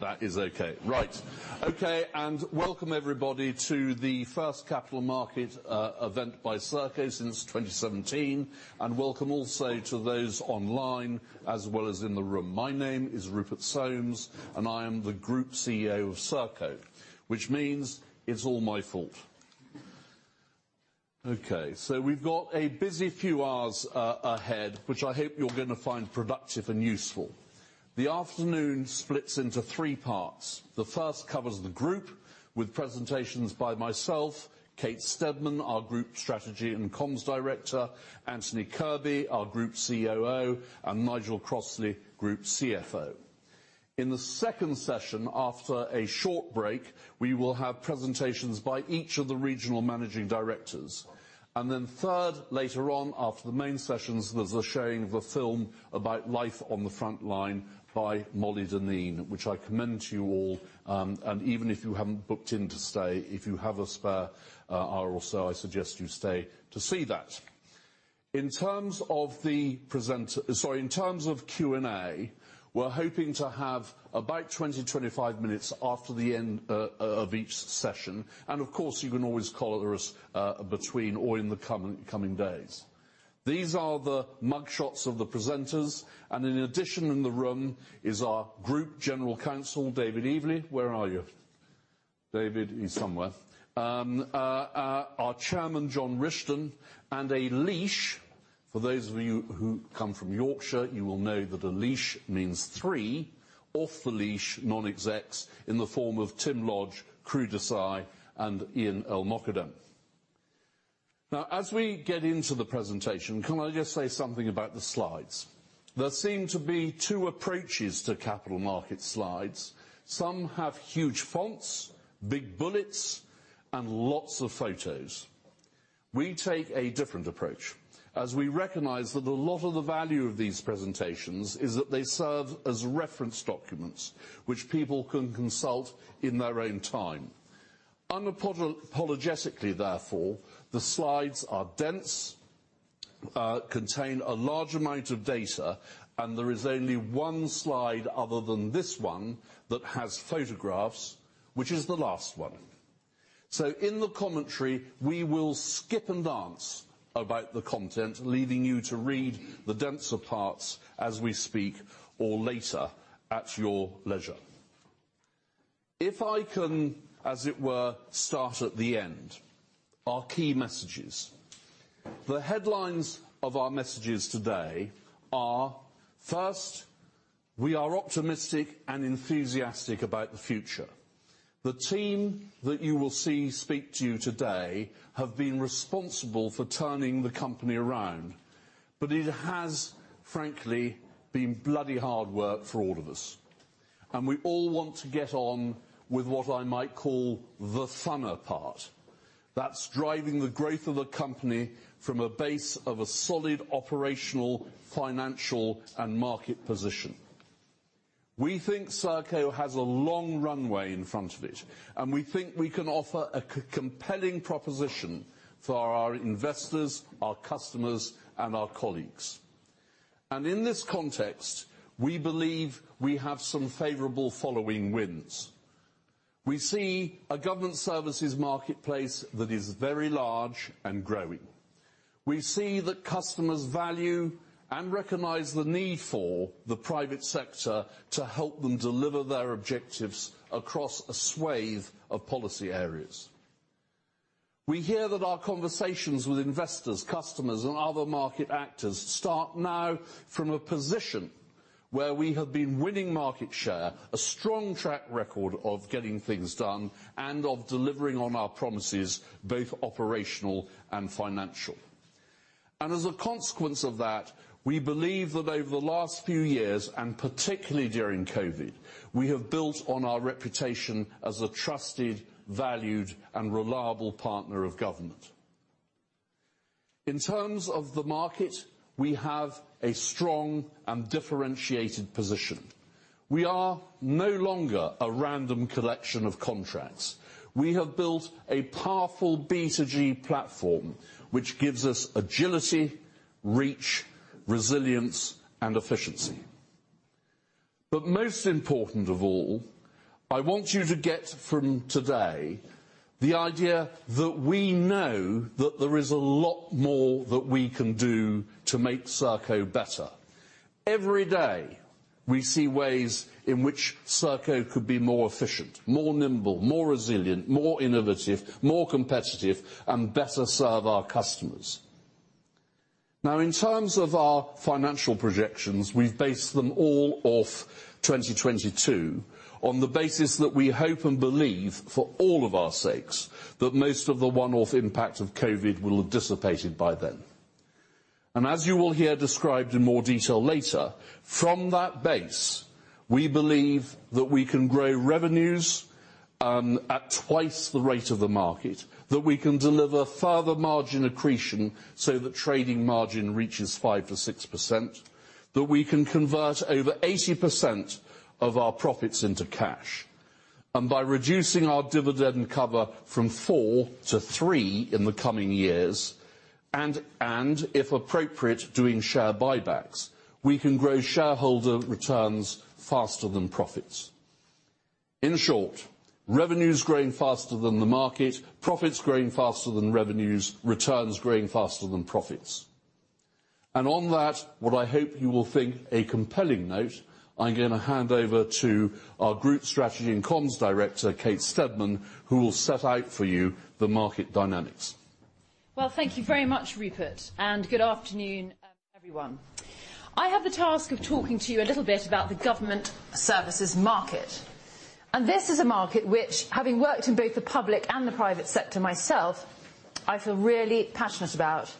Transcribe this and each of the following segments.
That is okay. Right. Okay. Welcome everybody to the first capital market event by Serco since 2017. Welcome also to those online as well as in the room. My name is Rupert Soames, and I am the Group CEO of Serco, which means it's all my fault. Okay, so we've got a busy few hours ahead, which I hope you're gonna find productive and useful. The afternoon splits into three parts. The first covers the group with presentations by myself, Kate Steadman, our Group Strategy and Comms Director, Anthony Kirby, our Group COO, and Nigel Crossley, Group CFO. In the second session, after a short break, we will have presentations by each of the regional managing directors. Then third, later on, after the main sessions, there's a showing of a film about life on the front line by Molly Dineen, which I commend to you all. Even if you haven't booked in to stay, if you have a spare hour or so, I suggest you stay to see that. In terms of Q&A, we're hoping to have about 20 minutes-25 minutes after the end of each session. Of course, you can always call us between or in the coming days. These are the mugshots of the presenters, and in addition in the room is our Group General Counsel, David Eveleigh. Where are you? David, he's somewhere. Our Chairman, John Rishton, and a leash. For those of you who come from Yorkshire, you will know that a leash means three off-the-leash non-execs in the form of Tim Lodge, Kru Desai, and Ian El-Mokadem. Now, as we get into the presentation, can I just say something about the slides? There seem to be two approaches to capital market slides. Some have huge fonts, big bullets, and lots of photos. We take a different approach, as we recognize that a lot of the value of these presentations is that they serve as reference documents which people can consult in their own time. Unapologetically therefore, the slides are dense, contain a large amount of data, and there is only one slide other than this one that has photographs, which is the last one. In the commentary, we will skip and dance about the content, leaving you to read the denser parts as we speak or later at your leisure. If I can, as it were, start at the end, our key messages. The headlines of our messages today are, first, we are optimistic and enthusiastic about the future. The team that you will see speak to you today have been responsible for turning the company around. It has, frankly, been bloody hard work for all of us. We all want to get on with what I might call the funner part. That's driving the growth of the company from a base of a solid operational, financial, and market position. We think Serco has a long runway in front of it, and we think we can offer a compelling proposition for our investors, our customers, and our colleagues. In this context, we believe we have some favorable following winds. We see a government services marketplace that is very large and growing. We see that customers value and recognize the need for the private sector to help them deliver their objectives across a swathe of policy areas. We hear that our conversations with investors, customers, and other market actors start now from a position where we have been winning market share, a strong track record of getting things done, and of delivering on our promises, both operational and financial. As a consequence of that, we believe that over the last few years, and particularly during COVID, we have built on our reputation as a trusted, valued, and reliable partner of government. In terms of the market, we have a strong and differentiated position. We are no longer a random collection of contracts. We have built a powerful B2G platform, which gives us agility, reach, resilience, and efficiency. Most important of all, I want you to get from today the idea that we know that there is a lot more that we can do to make Serco better. Every day, we see ways in which Serco could be more efficient, more nimble, more resilient, more innovative, more competitive, and better serve our customers. Now, in terms of our financial projections, we've based them all off 2022 on the basis that we hope and believe, for all of our sakes, that most of the one-off impact of COVID will have dissipated by then. As you will hear described in more detail later, from that base, we believe that we can grow revenues at twice the rate of the market, that we can deliver further margin accretion so the trading margin reaches 5%-6%, that we can convert over 80% of our profits into cash. By reducing our dividend cover from four to three in the coming years, and if appropriate, doing share buybacks, we can grow shareholder returns faster than profits. In short, revenues growing faster than the market, profits growing faster than revenues, returns growing faster than profits. On that, what I hope you will think a compelling note, I'm gonna hand over to our Group Strategy and Comms Director, Kate Steadman, who will set out for you the market dynamics. Well, thank you very much, Rupert, and good afternoon, everyone. I have the task of talking to you a little bit about the government services market. This is a market which, having worked in both the public and the private sector myself, I feel really passionate about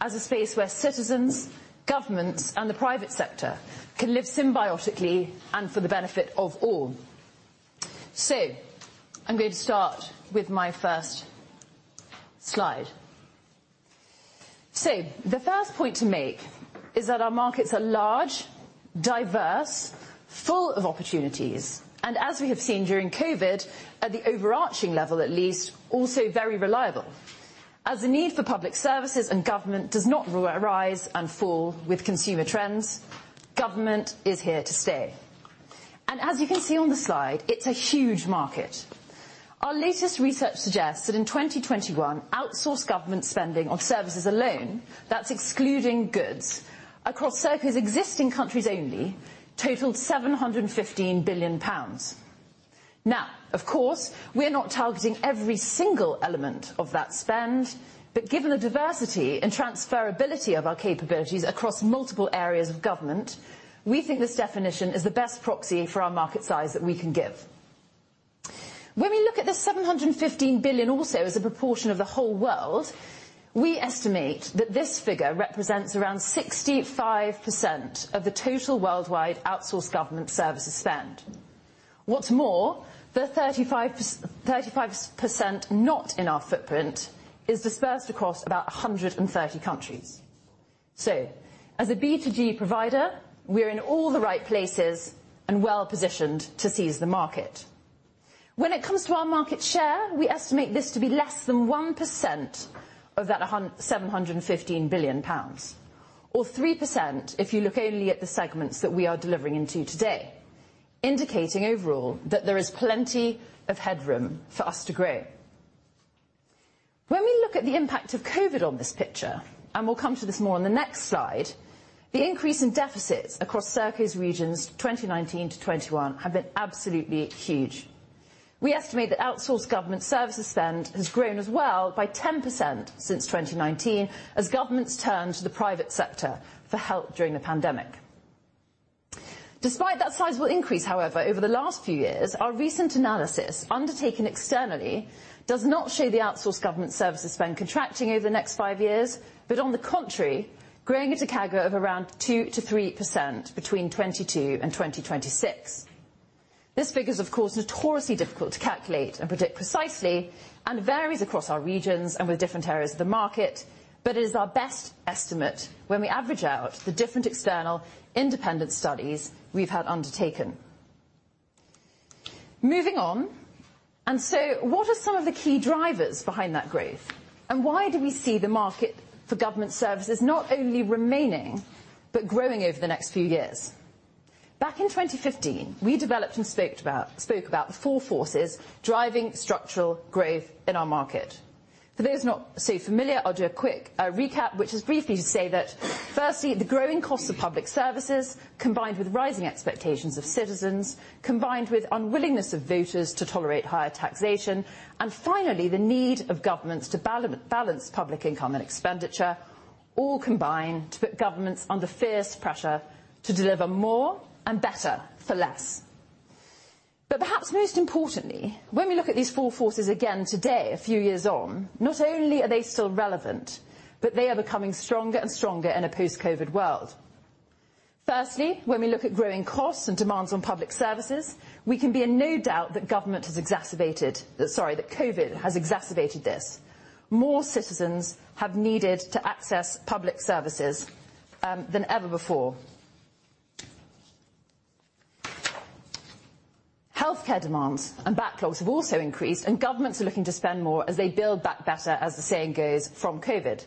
as a space where citizens, governments, and the private sector can live symbiotically and for the benefit of all. I'm going to start with my first slide. The first point to make is that our markets are large, diverse, full of opportunities. As we have seen during COVID, at the overarching level at least, also very reliable. As the need for public services and government does not rise and fall with consumer trends, government is here to stay. As you can see on the slide, it's a huge market. Our latest research suggests that in 2021, outsourced government spending on services alone, that's excluding goods, across Serco's existing countries only totaled GBP 715 billion. Now, of course, we're not targeting every single element of that spend, but given the diversity and transferability of our capabilities across multiple areas of government, we think this definition is the best proxy for our market size that we can give. When we look at the 715 billion also as a proportion of the whole world, we estimate that this figure represents around 65% of the total worldwide outsourced government services spend. What's more, the 35% not in our footprint is dispersed across about 130 countries. As a B2G provider, we're in all the right places and well-positioned to seize the market. When it comes to our market share, we estimate this to be less than 1% of that seven hundred and fifteen billion pounds, or 3% if you look only at the segments that we are delivering into today, indicating overall that there is plenty of headroom for us to grow. When we look at the impact of COVID on this picture, and we'll come to this more on the next slide, the increase in deficits across Serco's regions 2019 to 2021 have been absolutely huge. We estimate that outsourced government services spend has grown as well by 10% since 2019 as governments turn to the private sector for help during the pandemic. Despite that sizable increase, however, over the last few years, our recent analysis, undertaken externally, does not show the outsourced government services spend contracting over the next five years, but on the contrary, growing at a CAGR of around 2%-3% between 2022 and 2026. This figure's, of course, notoriously difficult to calculate and predict precisely, and varies across our regions and with different areas of the market. It is our best estimate when we average out the different external independent studies we've had undertaken. Moving on. What are some of the key drivers behind that growth? Why do we see the market for government services not only remaining, but growing over the next few years? Back in 2015, we developed and spoke about the four forces driving structural growth in our market. For those not so familiar, I'll do a quick recap, which is briefly to say that firstly, the growing cost of public services, combined with rising expectations of citizens, combined with unwillingness of voters to tolerate higher taxation, and finally, the need of governments to balance public income and expenditure all combine to put governments under fierce pressure to deliver more and better for less. Perhaps most importantly, when we look at these four forces again today, a few years on, not only are they still relevant, but they are becoming stronger and stronger in a post-COVID world. Firstly, when we look at growing costs and demands on public services, we can be in no doubt that COVID has exacerbated this. More citizens have needed to access public services than ever before. Healthcare demands and backlogs have also increased, and governments are looking to spend more as they build back better, as the saying goes, from COVID.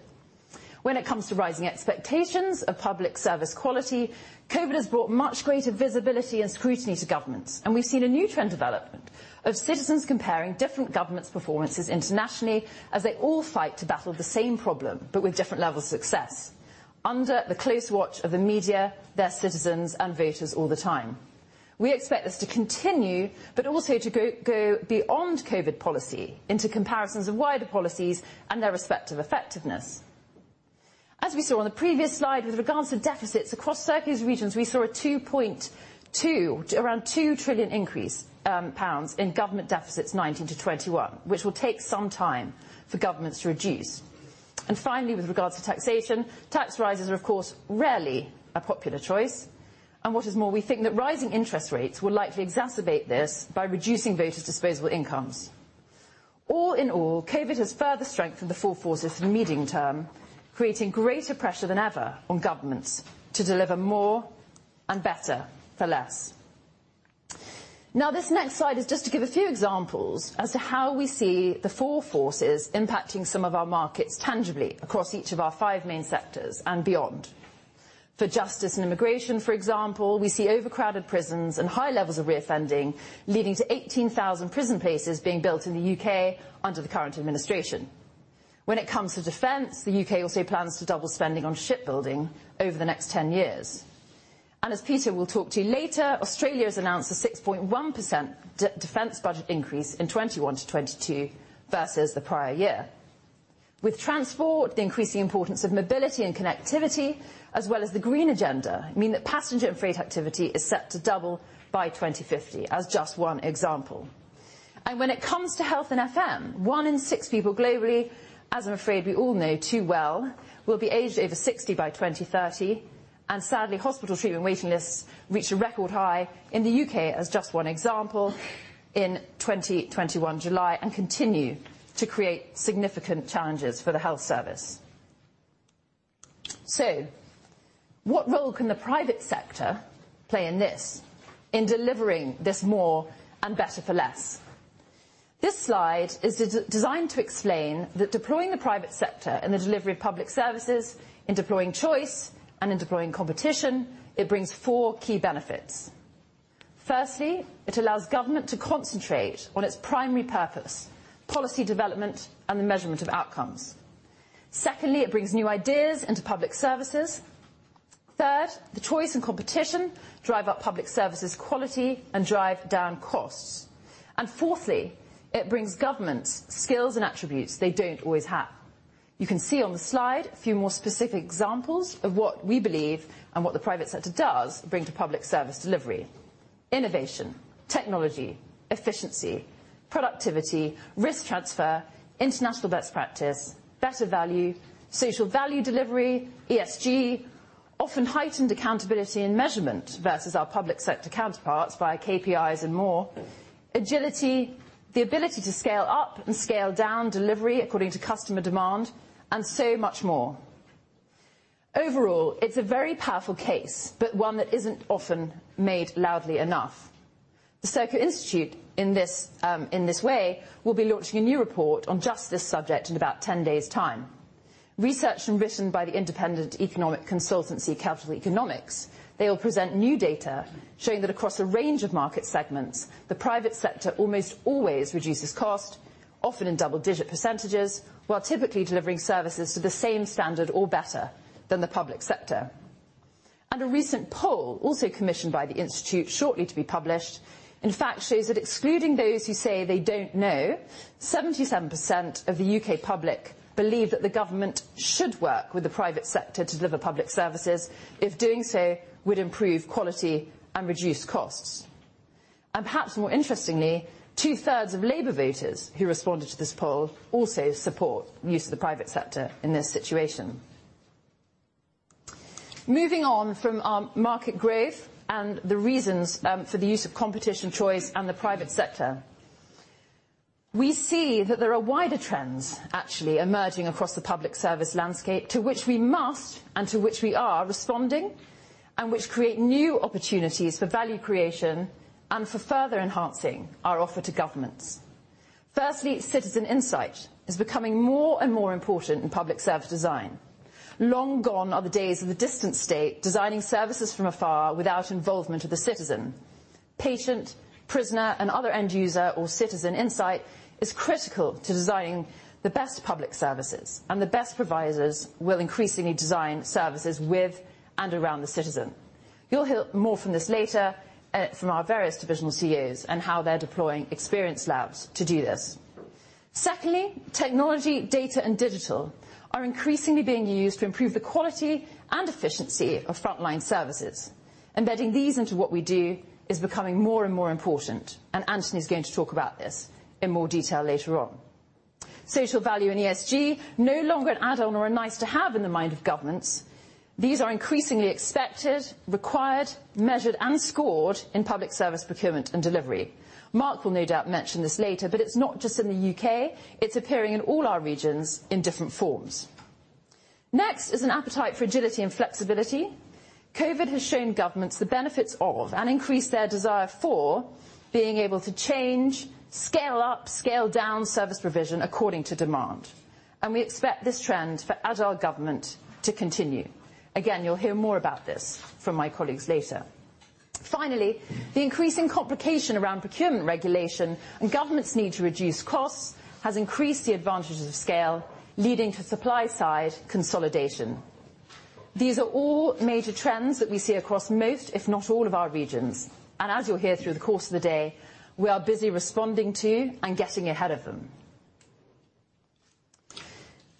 When it comes to rising expectations of public service quality, COVID has brought much greater visibility and scrutiny to governments. We've seen a new trend development of citizens comparing different governments' performances internationally as they all fight to battle the same problem but with different levels of success, under the close watch of the media, their citizens, and voters all the time. We expect this to continue, but also to go beyond COVID policy into comparisons of wider policies and their respective effectiveness. As we saw on the previous slide, with regards to deficits across Serco's regions, we saw a 2.2, around 2 trillion pounds increase in government deficits 2019 to 2021, which will take some time for governments to reduce. Finally, with regards to taxation, tax rises are of course rarely a popular choice. What is more, we think that rising interest rates will likely exacerbate this by reducing voters' disposable incomes. All in all, COVID has further strengthened the four forces in the medium term, creating greater pressure than ever on governments to deliver more and better for less. Now, this next slide is just to give a few examples as to how we see the four forces impacting some of our markets tangibly across each of our five main sectors and beyond. For justice and immigration, for example, we see overcrowded prisons and high levels of reoffending, leading to 18,000 prison places being built in the U.K. under the current administration. When it comes to defense, the U.K. also plans to double spending on shipbuilding over the next 10 years. As Peter will talk to you later, Australia has announced a 6.1% defense budget increase in 2021 to 2022 versus the prior year. With transport, the increasing importance of mobility and connectivity, as well as the green agenda, mean that passenger and freight activity is set to double by 2050, as just one example. When it comes to health and FM, one in six people globally, as I'm afraid we all know too well, will be aged over 60 by 2030, and sadly, hospital treatment waiting lists reached a record high in the U.K., as just one example, in July 2021, and continue to create significant challenges for the health service. What role can the private sector play in this? In delivering this more and better for less? This slide is designed to explain that deploying the private sector in the delivery of public services, in deploying choice and in deploying competition, it brings four key benefits. Firstly, it allows government to concentrate on its primary purpose, policy development and the measurement of outcomes. Secondly, it brings new ideas into public services. Third, the choice and competition drive up public services quality and drive down costs. Fourthly, it brings governments skills and attributes they don't always have. You can see on the slide a few more specific examples of what we believe and what the private sector does bring to public service delivery. Innovation, technology, efficiency, productivity, risk transfer, international best practice, better value, social value delivery, ESG, often heightened accountability and measurement versus our public sector counterparts via KPIs and more, agility, the ability to scale up and scale down delivery according to customer demand, and so much more. Overall, it's a very powerful case, but one that isn't often made loudly enough. The Serco Institute, in this, in this way, will be launching a new report on just this subject in about 10 days' time. Researched and written by the independent economic consultancy Capital Economics, they will present new data showing that across a range of market segments, the private sector almost always reduces cost, often in double-digit percentages, while typically delivering services to the same standard or better than the public sector. A recent poll, also commissioned by the institute shortly to be published, in fact shows that excluding those who say they don't know, 77% of the U.K. public believe that the government should work with the private sector to deliver public services if doing so would improve quality and reduce costs. Perhaps more interestingly, two-thirds of Labour voters who responded to this poll also support use of the private sector in this situation. Moving on from market growth and the reasons for the use of competition choice and the private sector. We see that there are wider trends actually emerging across the public service landscape to which we must and to which we are responding, and which create new opportunities for value creation and for further enhancing our offer to governments. Firstly, citizen insight is becoming more and more important in public service design. Long gone are the days of the distant state designing services from afar without involvement of the citizen. Patient, prisoner, and other end user or citizen insight is critical to designing the best public services, and the best providers will increasingly design services with and around the citizen. You'll hear more from this later, from our various divisional COs and how they're deploying experience labs to do this. Secondly, technology, data, and digital are increasingly being used to improve the quality and efficiency of frontline services. Embedding these into what we do is becoming more and more important, and Anthony's going to talk about this in more detail later on. Social value and ESG, no longer an add-on or a nice to have in the mind of governments. These are increasingly expected, required, measured, and scored in public service procurement and delivery. Mark will no doubt mention this later, but it's not just in the U.K., it's appearing in all our regions in different forms. Next is an appetite for agility and flexibility. COVID has shown governments the benefits of and increased their desire for being able to change, scale up, scale down service provision according to demand. We expect this trend for agile government to continue. Again, you'll hear more about this from my colleagues later. Finally, the increasing complication around procurement regulation and governments' need to reduce costs has increased the advantages of scale, leading to supply-side consolidation. These are all major trends that we see across most, if not all, of our regions. As you'll hear through the course of the day, we are busy responding to and getting ahead of them.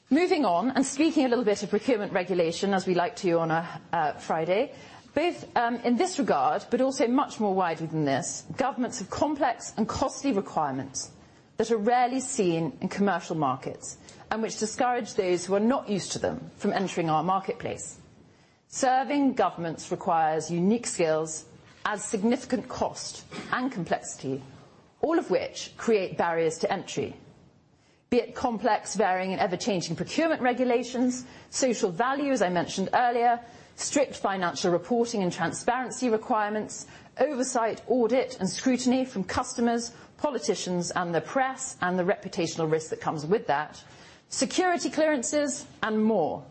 Moving on and speaking a little bit of procurement regulation as we like to on a Friday. Both in this regard, but also much more widely than this, governments have complex and costly requirements that are rarely seen in commercial markets and which discourage those who are not used to them from entering our marketplace. Serving governments requires unique skills at significant cost and complexity, all of which create barriers to entry. Be it complex, varying, and ever-changing procurement regulations, social value, as I mentioned earlier, strict financial reporting and transparency requirements, oversight, audit, and scrutiny from customers, politicians, and the press, and the reputational risk that comes with that, security clearances, and more.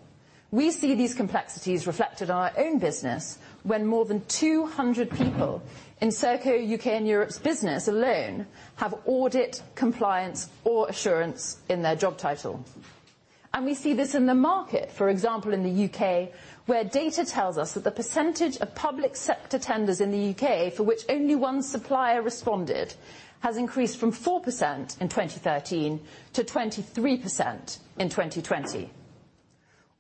We see these complexities reflected in our own business when more than 200 people in Serco U.K. and Europe's business alone have audit, compliance, or assurance in their job title. We see this in the market, for example, in the UK, where data tells us that the percentage of public sector tenders in the UK for which only one supplier responded has increased from 4% in 2013 to 23% in 2020.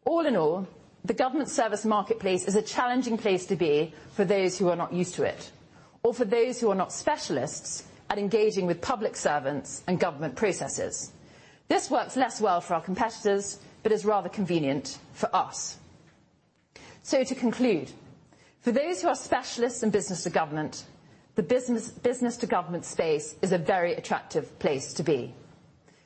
All in all, the government service marketplace is a challenging place to be for those who are not used to it, or for those who are not specialists at engaging with public servants and government processes. This works less well for our competitors, but is rather convenient for us. To conclude, for those who are specialists in business to government, the business to government space is a very attractive place to be.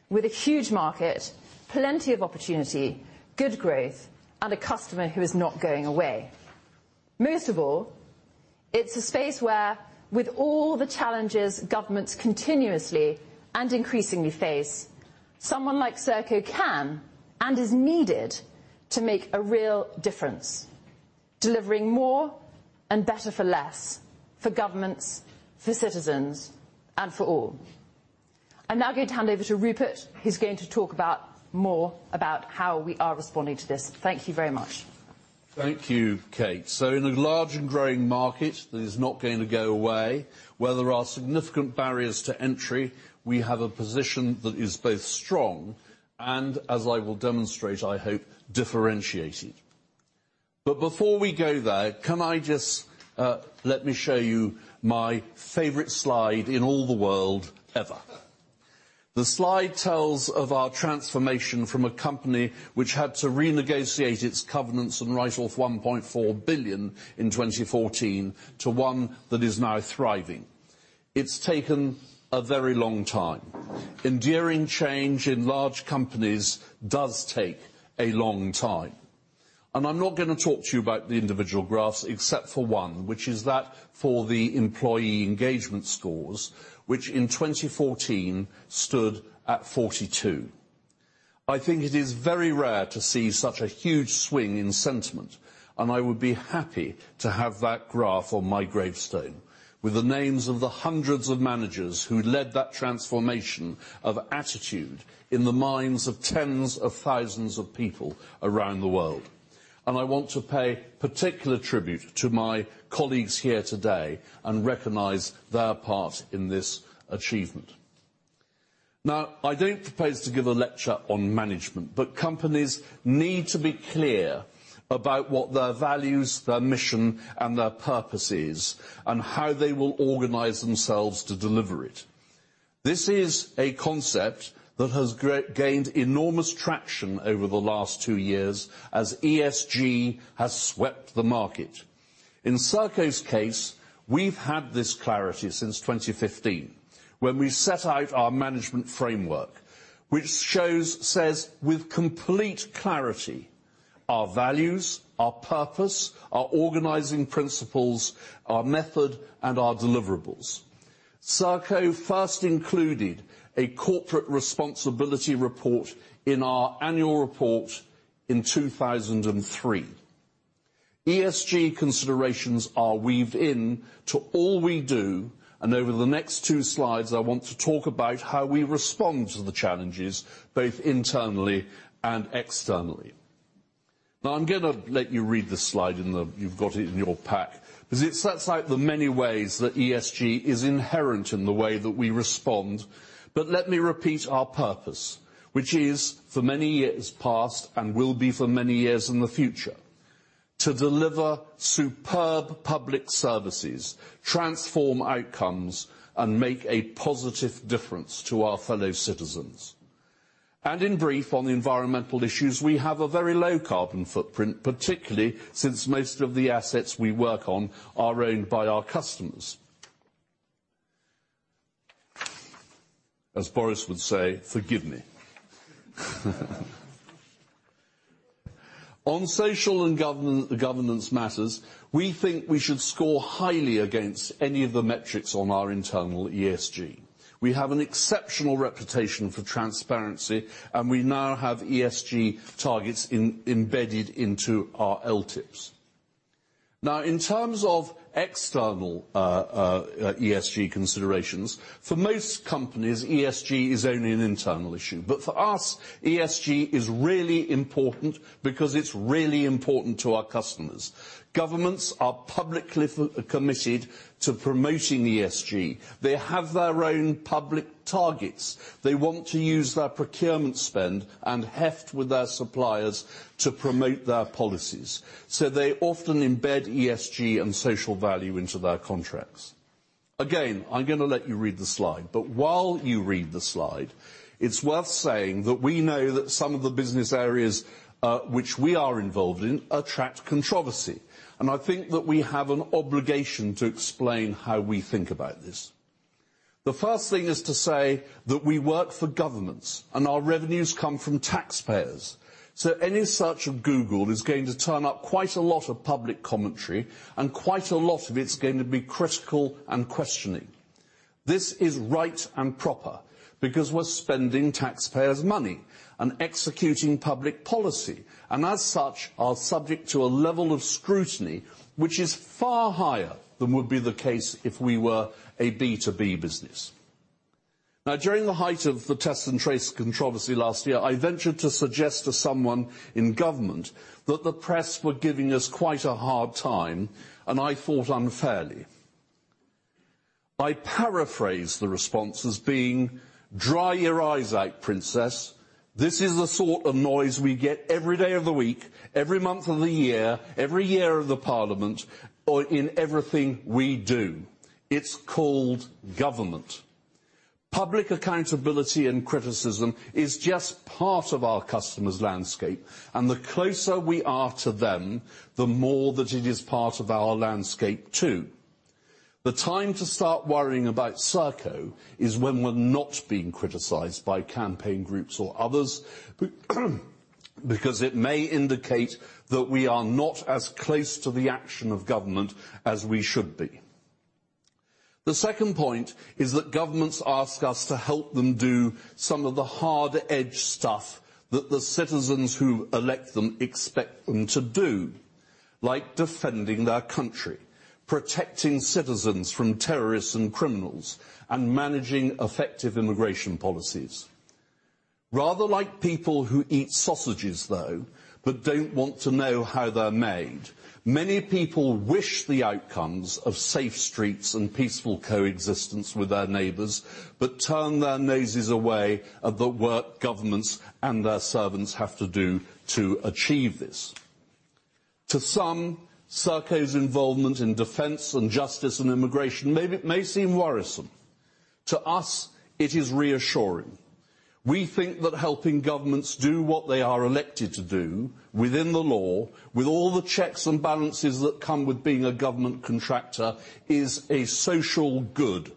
With a huge market, plenty of opportunity, good growth, and a customer who is not going away. Most of all, it's a space where, with all the challenges governments continuously and increasingly face, someone like Serco can and is needed to make a real difference, delivering more and better for less for governments, for citizens, and for all. I'm now going to hand over to Rupert, who's going to talk about more about how we are responding to this. Thank you very much. Thank you, Kate. In a large and growing market that is not going to go away, where there are significant barriers to entry, we have a position that is both strong and, as I will demonstrate, I hope, differentiated. Before we go there, can I just let me show you my favorite slide in all the world ever. The slide tells of our transformation from a company which had to renegotiate its covenants and write off 1.4 billion in 2014 to one that is now thriving. It's taken a very long time. Enduring change in large companies does take a long time. I'm not gonna talk to you about the individual graphs except for one, which is that for the employee engagement scores, which in 2014 stood at 42. I think it is very rare to see such a huge swing in sentiment, and I would be happy to have that graph on my gravestone with the names of the hundreds of managers who led that transformation of attitude in the minds of tens of thousands of people around the world. I want to pay particular tribute to my colleagues here today and recognize their part in this achievement. Now, I don't propose to give a lecture on management, but companies need to be clear about what their values, their mission, and their purpose is, and how they will organize themselves to deliver it. This is a concept that has gained enormous traction over the last two years as ESG has swept the market. In Serco's case, we've had this clarity since 2015 when we set out our management framework, which says with complete clarity our values, our purpose, our organizing principles, our method, and our deliverables. Serco first included a corporate responsibility report in our annual report in 2003. ESG considerations are woven into all we do, and over the next two slides, I want to talk about how we respond to the challenges, both internally and externally. Now I'm gonna let you read the slide. You've got it in your pack, 'cause it sets out the many ways that ESG is inherent in the way that we respond. Let me repeat our purpose, which is for many years past and will be for many years in the future, to deliver superb public services, transform outcomes, and make a positive difference to our fellow citizens. In brief, on the environmental issues, we have a very low carbon footprint, particularly since most of the assets we work on are owned by our customers. As Boris would say, forgive me. On social and governance matters, we think we should score highly against any of the metrics on our internal ESG. We have an exceptional reputation for transparency, and we now have ESG targets embedded into our LTIPs. Now in terms of external ESG considerations, for most companies, ESG is only an internal issue. For us, ESG is really important because it's really important to our customers. Governments are publicly committed to promoting ESG. They have their own public targets. They want to use their procurement spend and heft with their suppliers to promote their policies. They often embed ESG and social value into their contracts. Again, I'm gonna let you read the slide, but while you read the slide, it's worth saying that we know that some of the business areas, which we are involved in attract controversy. I think that we have an obligation to explain how we think about this. The first thing is to say that we work for governments, and our revenues come from taxpayers. Any search of Google is going to turn up quite a lot of public commentary, and quite a lot of it is going to be critical and questioning. This is right and proper because we're spending taxpayers' money and executing public policy, and as such, are subject to a level of scrutiny which is far higher than would be the case if we were a B2B business. Now, during the height of the Test and Trace controversy last year, I ventured to suggest to someone in government that the press were giving us quite a hard time, and I thought unfairly. I paraphrase the response as being, "Dry your eyes out, princess. This is the sort of noise we get every day of the week, every month of the year, every year of the parliament, or in everything we do. It's called government." Public accountability and criticism is just part of our customers' landscape, and the closer we are to them, the more that it is part of our landscape too. The time to start worrying about Serco is when we're not being criticized by campaign groups or others because it may indicate that we are not as close to the action of government as we should be. The second point is that governments ask us to help them do some of the hard edge stuff that the citizens who elect them expect them to do, like defending their country, protecting citizens from terrorists and criminals, and managing effective immigration policies. Rather like people who eat sausages, though, but don't want to know how they're made, many people wish the outcomes of safe streets and peaceful coexistence with their neighbors, but turn their noses away at the work governments and their servants have to do to achieve this. To some, Serco's involvement in defense and justice and immigration may seem worrisome. To us, it is reassuring. We think that helping governments do what they are elected to do within the law, with all the checks and balances that come with being a government contractor, is a social good.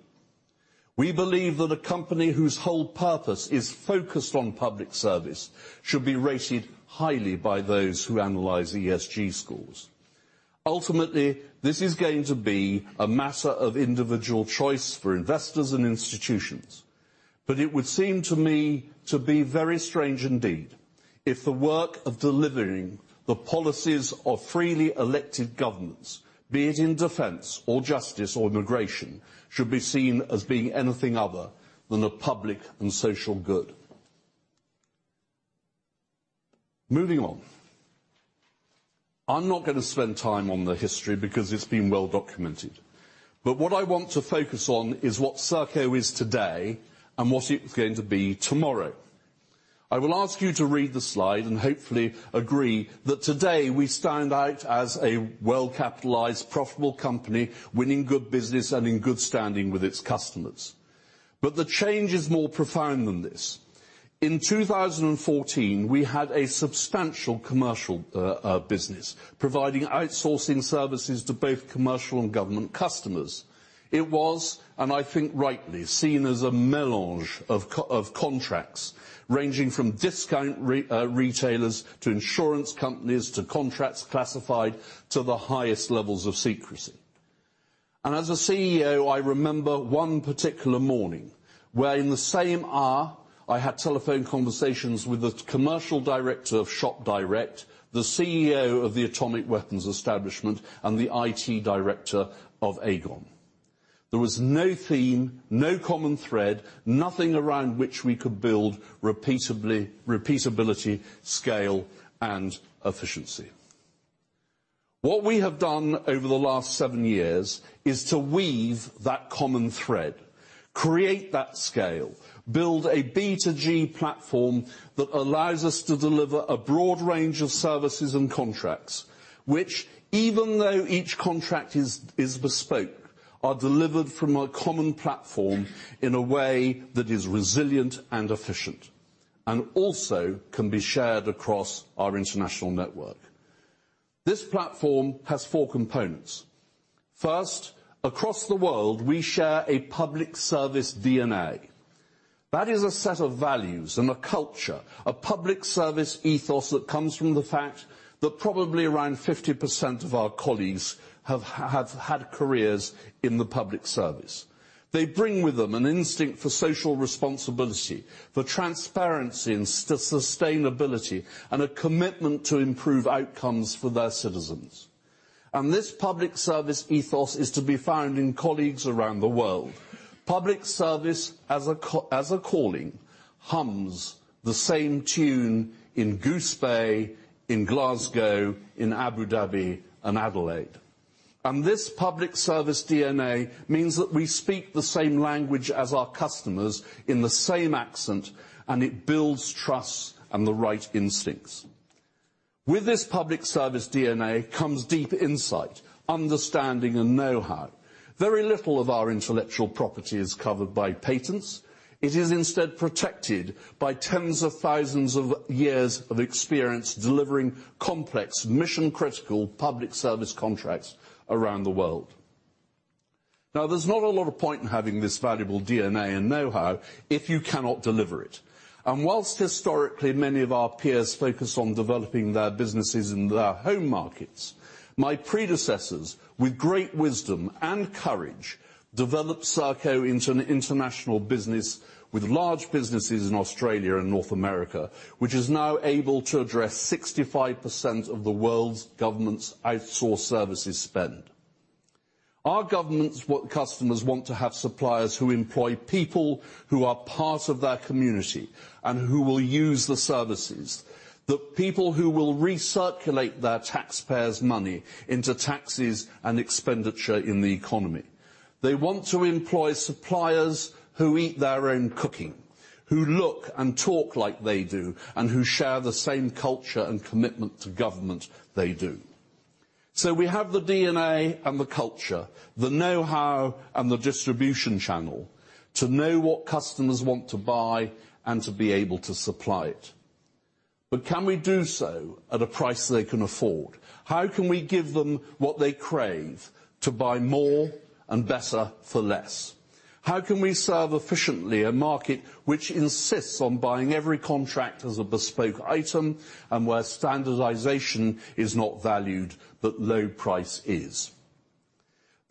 We believe that a company whose whole purpose is focused on public service should be rated highly by those who analyze ESG scores. Ultimately, this is going to be a matter of individual choice for investors and institutions. It would seem to me to be very strange indeed if the work of delivering the policies of freely elected governments, be it in defense or justice or immigration, should be seen as being anything other than a public and social good. Moving on. I'm not gonna spend time on the history because it's been well-documented. What I want to focus on is what Serco is today and what it's going to be tomorrow. I will ask you to read the slide and hopefully agree that today we stand out as a well-capitalized, profitable company, winning good business and in good standing with its customers. The change is more profound than this. In 2014, we had a substantial commercial business, providing outsourcing services to both commercial and government customers. It was, and I think rightly, seen as a melange of contracts, ranging from discount retailers to insurance companies to contracts classified to the highest levels of secrecy. As a CEO, I remember one particular morning, where in the same hour, I had telephone conversations with the commercial director of Shop Direct, the CEO of the Atomic Weapons Establishment, and the IT director of Aegon. There was no theme, no common thread, nothing around which we could build repeatability, scale, and efficiency. What we have done over the last seven years is to weave that common thread, create that scale, build a B2G platform that allows us to deliver a broad range of services and contracts, which even though each contract is bespoke, are delivered from a common platform in a way that is resilient and efficient, and also can be shared across our international network. This platform has four components. First, across the world, we share a public service DNA. That is a set of values and a culture, a public service ethos that comes from the fact that probably around 50% of our colleagues have had careers in the public service. They bring with them an instinct for social responsibility, for transparency and sustainability, and a commitment to improve outcomes for their citizens. This public service ethos is to be found in colleagues around the world. Public service as a calling hums the same tune in Goose Bay, in Glasgow, in Abu Dhabi, and Adelaide. This public service DNA means that we speak the same language as our customers in the same accent, and it builds trust and the right instincts. With this public service DNA comes deep insight, understanding, and know-how. Very little of our intellectual property is covered by patents. It is instead protected by tens of thousands of years of experience delivering complex mission-critical public service contracts around the world. Now, there's not a lot of point in having this valuable DNA and know-how if you cannot deliver it. While historically many of our peers focused on developing their businesses in their home markets, my predecessors, with great wisdom and courage, developed Serco into an international business with large businesses in Australia and North America, which is now able to address 65% of the world's governments' outsourced services spend. Our government customers want to have suppliers who employ people who are part of their community and who will use the services. The people who will recirculate their taxpayers' money into taxes and expenditure in the economy. They want to employ suppliers who eat their own cooking, who look and talk like they do, and who share the same culture and commitment to government they do. We have the DNA and the culture, the know-how and the distribution channel to know what customers want to buy and to be able to supply it. Can we do so at a price they can afford? How can we give them what they crave to buy more and better for less? How can we serve efficiently a market which insists on buying every contract as a bespoke item and where standardization is not valued, but low price is?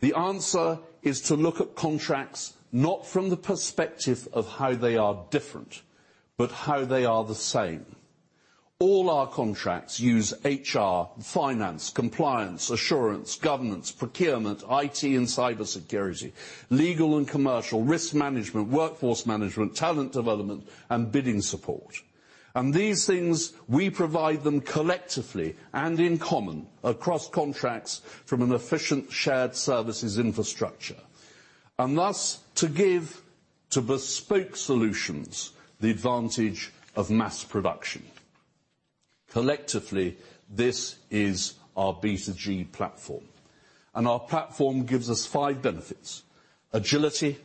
The answer is to look at contracts, not from the perspective of how they are different, but how they are the same. All our contracts use HR, finance, compliance, assurance, governance, procurement, IT and cybersecurity, legal and commercial, risk management, workforce management, talent development, and bidding support. These things, we provide them collectively and in common across contracts from an efficient shared services infrastructure. Thus, to give to bespoke solutions the advantage of mass production. Collectively, this is our B2G platform. Our platform gives us five benefits, agility,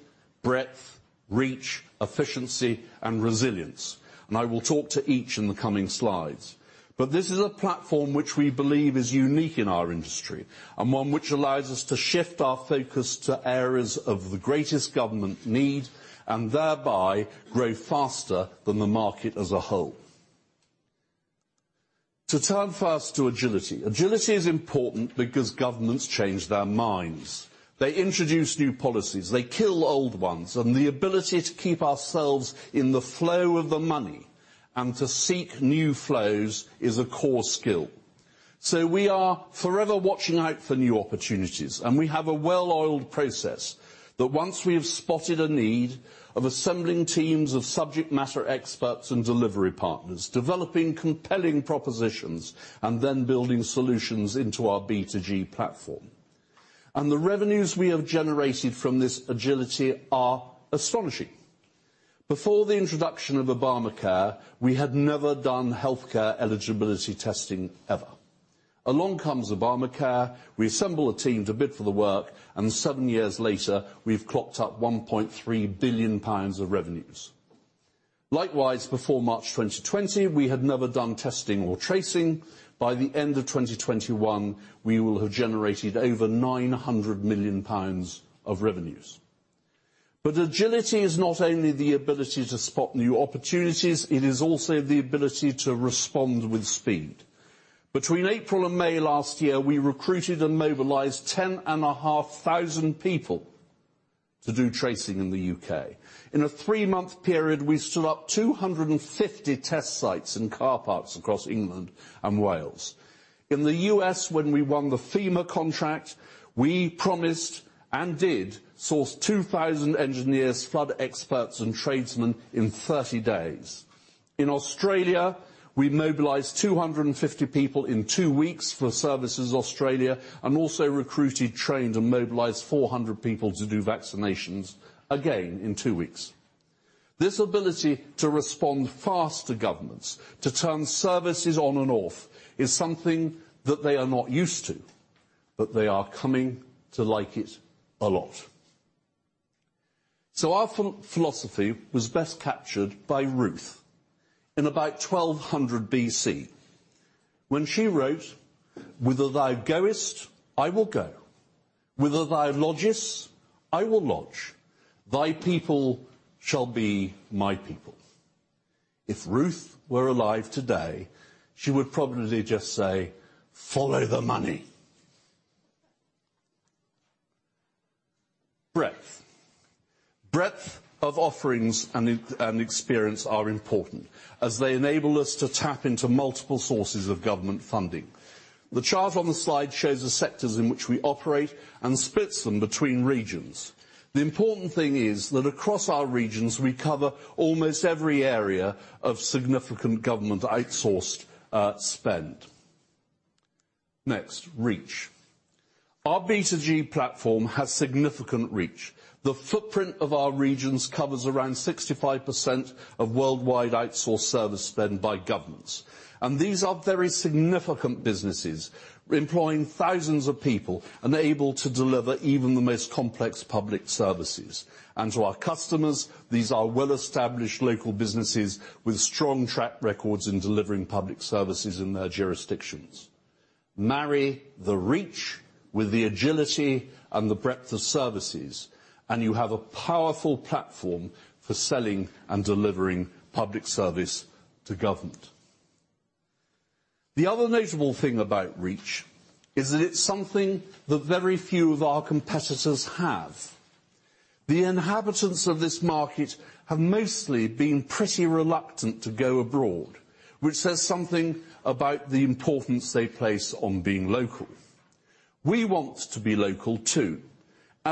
breadth, reach, efficiency, and resilience. I will talk to each in the coming slides. This is a platform which we believe is unique in our industry, and one which allows us to shift our focus to areas of the greatest government need and thereby grow faster than the market as a whole. To turn first to agility. Agility is important because governments change their minds. They introduce new policies, they kill old ones, and the ability to keep ourselves in the flow of the money and to seek new flows is a core skill. We are forever watching out for new opportunities, and we have a well-oiled process that once we have spotted a need of assembling teams of subject matter experts and delivery partners, developing compelling propositions, and then building solutions into our B2G platform. The revenues we have generated from this agility are astonishing. Before the introduction of Obamacare, we had never done healthcare eligibility testing ever. Along comes Obamacare, we assemble a team to bid for the work, and seven years later, we've clocked up 1.3 billion pounds of revenues. Likewise, before March 2020, we had never done testing or tracing. By the end of 2021, we will have generated over 900 million pounds of revenues. Agility is not only the ability to spot new opportunities, it is also the ability to respond with speed. Between April and May last year, we recruited and mobilized 10,500 people to do tracing in the U.K. In a three-month period, we stood up 250 test sites in car parks across England and Wales. In the U.S., when we won the FEMA contract, we promised and did source 2,000 engineers, flood experts, and tradesmen in 30 days. In Australia, we mobilized 250 people in two weeks for Services Australia, and also recruited, trained, and mobilized 400 people to do vaccinations, again, in two weeks. This ability to respond fast to governments, to turn services on and off, is something that they are not used to, but they are coming to like it a lot. Our philosophy was best by Ruth in about 1,200 B.C. when she wrote, "Whither thou goest, I will go. Whither thou lodgest, I will lodge. Thy people shall be my people." If Ruth were alive today, she would probably just say, "Follow the money." Breadth. Breadth of offerings and experience are important as they enable us to tap into multiple sources of government funding. The chart on the slide shows the sectors in which we operate and splits them between regions. The important thing is that across our regions, we cover almost every area of significant government outsourced spend. Next, reach. Our B2G platform has significant reach. The footprint of our regions covers around 65% of worldwide outsourced service spend by governments. These are very significant businesses employing thousands of people and able to deliver even the most complex public services. To our customers, these are well-established local businesses with strong track records in delivering public services in their jurisdictions. Marry the reach with the agility and the breadth of services, and you have a powerful platform for selling and delivering public service to government. The other notable thing about reach is that it's something that very few of our competitors have. The inhabitants of this market have mostly been pretty reluctant to go abroad, which says something about the importance they place on being local. We want to be local too,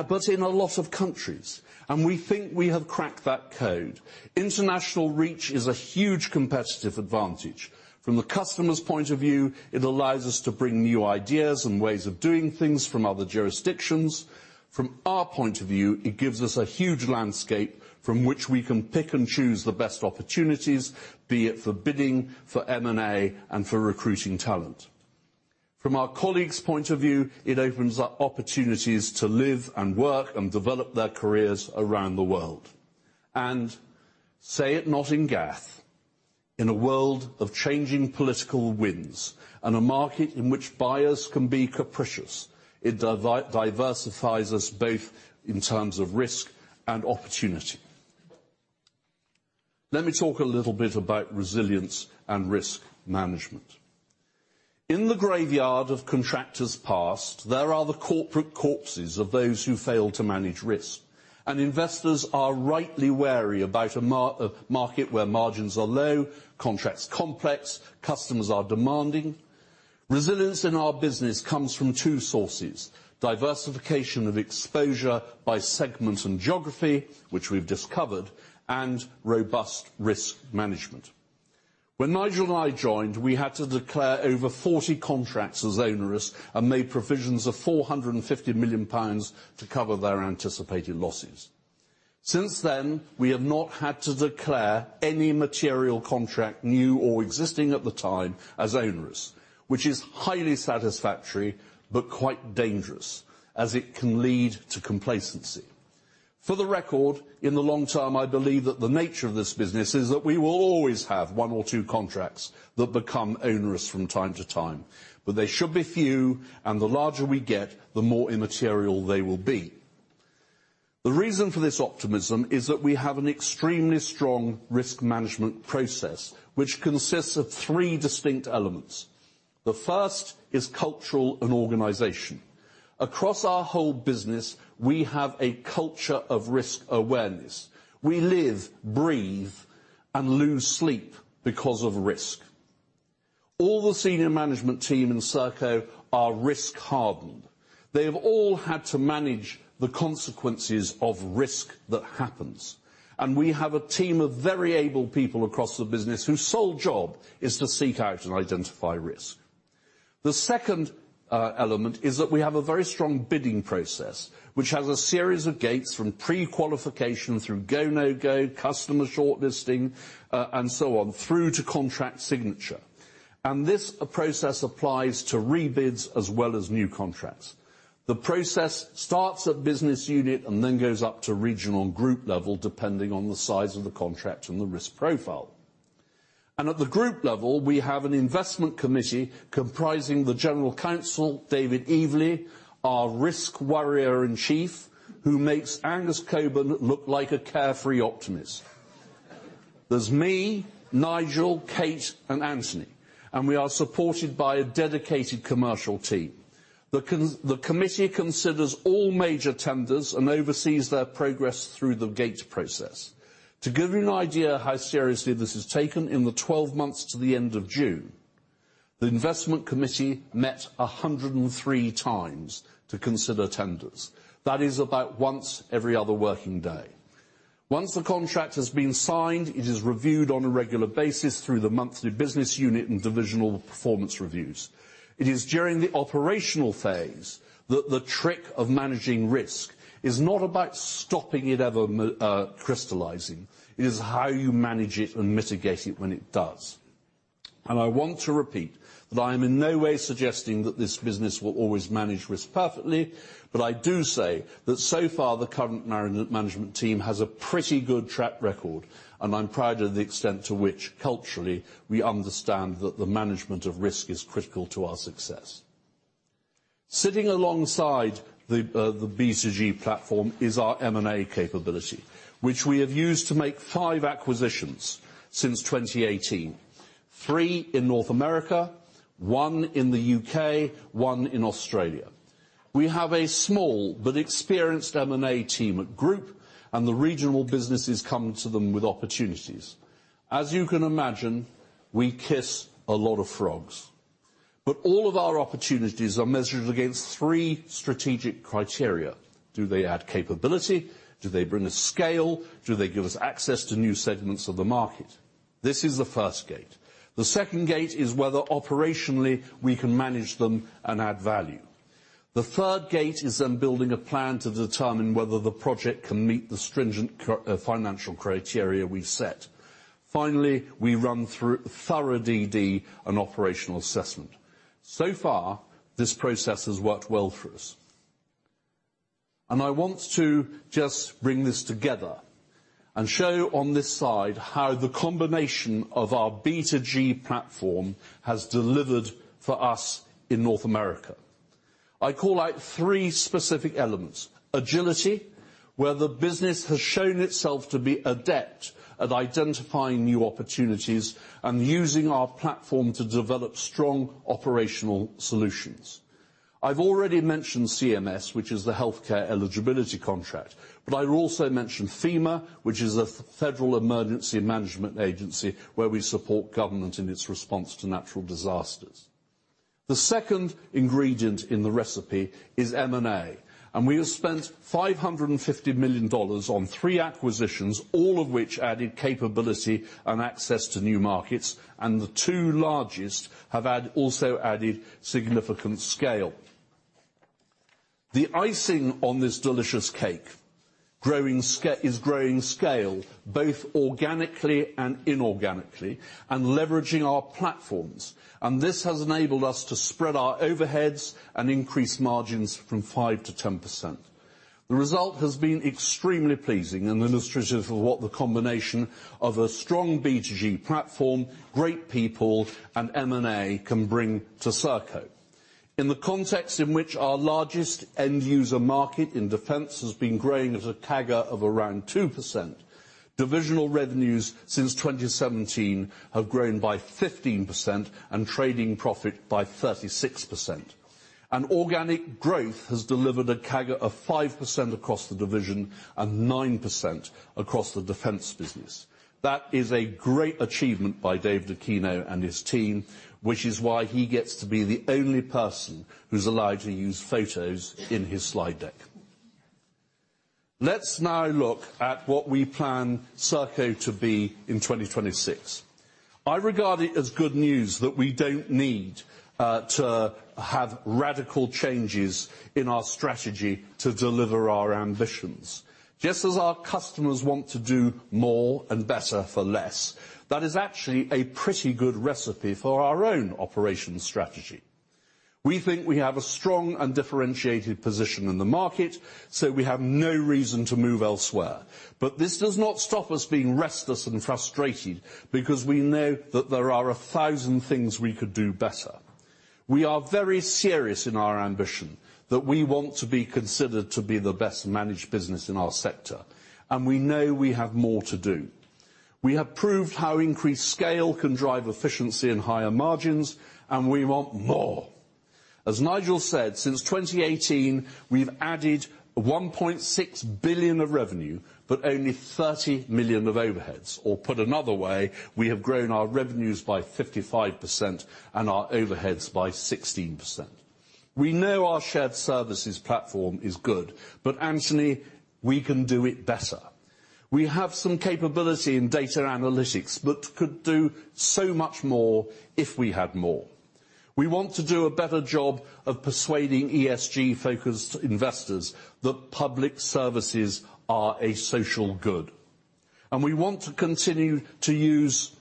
but in a lot of countries, and we think we have cracked that code. International reach is a huge competitive advantage. From the customer's point of view, it allows us to bring new ideas and ways of doing things from other jurisdictions. From our point of view, it gives us a huge landscape from which we can pick and choose the best opportunities, be it for bidding, for M&A, and for recruiting talent. From our colleagues' point of view, it opens up opportunities to live and work and develop their careers around the world. Say it not in Gath, in a world of changing political winds and a market in which buyers can be capricious, it diversifies us both in terms of risk and opportunity. Let me talk a little bit about resilience and risk management. In the graveyard of contractors past, there are the corporate corpses of those who failed to manage risk, and investors are rightly wary about a market where margins are low, contracts complex, customers are demanding. Resilience in our business comes from two sources, diversification of exposure by segment and geography, which we've discovered, and robust risk management. When Nigel and I joined, we had to declare over 40 contracts as onerous and made provisions of 450 million pounds to cover their anticipated losses. Since then, we have not had to declare any material contract, new or existing at the time, as onerous, which is highly satisfactory but quite dangerous as it can lead to complacency. For the record, in the long term, I believe that the nature of this business is that we will always have one or two contracts that become onerous from time to time. They should be few, and the larger we get, the more immaterial they will be. The reason for this optimism is that we have an extremely strong risk management process, which consists of three distinct elements. The first is cultural and organization. Across our whole business, we have a culture of risk awareness. We live, breathe, and lose sleep because of risk. All the senior management team in Serco are risk-hardened. They've all had to manage the consequences of risk that happens. We have a team of very able people across the business whose sole job is to seek out and identify risk. The second element is that we have a very strong bidding process, which has a series of gates from pre-qualification through go, no-go, customer shortlisting, and so on, through to contract signature. This process applies to rebids as well as new contracts. The process starts at business unit and then goes up to regional and group level depending on the size of the contract and the risk profile. At the group level, we have an investment committee comprising the General Counsel, David Eveleigh, our risk warrior in chief, who makes Angus Cockburn look like a carefree optimist. There's me, Nigel, Kate, and Anthony, and we are supported by a dedicated commercial team. The committee considers all major tenders and oversees their progress through the gate process. To give you an idea how seriously this is taken, in the 12 months to the end of June, the investment committee met 103x to consider tenders. That is about once every other working day. Once the contract has been signed, it is reviewed on a regular basis through the monthly business unit and divisional performance reviews. It is during the operational phase that the trick of managing risk is not about stopping it crystallizing. It is how you manage it and mitigate it when it does. I want to repeat that I am in no way suggesting that this business will always manage risk perfectly. I do say that so far, the current management team has a pretty good track record, and I'm proud of the extent to which culturally we understand that the management of risk is critical to our success. Sitting alongside the B2G platform is our M&A capability, which we have used to make five acquisitions since 2018. Three in North America, one in the UK, one in Australia. We have a small but experienced M&A team at Group, and the regional businesses come to them with opportunities. As you can imagine, we kiss a lot of frogs. All of our opportunities are measured against three strategic criteria. Do they add capability? Do they bring us scale? Do they give us access to new segments of the market? This is the first gate. The second gate is whether operationally we can manage them and add value. The third gate is then building a plan to determine whether the project can meet the stringent financial criteria we set. Finally, we run through thorough DD and operational assessment. So far, this process has worked well for us. I want to just bring this together and show on this side how the combination of our B2G platform has delivered for us in North America. I call out three specific elements. Agility, where the business has shown itself to be adept at identifying new opportunities and using our platform to develop strong operational solutions. I've already mentioned CMS, which is the healthcare eligibility contract, but I'd also mention FEMA, which is the Federal Emergency Management Agency, where we support government in its response to natural disasters. The second ingredient in the recipe is M&A, and we have spent $550 million on three acquisitions, all of which added capability and access to new markets, and the two largest have also added significant scale. The icing on this delicious cake is growing scale, both organically and inorganically, and leveraging our platforms. This has enabled us to spread our overheads and increase margins from 5%-10%. The result has been extremely pleasing and illustrative of what the combination of a strong B2G platform, great people, and M&A can bring to Serco. In the context in which our largest end user market in defense has been growing at a CAGR of around 2%, divisional revenues since 2017 have grown by 15% and trading profit by 36%. Organic growth has delivered a CAGR of 5% across the division and 9% across the defense business. That is a great achievement by Dave Dacquino and his team, which is why he gets to be the only person who's allowed to use photos in his slide deck. Let's now look at what we plan Serco to be in 2026. I regard it as good news that we don't need to have radical changes in our strategy to deliver our ambitions. Just as our customers want to do more and better for less, that is actually a pretty good recipe for our own operational strategy. We think we have a strong and differentiated position in the market, so we have no reason to move elsewhere. This does not stop us being restless and frustrated because we know that there are 1,000 things we could do better. We are very serious in our ambition that we want to be considered to be the best managed business in our sector, and we know we have more to do. We have proved how increased scale can drive efficiency and higher margins, and we want more. As Nigel said, since 2018, we've added 1.6 billion of revenue, but only 30 million of overheads. Put another way, we have grown our revenues by 55% and our overheads by 16%. We know our shared services platform is good, but Anthony, we can do it better. We have some capability in data analytics, but could do so much more if we had more. We want to do a better job of persuading ESG-focused investors that public services are a social good. We want to continue to use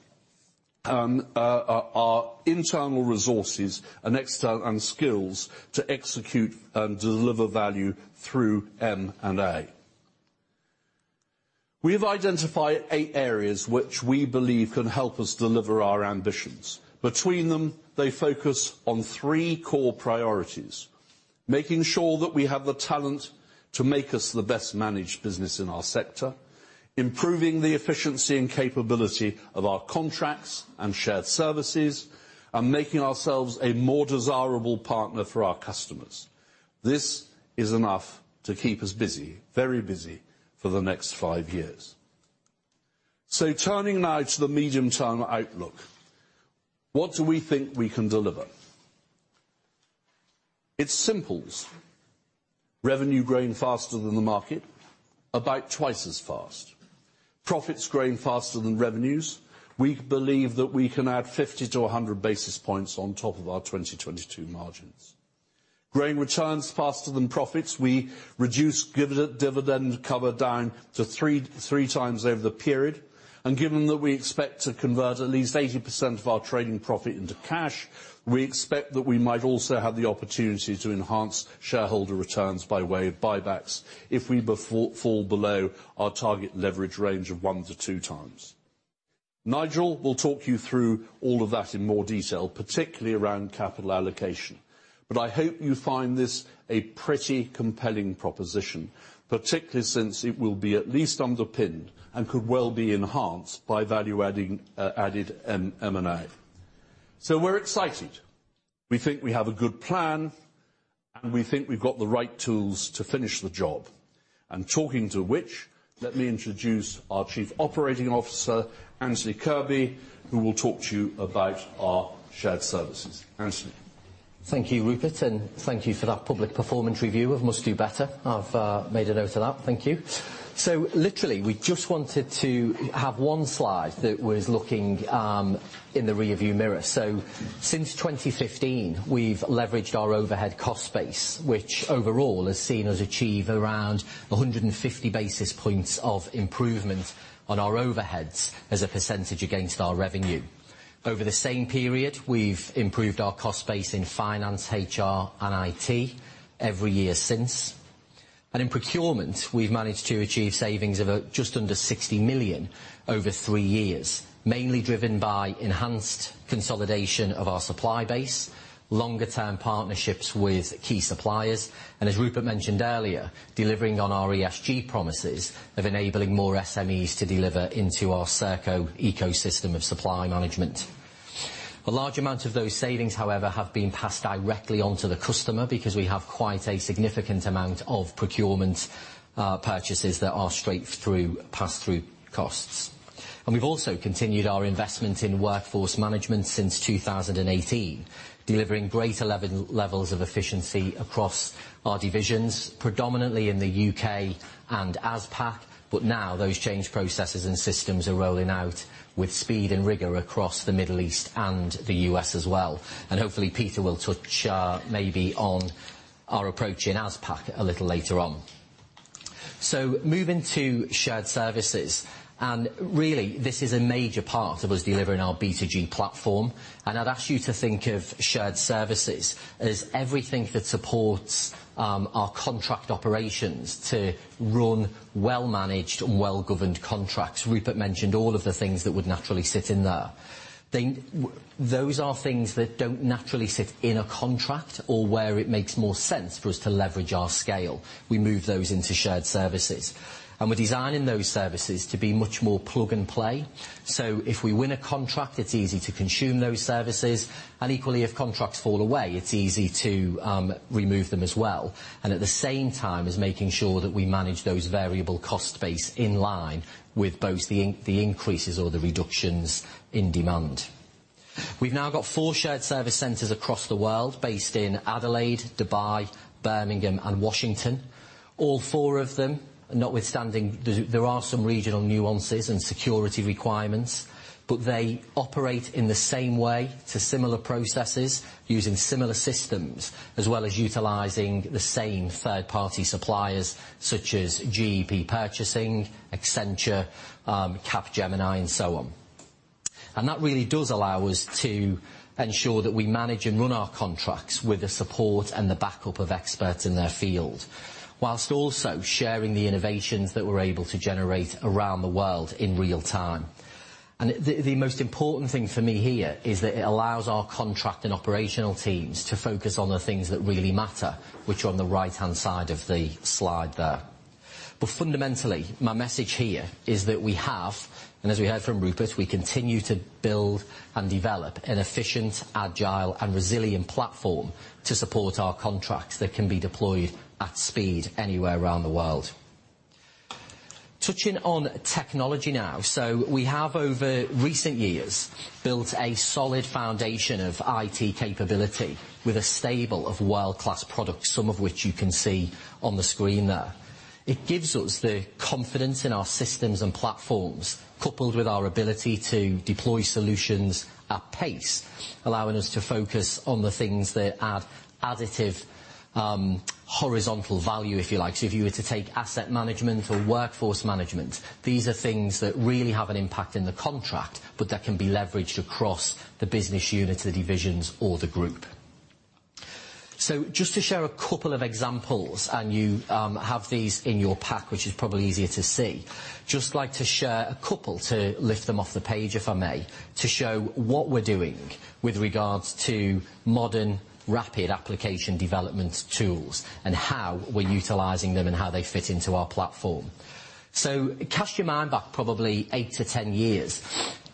our internal resources and skills to execute and deliver value through M&A. We've identified eight areas which we believe can help us deliver our ambitions. Between them, they focus on three core priorities. Making sure that we have the talent to make us the best managed business in our sector. Improving the efficiency and capability of our contracts and shared services. Making ourselves a more desirable partner for our customers. This is enough to keep us busy, very busy, for the next five years. Turning now to the medium-term outlook, what do we think we can deliver? It's simples. Revenue growing faster than the market, about twice as fast. Profits growing faster than revenues. We believe that we can add 50-100 basis points on top of our 2022 margins, growing returns faster than profits. We reduce dividend cover down to 3x over the period. Given that we expect to convert at least 80% of our trading profit into cash, we expect that we might also have the opportunity to enhance shareholder returns by way of buybacks if we fall below our target leverage range of 1x-2x. Nigel will talk you through all of that in more detail, particularly around capital allocation. I hope you find this a pretty compelling proposition, particularly since it will be at least underpinned and could well be enhanced by value adding added M&A. We're excited. We think we have a good plan, and we think we've got the right tools to finish the job. Talking of which, let me introduce our Chief Operating Officer, Anthony Kirby, who will talk to you about our shared services. Anthony? Thank you, Rupert, and thank you for that public performance review of Must Do Better. I've made a note of that. Thank you. Literally, we just wanted to have one slide that was looking in the rear view mirror. Since 2015, we've leveraged our overhead cost base, which overall has seen us achieve around 150 basis points of improvement on our overheads as a percentage against our revenue. Over the same period, we've improved our cost base in finance, HR, and IT every year since. In procurement, we've managed to achieve savings of just under 60 million over three years, mainly driven by enhanced consolidation of our supply base, longer-term partnerships with key suppliers, and as Rupert mentioned earlier, delivering on our ESG promises of enabling more SMEs to deliver into our Serco ecosystem of supply management. A large amount of those savings, however, have been passed directly on to the customer because we have quite a significant amount of procurement purchases that are straight-through pass-through costs. We've also continued our investment in workforce management since 2018, delivering greater levels of efficiency across our divisions, predominantly in the UK and ASPAC. Now those change processes and systems are rolling out with speed and rigor across the Middle East and the U.S. as well. Hopefully, Peter will touch maybe on our approach in ASPAC a little later on. Moving to shared services, really, this is a major part of us delivering our B2G platform. I'd ask you to think of shared services as everything that supports our contract operations to run well-managed and well-governed contracts. Rupert mentioned all of the things that would naturally sit in there. Those are things that don't naturally sit in a contract or where it makes more sense for us to leverage our scale. We move those into shared services. We're designing those services to be much more plug and play. If we win a contract, it's easy to consume those services, and equally, if contracts fall away, it's easy to remove them as well, and at the same time as making sure that we manage those variable cost base in line with both the in the increases or the reductions in demand. We've now got four shared service centers across the world based in Adelaide, Dubai, Birmingham, and Washington. All four of them, notwithstanding there are some regional nuances and security requirements, but they operate in the same way to similar processes using similar systems, as well as utilizing the same third-party suppliers such as GEP, Accenture, Capgemini, and so on. That really does allow us to ensure that we manage and run our contracts with the support and the backup of experts in their field, while also sharing the innovations that we're able to generate around the world in real time. The most important thing for me here is that it allows our contract and operational teams to focus on the things that really matter, which are on the right-hand side of the slide there. Fundamentally, my message here is that we have, and as we heard from Rupert, we continue to build and develop an efficient, agile, and resilient platform to support our contracts that can be deployed at speed anywhere around the world. Touching on technology now. We have over recent years built a solid foundation of IT capability with a stable of world-class products, some of which you can see on the screen there. It gives us the confidence in our systems and platforms, coupled with our ability to deploy solutions at pace, allowing us to focus on the things that add additive, horizontal value, if you like. If you were to take asset management or workforce management, these are things that really have an impact in the contract, but that can be leveraged across the business units, the divisions or the group. Just to share a couple of examples, and you have these in your pack, which is probably easier to see. Just like to share a couple to lift them off the page, if I may, to show what we're doing with regards to modern, rapid application development tools and how we're utilizing them and how they fit into our platform. Cast your mind back probably eight to 10 years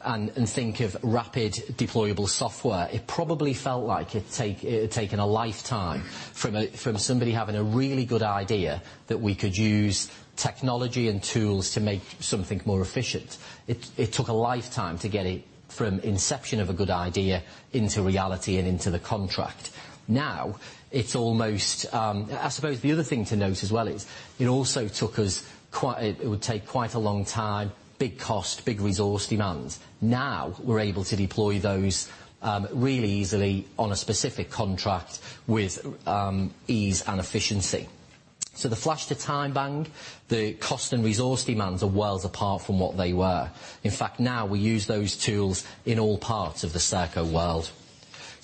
and think of rapid deployable software. It probably felt like it had taken a lifetime from somebody having a really good idea that we could use technology and tools to make something more efficient. It took a lifetime to get it from inception of a good idea into reality and into the contract. Now, it's almost... I suppose the other thing to note as well is it also took us quite a long time, big cost, big resource demands. Now we're able to deploy those really easily on a specific contract with ease and efficiency. The flash-to-bang time, the cost and resource demands are worlds apart from what they were. In fact, now we use those tools in all parts of the Serco world.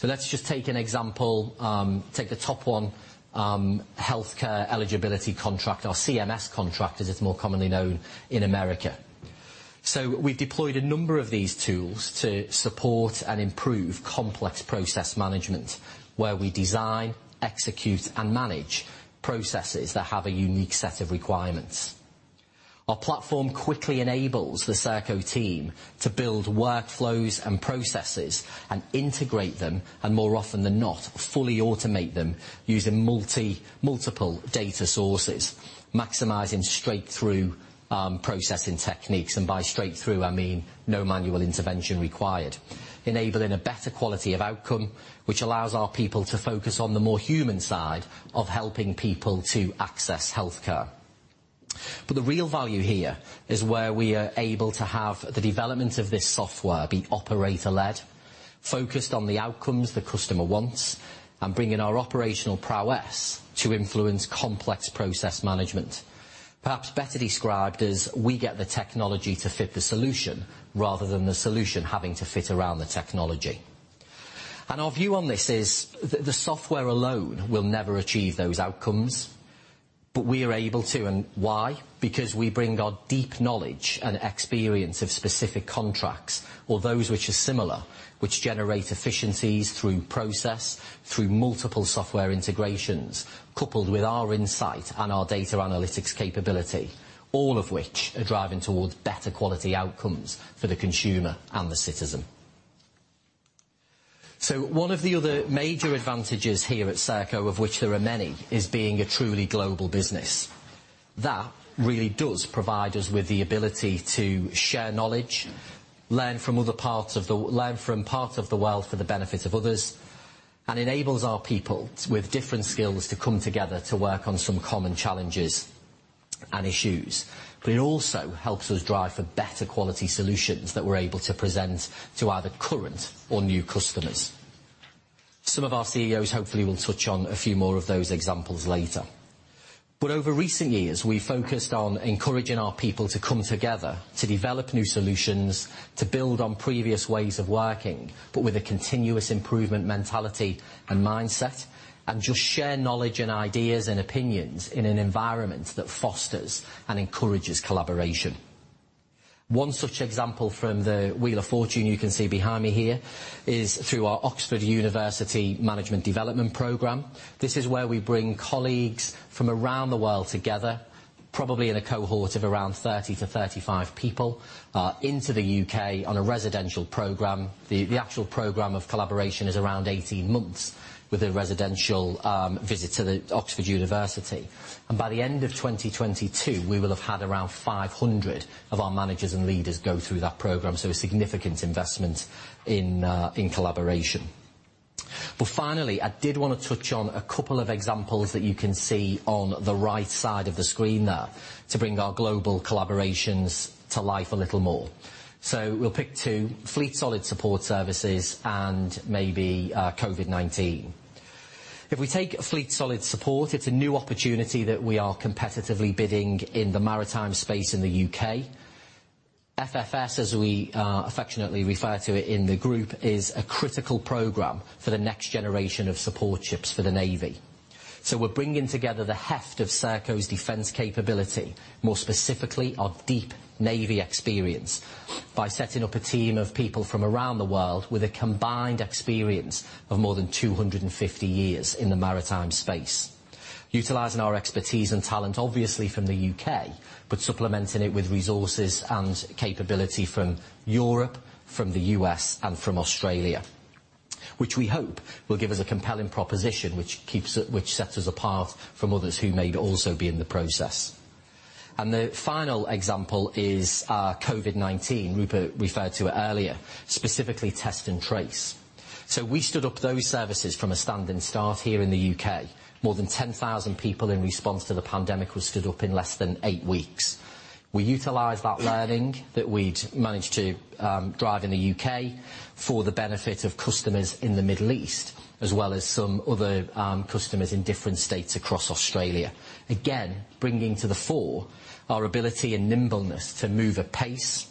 Let's just take an example, take the top one, healthcare eligibility contract or CMS contract as it's more commonly known in America. We've deployed a number of these tools to support and improve complex process management, where we design, execute, and manage processes that have a unique set of requirements. Our platform quickly enables the Serco team to build workflows and processes and integrate them, and more often than not, fully automate them using multiple data sources, maximizing straight-through processing techniques. By straight through, I mean no manual intervention required. Enabling a better quality of outcome, which allows our people to focus on the more human side of helping people to access healthcare. The real value here is where we are able to have the development of this software be operator-led, focused on the outcomes the customer wants, and bring in our operational prowess to influence complex process management. Perhaps better described as we get the technology to fit the solution rather than the solution having to fit around the technology. Our view on this is the software alone will never achieve those outcomes, but we are able to, and why? Because we bring our deep knowledge and experience of specific contracts or those which are similar, which generate efficiencies through process, through multiple software integrations, coupled with our insight and our data analytics capability, all of which are driving towards better quality outcomes for the consumer and the citizen. One of the other major advantages here at Serco, of which there are many, is being a truly global business. That really does provide us with the ability to share knowledge, learn from parts of the world for the benefit of others, and enables our people with different skills to come together to work on some common challenges and issues. It also helps us drive for better quality solutions that we're able to present to either current or new customers. Some of our CEOs hopefully will touch on a few more of those examples later. Over recent years, we focused on encouraging our people to come together to develop new solutions, to build on previous ways of working, but with a continuous improvement mentality and mindset, and just share knowledge and ideas and opinions in an environment that fosters and encourages collaboration. One such example from the wheel of fortune you can see behind me here is through our Oxford University Management Development program. This is where we bring colleagues from around the world together, probably in a cohort of around 30-35 people, into the UK on a residential program. The actual program of collaboration is around 18 months with a residential visit to the Oxford University. By the end of 2022, we will have had around 500 of our managers and leaders go through that program, so a significant investment in collaboration. Finally, I did wanna touch on a couple of examples that you can see on the right side of the screen there to bring our global collaborations to life a little more. We'll pick two, Fleet Solid Support services and maybe COVID-19. If we take Fleet Solid Support, it's a new opportunity that we are competitively bidding in the maritime space in the U.K. FSS, as we affectionately refer to it in the group, is a critical program for the next generation of support ships for the Navy. We're bringing together the heft of Serco's defense capability, more specifically our deep Navy experience, by setting up a team of people from around the world with a combined experience of more than 250 years in the maritime space. Utilizing our expertise and talent, obviously from the U.K., but supplementing it with resources and capability from Europe, from the U.S., and from Australia, which we hope will give us a compelling proposition which sets us apart from others who may also be in the process. The final example is COVID-19. Rupert referred to it earlier, specifically Test and Trace. We stood up those services from a standing start here in the U.K. More than 10,000 people in response to the pandemic were stood up in less than 8 weeks. We utilized that learning that we'd managed to drive in the UK for the benefit of customers in the Middle East, as well as some other customers in different states across Australia. Again, bringing to the fore our ability and nimbleness to move at pace,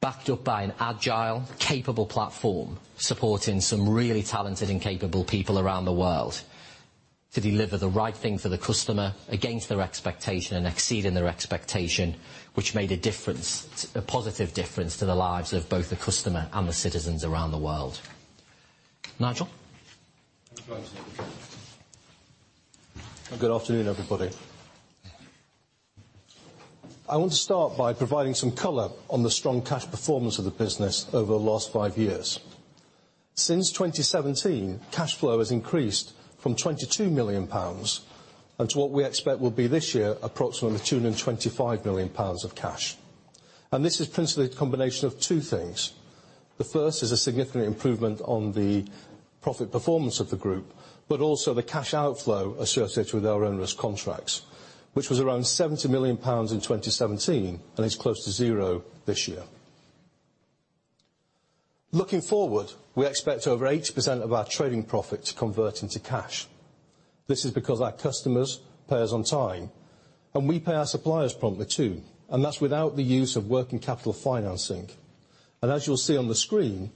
backed up by an agile, capable platform, supporting some really talented and capable people around the world to deliver the right thing for the customer against their expectation and exceeding their expectation, which made a difference, a positive difference to the lives of both the customer and the citizens around the world. Nigel? Good afternoon, everybody. I want to start by providing some color on the strong cash performance of the business over the last five years. Since 2017, cash flow has increased from 22 million pounds to what we expect will be this year approximately 225 million pounds of cash. This is principally a combination of two things. The first is a significant improvement on the profit performance of the group, but also the cash outflow associated with our earn-risk contracts, which was around 70 million pounds in 2017 and is close to zero this year. Looking forward, we expect over 80% of our trading profit to convert into cash. This is because our customers pay us on time, and we pay our suppliers promptly too, and that's without the use of working capital financing. As you'll see on the screen,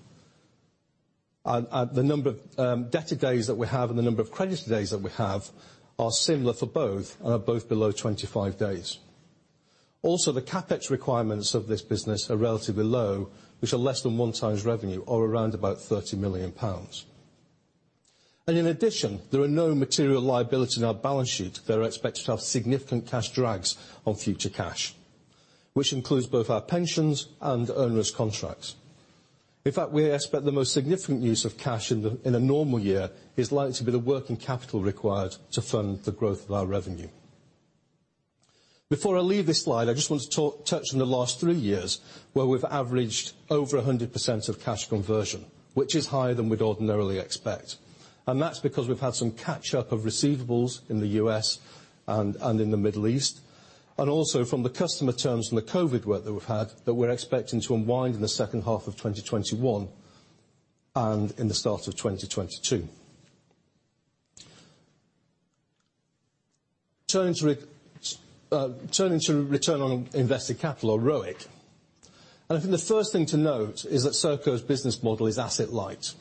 the number of debtor days that we have and the number of creditor days that we have are similar for both and are both below 25 days. Also, the CapEx requirements of this business are relatively low, which are less than 1x revenue or around about 30 million pounds. In addition, there are no material liabilities in our balance sheet that are expected to have significant cash drags on future cash, which includes both our pensions and earn-risk contracts. In fact, we expect the most significant use of cash in a normal year is likely to be the working capital required to fund the growth of our revenue. Before I leave this slide, I just want to touch on the last three years where we've averaged over 100% of cash conversion, which is higher than we'd ordinarily expect. That's because we've had some catch-up of receivables in the U.S. and in the Middle East, and also from the customer terms from the COVID work that we've had that we're expecting to unwind in the second half of 2021 and in the start of 2022. Turning to return on invested capital or ROIC. I think the first thing to note is that Serco's business model is asset light.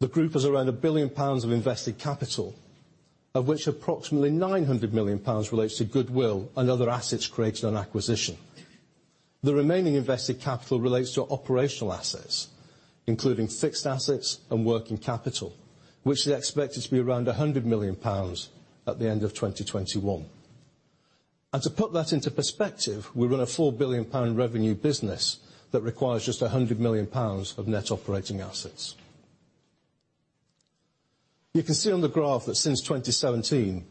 The group has around 1 billion pounds of invested capital, of which approximately 900 million pounds relates to goodwill and other assets created on acquisition. The remaining invested capital relates to operational assets, including fixed assets and working capital, which is expected to be around GBP 100 million at the end of 2021. To put that into perspective, we run a 4 billion pound revenue business that requires just 100 million pounds of net operating assets. You can see on the graph that since 2017,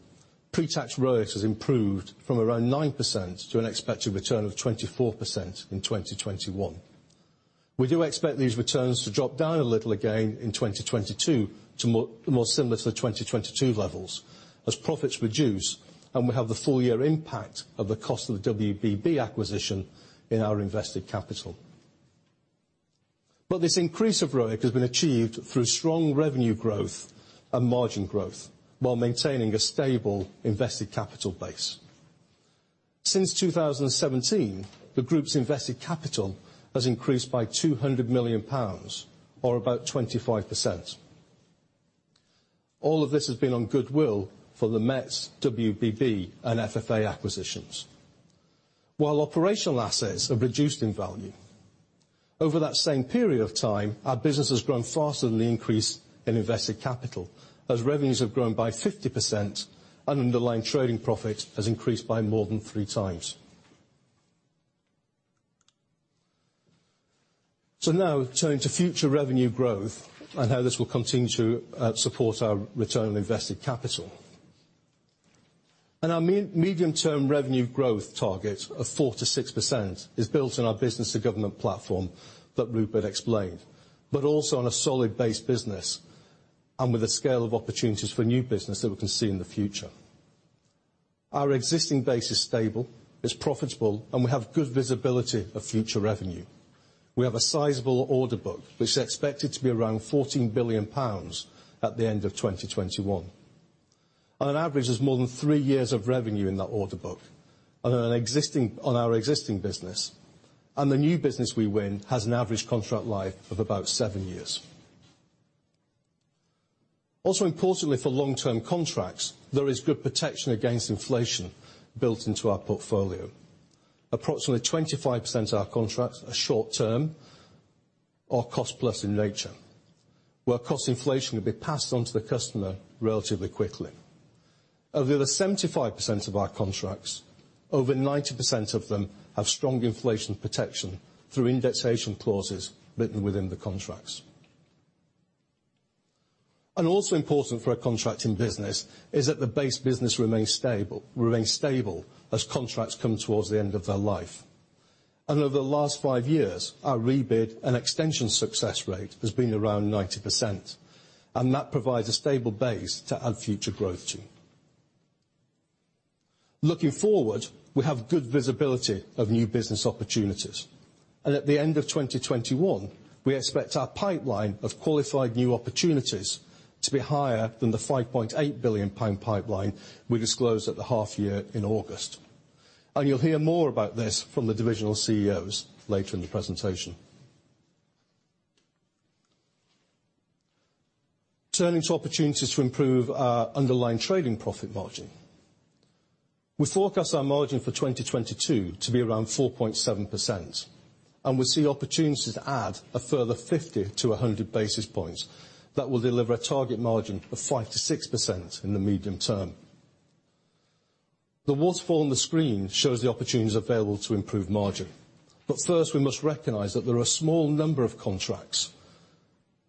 pre-tax ROIC has improved from around 9% to an expected return of 24% in 2021. We do expect these returns to drop down a little again in 2022 to more similar to the 2022 levels as profits reduce, and we have the full year impact of the cost of the WBB acquisition in our invested capital. This increase of ROIC has been achieved through strong revenue growth and margin growth while maintaining a stable invested capital base. Since 2017, the group's invested capital has increased by 200 million pounds or about 25%. All of this has been on goodwill for the Metz, WBB, and FFA acquisitions. While operational assets have reduced in value, over that same period of time, our business has grown faster than the increase in invested capital as revenues have grown by 50% and underlying trading profit has increased by more than 3 times. Now turning to future revenue growth and how this will continue to support our return on invested capital. Our medium-term revenue growth target of 4%-6% is built on our business and government platform that Rupert explained, but also on a solid base business and with a scale of opportunities for new business that we can see in the future. Our existing base is stable, it's profitable, and we have good visibility of future revenue. We have a sizable order book, which is expected to be around 14 billion pounds at the end of 2021. On average, there's more than three years of revenue in that order book on our existing business, and the new business we win has an average contract life of about seven years. Also importantly for long-term contracts, there is good protection against inflation built into our portfolio. Approximately 25% of our contracts are short-term or cost-plus in nature, where cost inflation will be passed on to the customer relatively quickly. Of the other 75% of our contracts, over 90% of them have strong inflation protection through indexation clauses written within the contracts. Also important for a contracting business is that the base business remains stable as contracts come towards the end of their life. Over the last five years, our rebid and extension success rate has been around 90%, and that provides a stable base to add future growth to. Looking forward, we have good visibility of new business opportunities. At the end of 2021, we expect our pipeline of qualified new opportunities to be higher than the 5.8 billion pound pipeline we disclosed at the half year in August. You'll hear more about this from the divisional CEOs later in the presentation. Turning to opportunities to improve our underlying trading profit margin. We forecast our margin for 2022 to be around 4.7%, and we see opportunities to add a further 50 to 100 basis points that will deliver a target margin of 5%-6% in the medium term. The waterfall on the screen shows the opportunities available to improve margin. First, we must recognize that there are a small number of contracts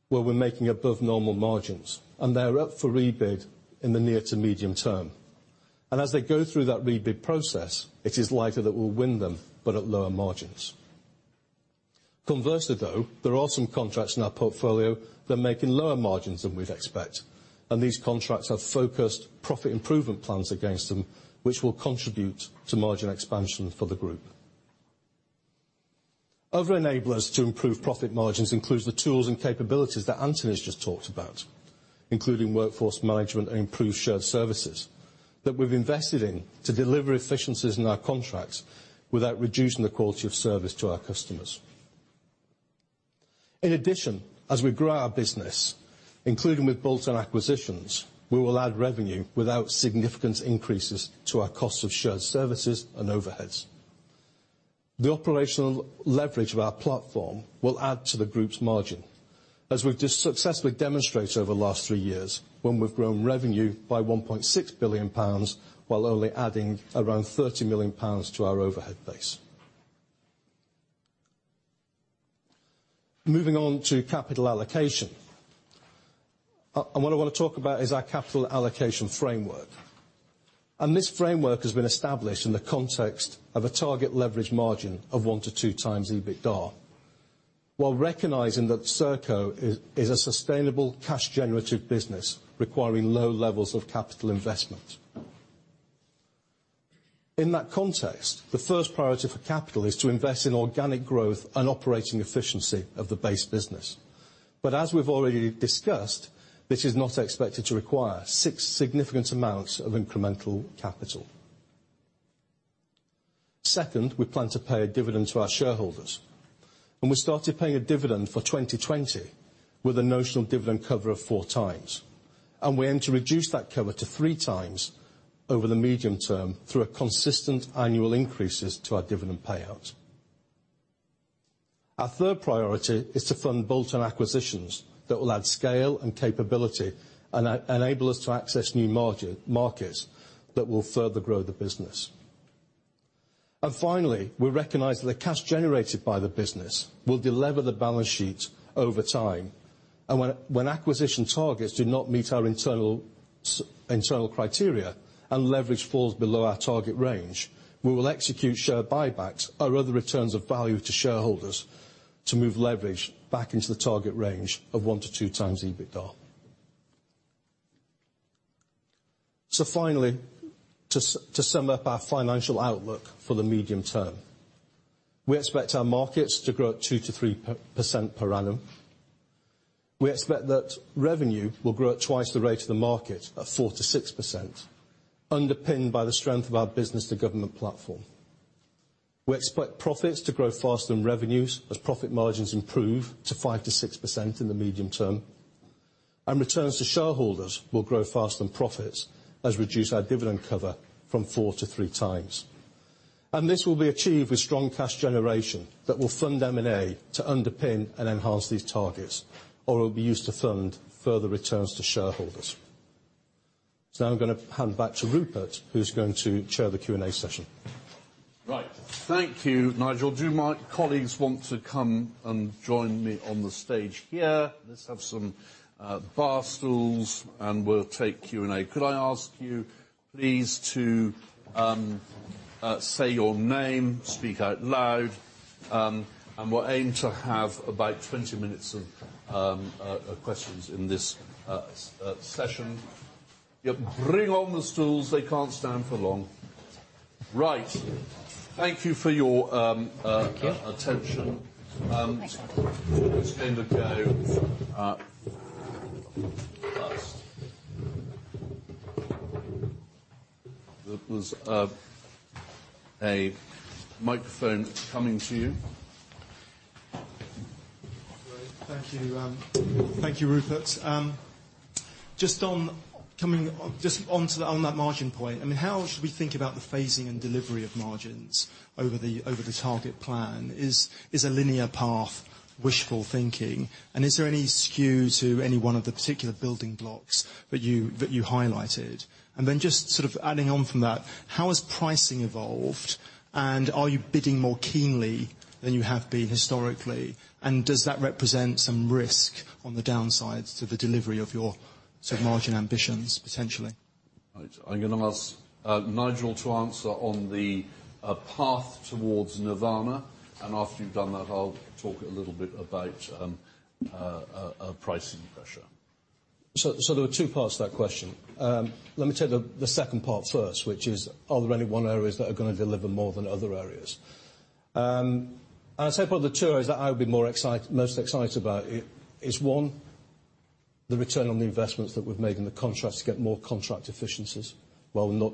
where we're making above normal margins, and they're up for rebid in the near to medium term. As they go through that rebid process, it is likely that we'll win them, but at lower margins. Conversely, though, there are some contracts in our portfolio that are making lower margins than we'd expect, and these contracts have focused profit improvement plans against them, which will contribute to margin expansion for the group. Other enablers to improve profit margins includes the tools and capabilities that Anthony's just talked about, including workforce management and improved shared services that we've invested in to deliver efficiencies in our contracts without reducing the quality of service to our customers. In addition, as we grow our business, including with bolt-on acquisitions, we will add revenue without significant increases to our cost of shared services and overheads. The operational leverage of our platform will add to the group's margin, as we've just successfully demonstrated over the last three years, when we've grown revenue by 1.6 billion pounds while only adding around 30 million pounds to our overhead base. Moving on to capital allocation. What I want to talk about is our capital allocation framework. This framework has been established in the context of a target leverage margin of 1x-2x EBITDA, while recognizing that Serco is a sustainable cash generative business requiring low levels of capital investment. In that context, the first priority for capital is to invest in organic growth and operating efficiency of the base business. As we've already discussed, this is not expected to require such significant amounts of incremental capital. Second, we plan to pay a dividend to our shareholders. We started paying a dividend for 2020 with a notional dividend cover of 4x. We aim to reduce that cover to 3x over the medium term through consistent annual increases to our dividend payout. Our third priority is to fund bolt-on acquisitions that will add scale and capability and enable us to access new markets that will further grow the business. Finally, we recognize that the cash generated by the business will de-lever the balance sheet over time, and when acquisition targets do not meet our internal criteria and leverage falls below our target range, we will execute share buybacks or other returns of value to shareholders to move leverage back into the target range of 1x-2x EBITDA. Finally, to sum up our financial outlook for the medium term. We expect our markets to grow at 2%-3% per annum. We expect that revenue will grow at twice the rate of the market of 4%-6%, underpinned by the strength of our business to government platform. We expect profits to grow faster than revenues as profit margins improve to 5%-6% in the medium term. Returns to shareholders will grow faster than profits as we reduce our dividend cover from 4x to 3x. This will be achieved with strong cash generation that will fund M&A to underpin and enhance these targets, or it will be used to fund further returns to shareholders. Now I'm gonna hand back to Rupert, who's going to chair the Q&A session. Right. Thank you, Nigel. Do my colleagues want to come and join me on the stage here? Let's have some barstools, and we'll take Q&A. Could I ask you please to say your name, speak out loud, and we'll aim to have about 20 minutes of questions in this session. Yeah, bring on the stools. They can't stand for long. Right. Thank you for your Thank you. Attention. Who's going to go first? There was a microphone coming to you. Thank you. Thank you, Rupert. Just on that margin point, I mean, how should we think about the phasing and delivery of margins over the target plan? Is a linear path wishful thinking? Is there any skew to any one of the particular building blocks that you highlighted? Just sort of adding on from that, how has pricing evolved, and are you bidding more keenly than you have been historically, and does that represent some risk on the downsides to the delivery of your sort of margin ambitions, potentially? Right. I'm gonna ask, Nigel to answer on the path towards Nirvana, and after you've done that, I'll talk a little bit about pricing pressure. There were two parts to that question. Let me take the second part first, which is, are there any areas that are gonna deliver more than other areas? I'd say probably the two areas that I would be more excited about is, one, the return on the investments that we've made in the contracts to get more contract efficiencies while not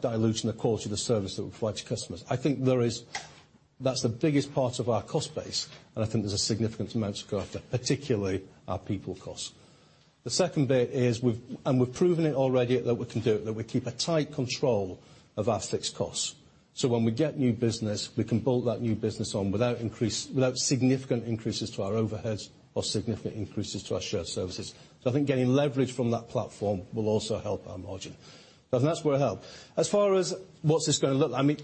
diluting the quality of the service that we provide to customers. I think that's the biggest part of our cost base, and I think there's a significant amount to go after, particularly our people costs. The second bit is we've proven it already that we can do it, that we keep a tight control of our fixed costs. When we get new business, we can bolt that new business on without significant increases to our overheads or significant increases to our shared services. I think getting leverage from that platform will also help our margin. That's where it help. As far as what's this gonna look, I mean,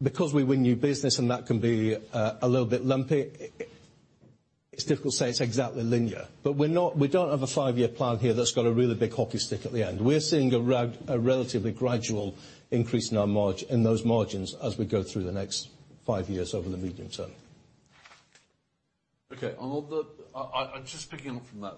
because we win new business and that can be a little bit lumpy, it's difficult to say it's exactly linear. We don't have a five-year plan here that's got a really big hockey stick at the end. We're seeing a relatively gradual increase in those margins as we go through the next five years over the medium term. Okay. I just picking up from that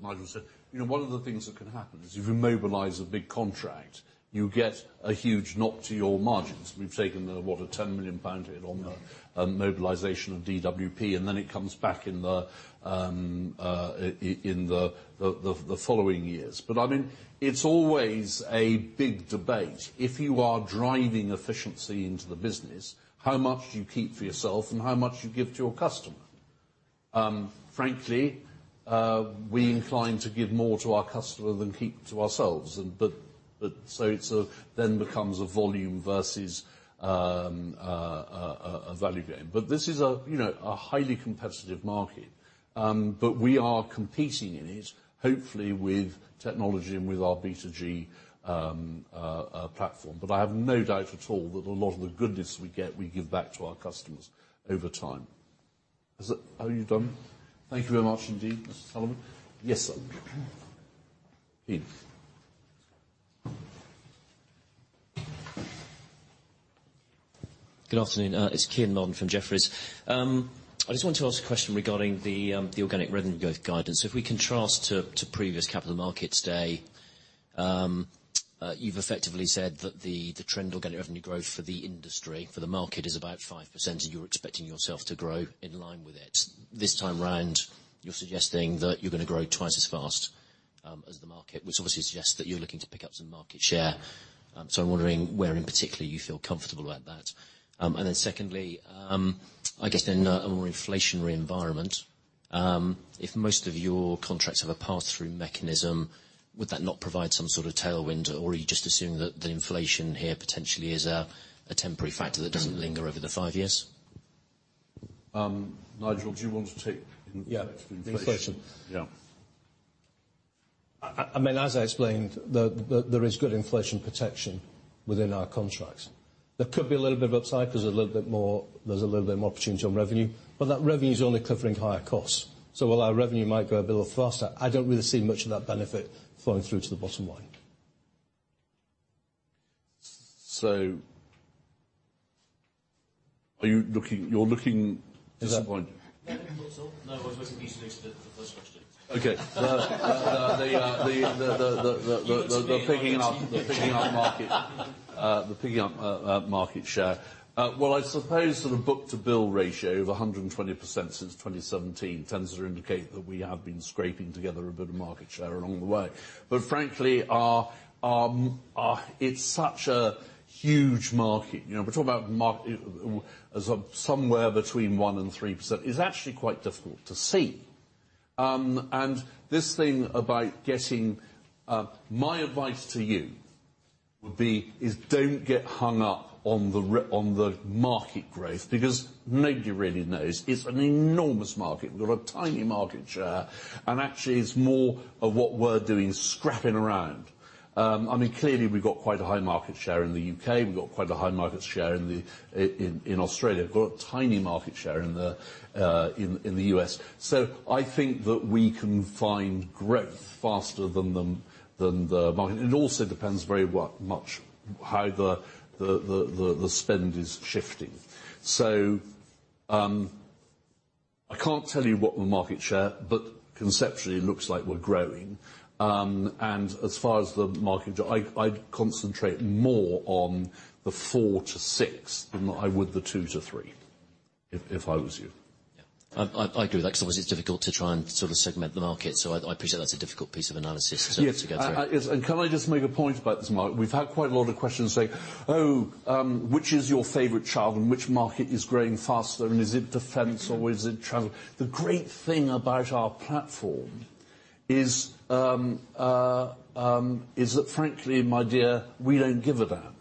Nigel said, you know, one of the things that can happen is if you mobilize a big contract, you get a huge knock to your margins. We've taken a 10 million pound hit on the-... mobilization of DWP, and then it comes back in the following years. I mean, it's always a big debate. If you are driving efficiency into the business, how much do you keep for yourself and how much do you give to your customer? Frankly, we incline to give more to our customer than keep to ourselves. It then becomes a volume versus a value game. This is, you know, a highly competitive market. We are competing in it, hopefully with technology and with our B2G platform. I have no doubt at all that a lot of the goodness we get, we give back to our customers over time. Are you done? Thank you very much indeed, Mr. Sullivan. Yes, sir. Good afternoon. It's Kean Marden from Jefferies. I just wanted to ask a question regarding the organic revenue growth guidance. If we contrast to previous Capital Markets Day, you've effectively said that the trend organic revenue growth for the industry, for the market is about 5%, and you're expecting yourself to grow in line with it. This time round, you're suggesting that you're gonna grow twice as fast as the market. Which obviously suggests that you're looking to pick up some market share. I'm wondering where in particular you feel comfortable about that. Secondly, I guess in a more inflationary environment, if most of your contracts have a pass-through mechanism, would that not provide some sort of tailwind? Are you just assuming that the inflation here potentially is a temporary factor that doesn't linger over the five years? Nigel, do you want to take? Yeah. Inflation. Inflation. Yeah. I mean, as I explained, there is good inflation protection within our contracts. There could be a little bit of upside because there's a little bit more opportunity on revenue, but that revenue is only covering higher costs. While our revenue might grow a bit faster, I don't really see much of that benefit flowing through to the bottom line. You're looking disappointed. Is that? No, I was waiting for you to finish the first question. Okay. The picking up. You want to be on our team. picking up market share. Well, I suppose sort of book-to-bill ratio of 120% since 2017 tends to indicate that we have been scraping together a bit of market share along the way. Frankly, it's such a huge market. You know, we're talking about somewhere between 1% and 3%. It's actually quite difficult to see. And this thing about getting, my advice to you would be is don't get hung up on the market growth because nobody really knows. It's an enormous market. We've got a tiny market share. Actually it's more of what we're doing scrapping around. I mean, clearly we've got quite a high market share in the UK. We've got quite a high market share in Australia. We've got a tiny market share in the U.S. I think that we can find growth faster than the market. It also depends very much how the spend is shifting. I can't tell you what the market share is, but conceptually it looks like we're growing. As far as the market share, I'd concentrate more on the 4%-6% than I would the 2%-3% if I was you. Yeah. I agree with that because obviously it's difficult to try and sort of segment the market, so I appreciate that's a difficult piece of analysis. Yes. to go through. Can I just make a point about this market? We've had quite a lot of questions saying, "Oh, which is your favorite child and which market is growing faster, and is it defense or is it travel?" The great thing about our platform is that frankly, my dear, we don't give a damn.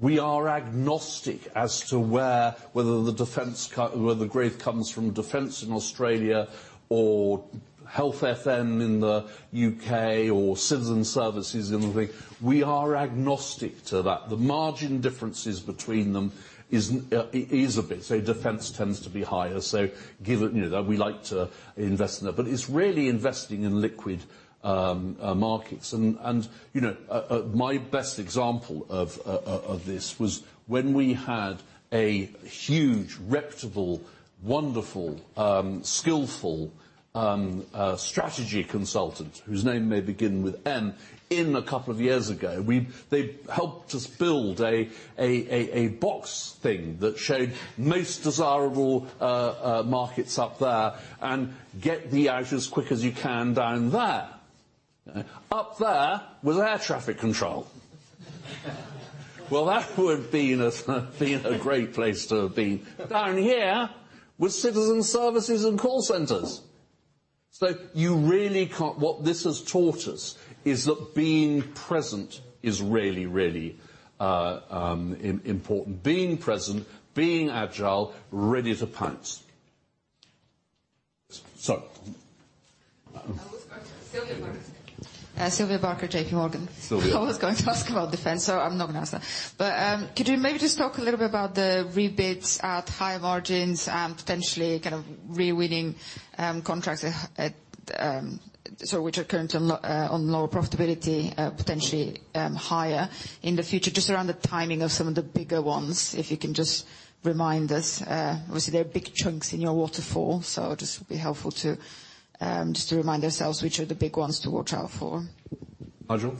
We are agnostic as to where whether the growth comes from defense in Australia or health FM in the U.K. or citizen services in the-- We are agnostic to that. The margin differences between them is a bit. Defense tends to be higher, given that, you know, we like to invest in that. It's really investing in liquid markets. You know, my best example of this was when we had a huge reputable, wonderful, skillful strategy consultant, whose name may begin with M, a couple of years ago. They helped us build a box thing that showed most desirable markets up there and get out as quick as you can down there. Up there was air traffic control. Well, that would been a great place to have been. Down here was citizen services and call centers. You really can't. What this has taught us is that being present is really important. Being present, being agile, ready to pounce. I was going to Sylvia Barker. Sylvia Barker, J.P. Morgan. Sylvia. I was going to ask about defense, so I'm not gonna ask that. Could you maybe just talk a little bit about the rebids at high margins and potentially kind of re-winning contracts which are currently on lower profitability, potentially higher in the future. Just around the timing of some of the bigger ones, if you can just remind us. Obviously there are big chunks in your waterfall, so just would be helpful to just to remind ourselves which are the big ones to watch out for. Nigel?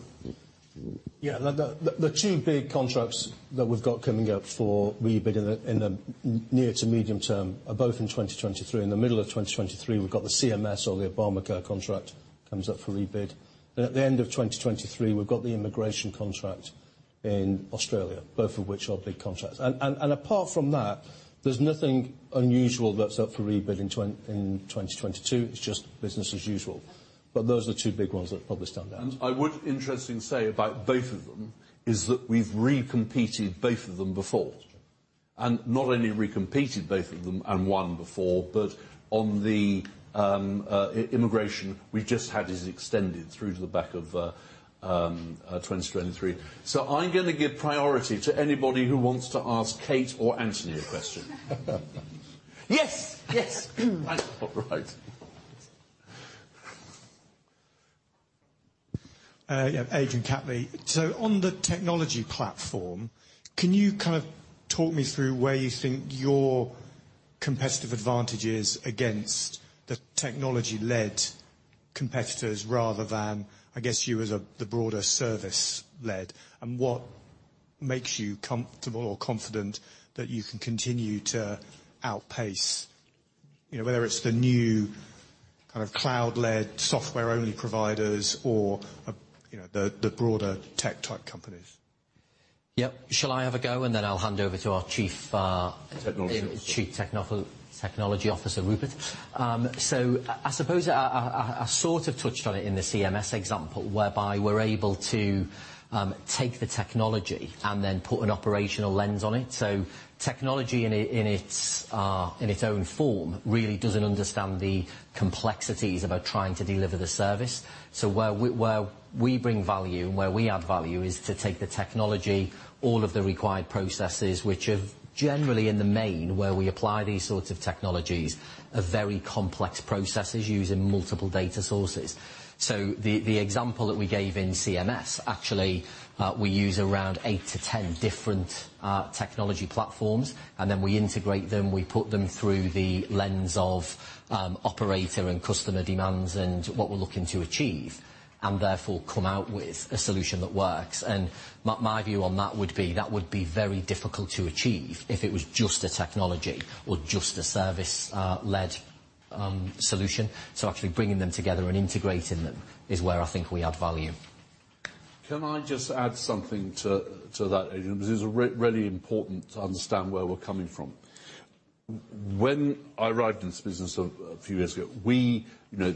Yeah. The two big contracts that we've got coming up for rebid in the near to medium term are both in 2023. In the middle of 2023, we've got the CMS or the Obamacare contract comes up for rebid. At the end of 2023, we've got the immigration contract in Australia, both of which are big contracts. Apart from that, there's nothing unusual that's up for rebid in 2022. It's just business as usual. Those are the two big ones that probably stand out. I would interestingly say about both of them is that we've recompeted both of them before. Not only recompeted both of them and won before, but on the immigration we just had is extended through to the back of 2023. I'm gonna give priority to anybody who wants to ask Kate or Anthony a question. Yes. Yes. All right. Adrian Catley. On the technology platform, can you kind of talk me through where you think your competitive advantage is against the technology-led competitors rather than, I guess, you as the broader service-led? And what makes you comfortable or confident that you can continue to outpace, you know, whether it's the new kind of cloud-led software only providers or, you know, the broader tech type companies? Yeah. Shall I have a go, and then I'll hand over to our chief. Technology Officer Chief Technology Officer, Rupert. I suppose I sort of touched on it in the CMS example, whereby we're able to take the technology and then put an operational lens on it. Technology in its own form really doesn't understand the complexities about trying to deliver the service. Where we bring value, and where we add value is to take the technology, all of the required processes, which are generally in the main where we apply these sorts of technologies are very complex processes using multiple data sources. The example that we gave in CMS, actually, we use around 8-10 different technology platforms, and then we integrate them. We put them through the lens of operator and customer demands and what we're looking to achieve, and therefore come out with a solution that works. My view on that would be that would be very difficult to achieve if it was just a technology or just a service led solution. Actually bringing them together and integrating them is where I think we add value. Can I just add something to that, Adrian? Because it's really important to understand where we're coming from. When I arrived in this business a few years ago, you know,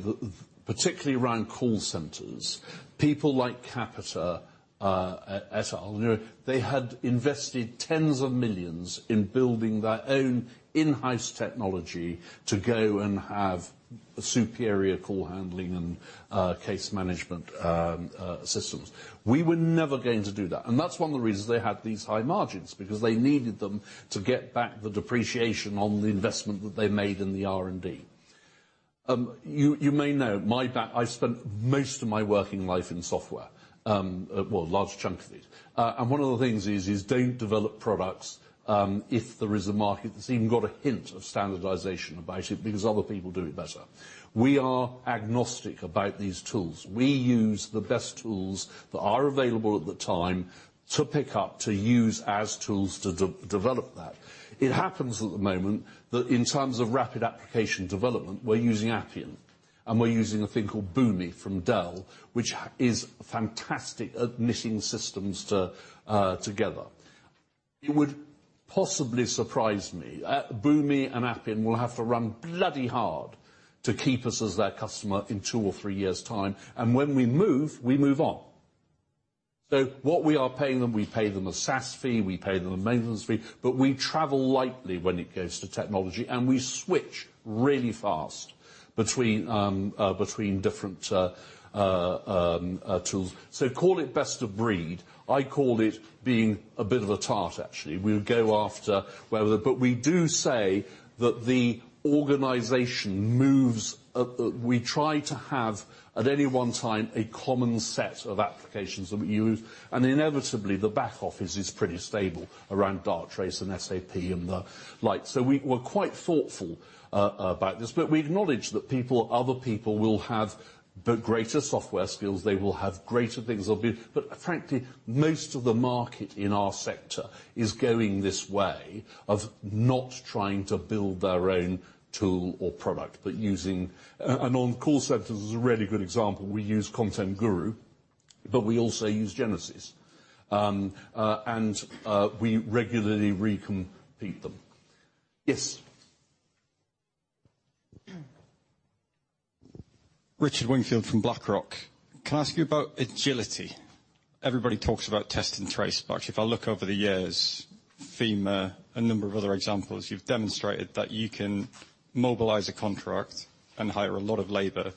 particularly around call centers, people like Capita, et al., you know, they had invested tens of millions GBP in building their own in-house technology to go and have superior call handling and case management systems. We were never going to do that. That's one of the reasons they had these high margins, because they needed them to get back the depreciation on the investment that they made in the R&D. You may know, I spent most of my working life in software, well, a large chunk of it. One of the things is don't develop products if there is a market that's even got a hint of standardization about it, because other people do it better. We are agnostic about these tools. We use the best tools that are available at the time to pick up to use as tools to de-develop that. It happens at the moment that in terms of rapid application development, we're using Appian, and we're using a thing called Boomi from Dell, which is fantastic at knitting systems together. It would possibly surprise me. Boomi and Appian will have to run bloody hard to keep us as their customer in two or three years' time, and when we move, we move on. What we are paying them, we pay them a SaaS fee, we pay them a maintenance fee, but we travel lightly when it goes to technology, and we switch really fast between different tools. Call it best of breed. I call it being a bit of a tart, actually. We'll go after. But we do say that the organization moves, we try to have, at any one time, a common set of applications that we use. Inevitably, the back office is pretty stable around Darktrace and SAP and the like. We're quite thoughtful about this, but we acknowledge that people, other people will have the greater software skills. They will have greater things they'll be. Frankly, most of the market in our sector is going this way of not trying to build their own tool or product, but using and on call centers is a really good example. We use Content Guru, but we also use Genesys. And we regularly re-compete them. Yes. Richard Wingfield from BlackRock. Can I ask you about agility? Everybody talks about Test and Trace, but actually if I look over the years, FEMA, a number of other examples, you've demonstrated that you can mobilize a contract and hire a lot of labor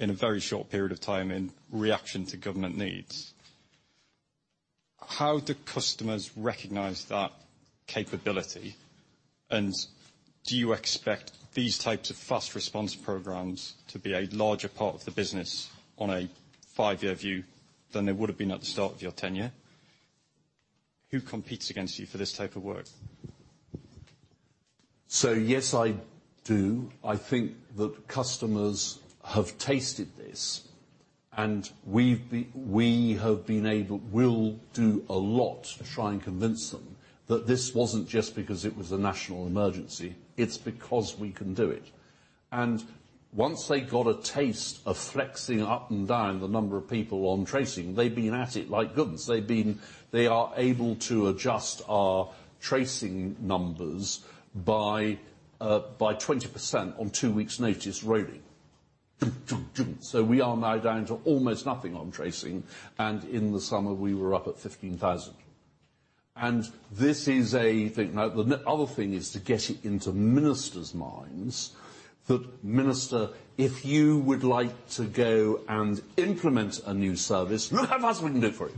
in a very short period of time in reaction to government needs. How do customers recognize that capability? And do you expect these types of fast response programs to be a larger part of the business on a five-year view than they would have been at the start of your tenure? Who competes against you for this type of work? Yes, I do. I think that customers have tasted this, and we'll do a lot to try and convince them that this wasn't just because it was a national emergency. It's because we can do it. Once they got a taste of flexing up and down the number of people on tracing, they've been at it like guns. They are able to adjust our tracing numbers by 20% on two weeks notice rolling. Dun, dun. We are now down to almost nothing on tracing, and in the summer, we were up at 15,000. This is a thing. Now, the other thing is to get it into ministers' minds that, "Minister, if you would like to go and implement a new service, look how fast we can do it for you."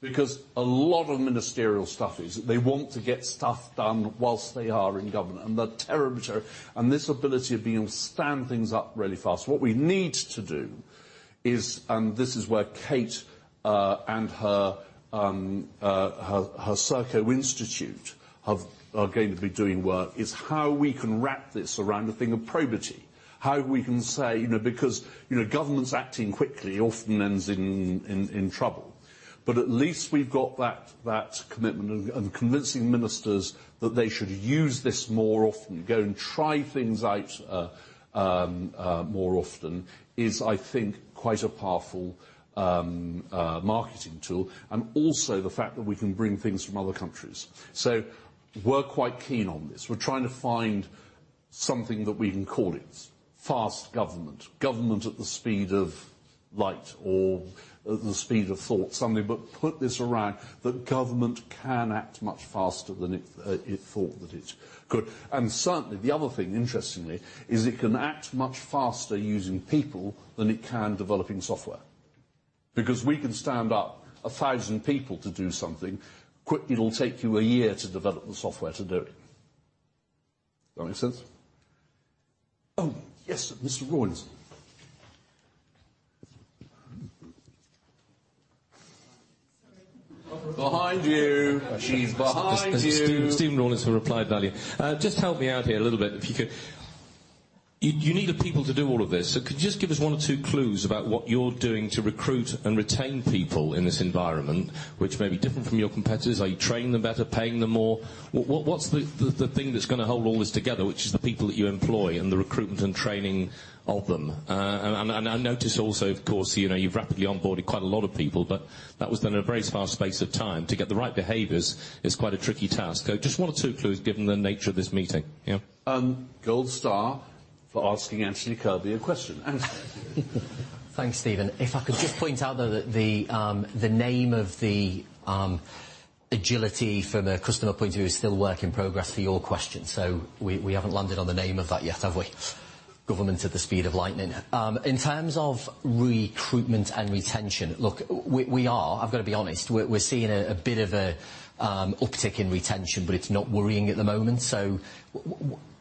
Because a lot of ministerial staff is they want to get stuff done while they are in government, and they're terribly thorough, and this ability of being able to stand things up really fast. What we need to do is, and this is where Kate and her Serco Institute are going to be doing work, is how we can wrap this around the thing of probity. How we can say, you know, because, you know, governments acting quickly often ends in trouble. At least we've got that commitment and convincing ministers that they should use this more often, go and try things out more often is, I think, quite a powerful marketing tool, and also the fact that we can bring things from other countries. We're quite keen on this. We're trying to find something that we can call it. Fast government at the speed of light, or the speed of thought, something. Put this around that government can act much faster than it thought that it could. Certainly the other thing, interestingly, is it can act much faster using people than it can developing software. Because we can stand up 1,000 people to do something quick. It'll take you a year to develop the software to do it. That make sense? Oh, yes. Mr. Rawlinson. Behind you. She's behind you. This is Stephen Rawlinson from Applied Value. Just help me out here a little bit, if you could. You need the people to do all of this. Could you just give us one or two clues about what you're doing to recruit and retain people in this environment, which may be different from your competitors? Are you training them better? Paying them more? What's the thing that's gonna hold all this together, which is the people that you employ and the recruitment and training of them? I noticed also, of course, you know, you've rapidly onboarded quite a lot of people, but that was done in a very small space of time. To get the right behaviors is quite a tricky task. Just one or two clues given the nature of this meeting. Yeah. Gold star for asking Anthony Kirby a question. Anthony. Thanks, Stephen. If I could just point out, though, that the name of the agility from a customer point of view is still work in progress for your question, so we haven't landed on the name of that yet, have we? Government at the speed of lightning. In terms of recruitment and retention, look, we are. I've gotta be honest, we're seeing a bit of an uptick in retention, but it's not worrying at the moment.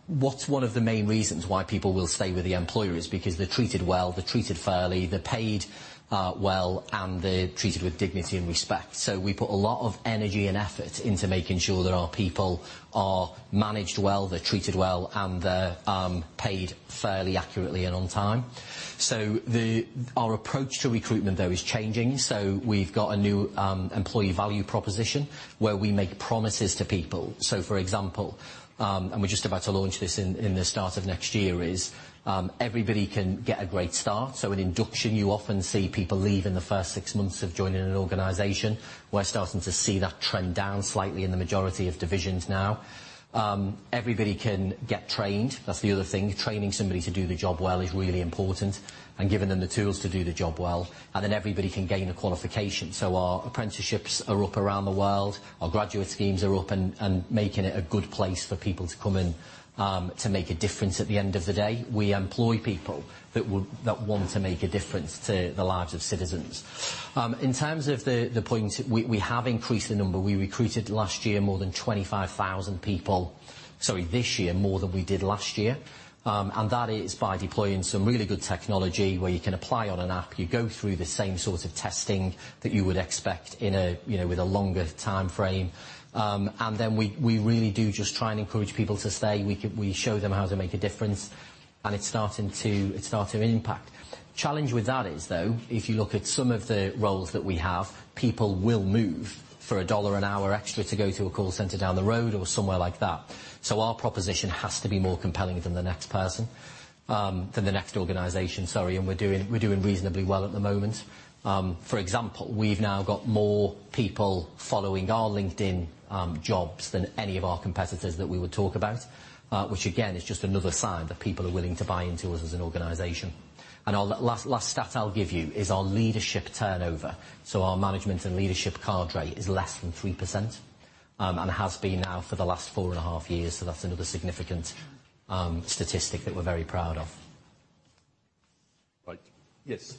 What's one of the main reasons why people will stay with the employer is because they're treated well, they're treated fairly, they're paid well, and they're treated with dignity and respect. We put a lot of energy and effort into making sure that our people are managed well, they're treated well, and they're paid fairly, accurately, and on time. Our approach to recruitment, though, is changing. We've got a new employee value proposition where we make promises to people. For example, we're just about to launch this in the start of next year, is everybody can get a great start. In induction, you often see people leave in the first six months of joining an organization. We're starting to see that trend down slightly in the majority of divisions now. Everybody can get trained. That's the other thing. Training somebody to do the job well is really important and giving them the tools to do the job well. Then everybody can gain a qualification. Our apprenticeships are up around the world. Our graduate schemes are up and making it a good place for people to come and to make a difference at the end of the day. We employ people that want to make a difference to the lives of citizens. In terms of the point, we have increased the number. We recruited last year, more than 25,000 people. Sorry, this year, more than we did last year. That is by deploying some really good technology where you can apply on an app. You go through the same sorts of testing that you would expect in a you know with a longer timeframe. We really do just try and encourage people to stay. We show them how to make a difference, and it's starting to impact. challenge with that is, though, if you look at some of the roles that we have, people will move for $1 an hour extra to go to a call center down the road or somewhere like that. Our proposition has to be more compelling than the next organization, sorry, and we're doing reasonably well at the moment. For example, we've now got more people following our LinkedIn jobs than any of our competitors that we would talk about, which again, is just another sign that people are willing to buy into us as an organization. Our last stat I'll give you is our leadership turnover. Our management and leadership card rate is less than 3%, and has been now for the last four and a half years. That's another significant statistic that we're very proud of. Right. Yes.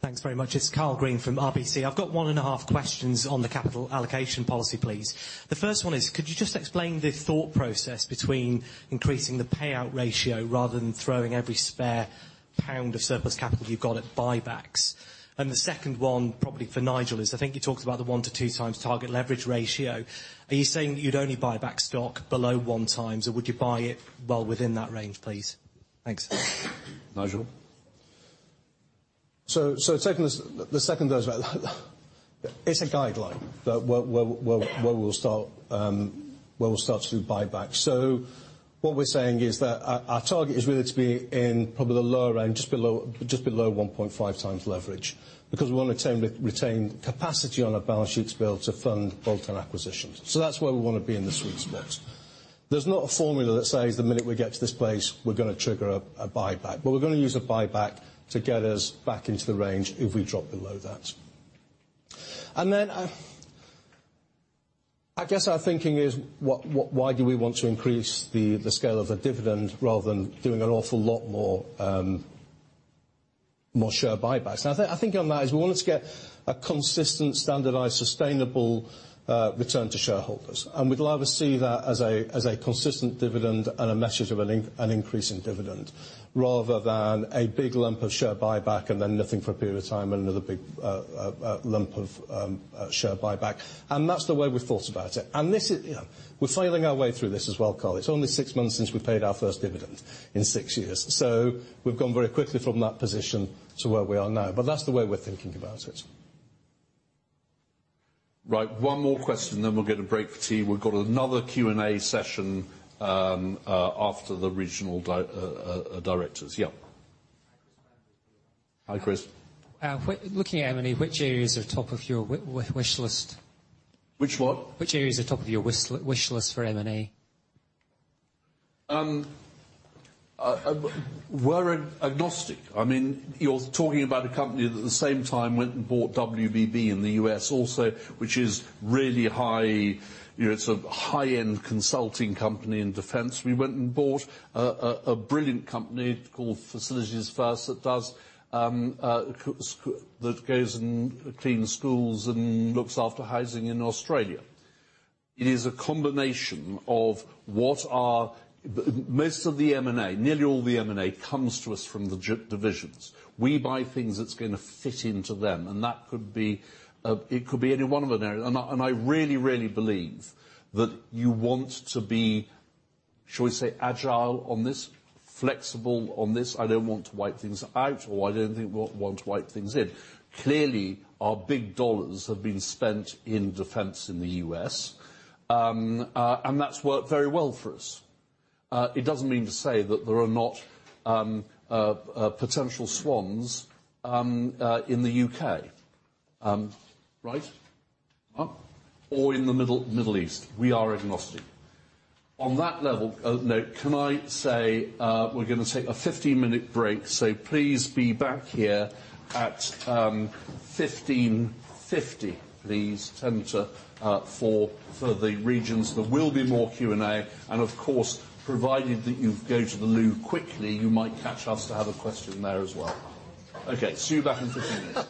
Thanks very much. It's Karl Green from RBC. I've got 1.5 questions on the capital allocation policy, please. The first one is could you just explain the thought process between increasing the payout ratio rather than throwing every spare pound of surplus capital you've got at buybacks? The second one, probably for Nigel, is I think you talked about the 1x-2x target leverage ratio. Are you saying that you'd only buy back stock below 1 times or would you buy it well within that range, please? Thanks. Nigel. Taking the second guess, right. It's a guideline, but where we'll start to do buyback. What we're saying is that our target is really to be in probably the lower end, just below 1.5x leverage because we wanna retain capacity on our balance sheet to be able to fund bolt-on acquisitions. That's where we wanna be in the sweet spot. There's not a formula that says the minute we get to this place, we're gonna trigger a buyback. But we're gonna use a buyback to get us back into the range if we drop below that. I guess our thinking is why do we want to increase the scale of the dividend rather than doing an awful lot more share buybacks? Now, I think on that, we wanted to get a consistent, standardized, sustainable return to shareholders. We'd rather see that as a consistent dividend and a message of an increase in dividend rather than a big lump of share buyback and then nothing for a period of time, another big lump of share buyback. That's the way we thought about it. This is, you know, we're feeling our way through this as well, Karl. It's only six months since we paid our first dividend in six years. We've gone very quickly from that position to where we are now. That's the way we're thinking about it. Right. One more question, then we'll get a break for tea. We've got another Q&A session after the regional directors. Yeah. Hi, Chris. Looking at M&A, which areas are top of your wish list? Which what? Which areas are top of your wish list for M&A? We're agnostic. I mean, you're talking about a company that at the same time went and bought WBB in the U.S. also, which is really high, you know, it's a high-end consulting company in defense. We went and bought a brilliant company called Facilities First that goes and cleans schools and looks after housing in Australia. It is a combination. Most of the M&A, nearly all the M&A comes to us from the divisions. We buy things that's gonna fit into them, and that could be, it could be any one of an area. I really, really believe that you want to be, shall we say, agile on this, flexible on this. I don't want to wipe things out or I don't want to wipe things in. Clearly, our big dollars have been spent in defense in the U.S., and that's worked very well for us. It doesn't mean to say that there are not potential swans in the U.K., right? Or in the Middle East. We are agnostic. On that level, so, can I say, we're gonna take a 15-minute break, so please be back here at 3:50 P.M. Please turn to the regions. There will be more Q&A, and of course, provided that you go to the loo quickly, you might catch us to have a question there as well. Okay, see you back in 15 minutes.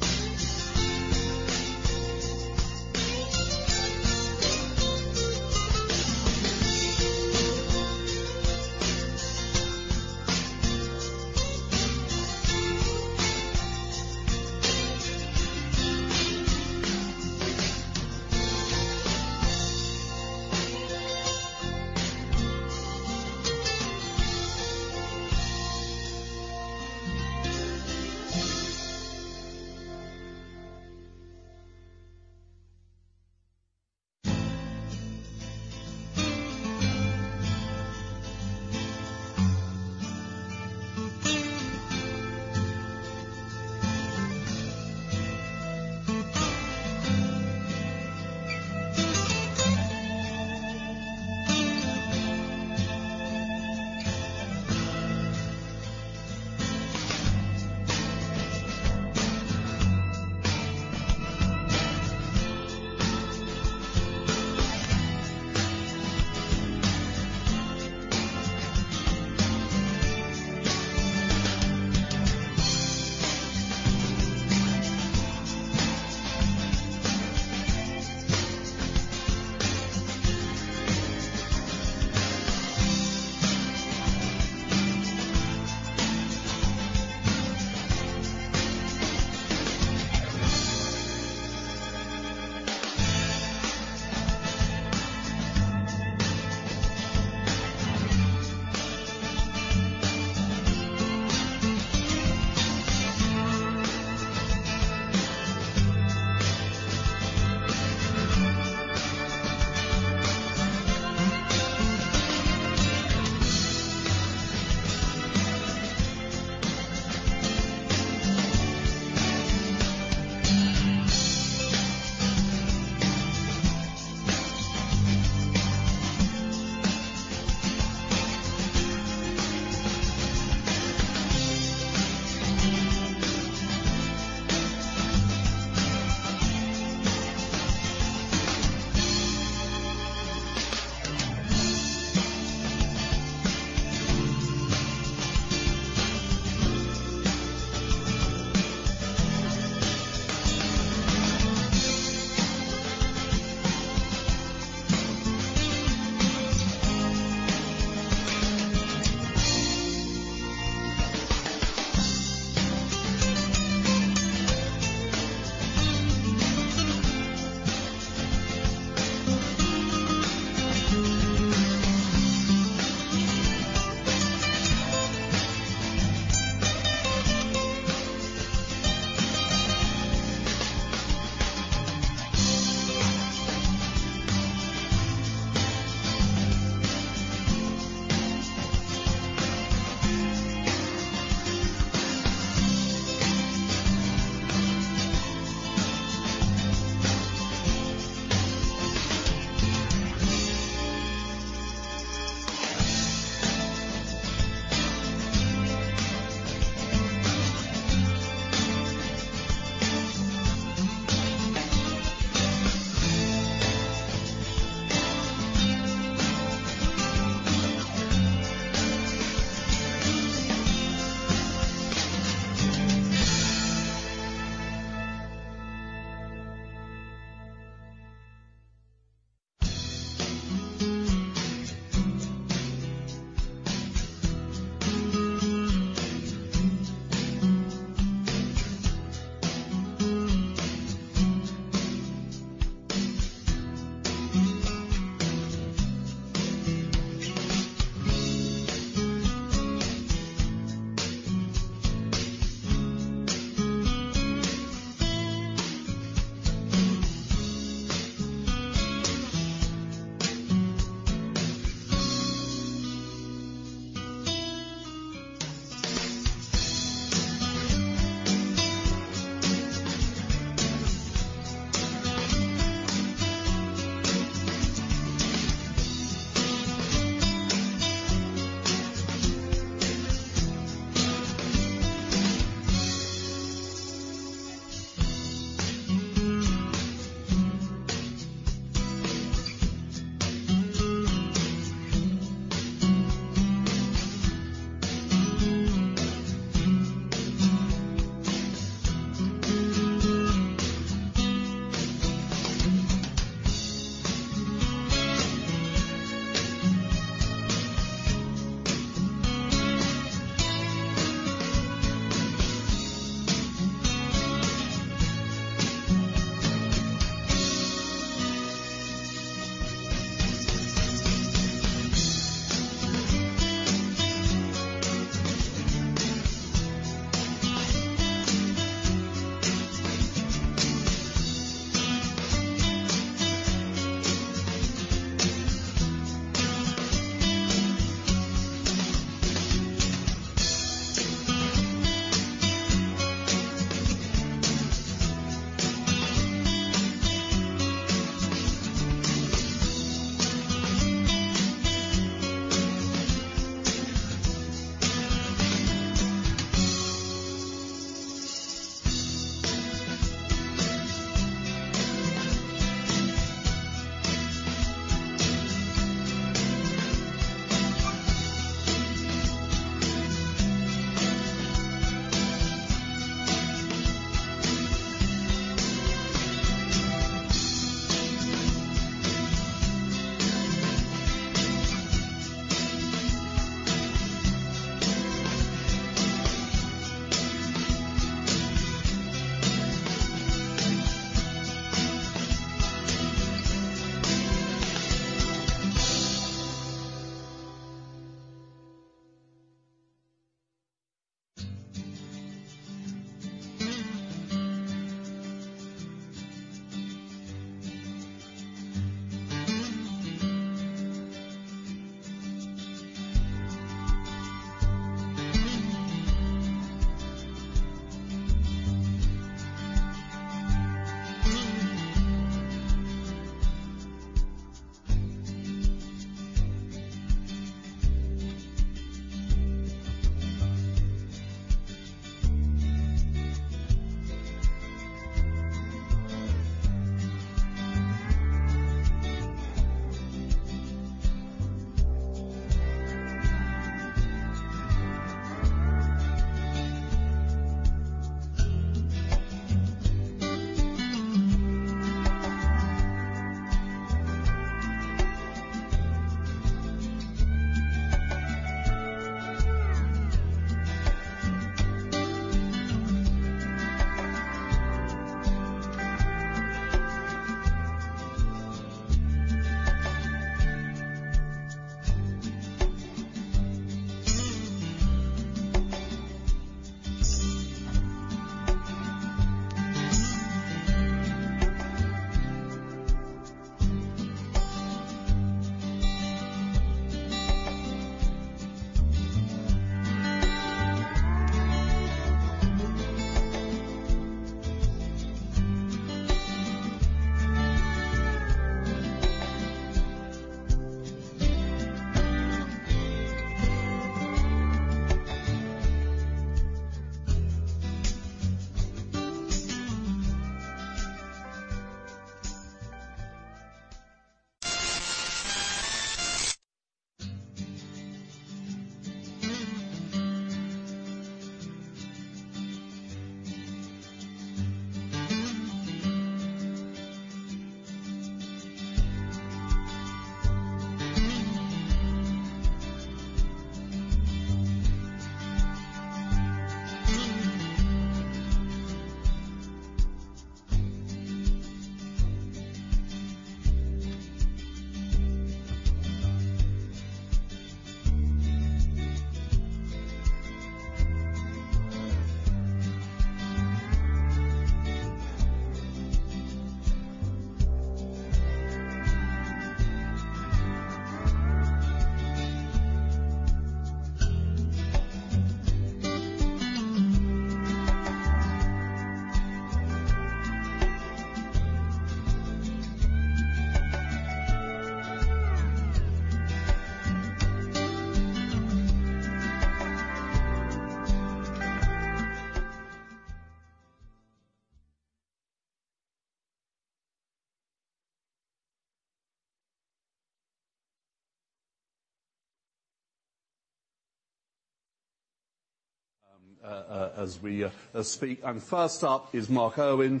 As we speak, first up is Mark Irwin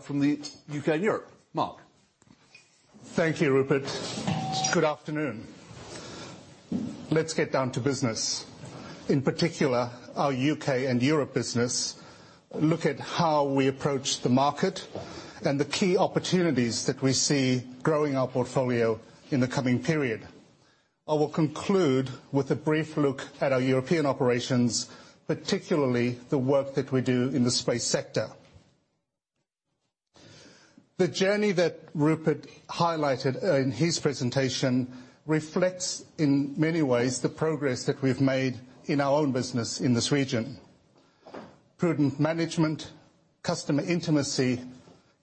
from the U.K. and Europe. Mark. Thank you, Rupert. Good afternoon. Let's get down to business, in particular our U.K. and Europe business, look at how we approach the market and the key opportunities that we see growing our portfolio in the coming period. I will conclude with a brief look at our European operations, particularly the work that we do in the space sector. The journey that Rupert highlighted in his presentation reflects, in many ways, the progress that we've made in our own business in this region. Prudent management, customer intimacy,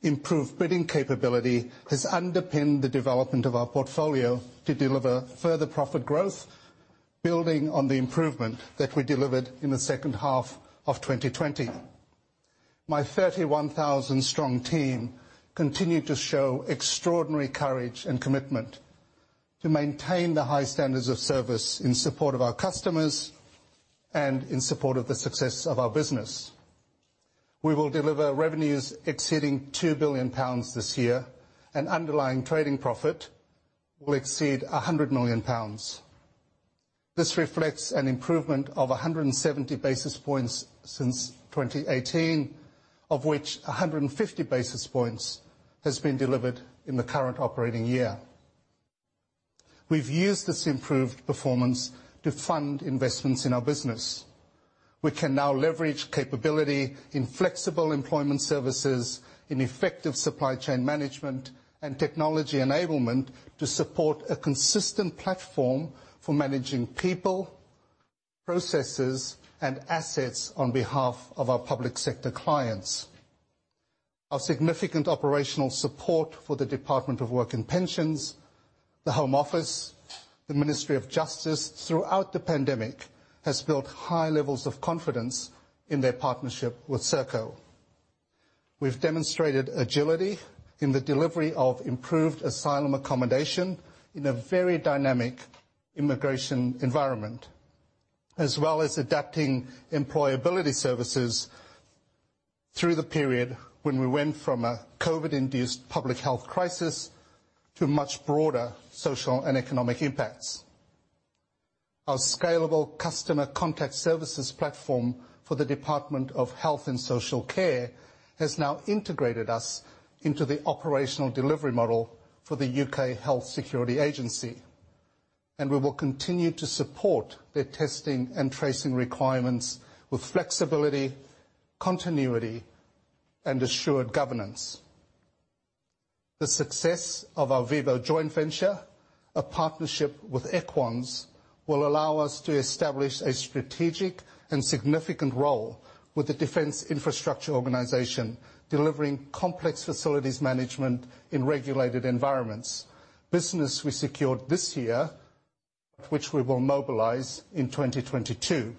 improved bidding capability has underpinned the development of our portfolio to deliver further profit growth, building on the improvement that we delivered in the second half of 2020. My 31,000-strong team continue to show extraordinary courage and commitment to maintain the high standards of service in support of our customers and in support of the success of our business. We will deliver revenues exceeding 2 billion pounds this year, and underlying trading profit will exceed 100 million pounds. This reflects an improvement of 170 basis points since 2018, of which 150 basis points has been delivered in the current operating year. We've used this improved performance to fund investments in our business. We can now leverage capability in flexible employment services, in effective supply chain management and technology enablement to support a consistent platform for managing people, processes, and assets on behalf of our public sector clients. Our significant operational support for the Department for Work and Pensions, the Home Office, the Ministry of Justice throughout the pandemic has built high levels of confidence in their partnership with Serco. We've demonstrated agility in the delivery of improved asylum accommodation in a very dynamic immigration environment, as well as adapting employability services through the period when we went from a COVID-induced public health crisis to much broader social and economic impacts. Our scalable customer contact services platform for the Department of Health and Social Care has now integrated us into the operational delivery model for the UK Health Security Agency, and we will continue to support their testing and tracing requirements with flexibility, continuity, and assured governance. The success of our VIVO joint venture, a partnership with EQUANS, will allow us to establish a strategic and significant role with the Defence Infrastructure Organisation, delivering complex facilities management in regulated environments. Business we secured this year, which we will mobilize in 2022.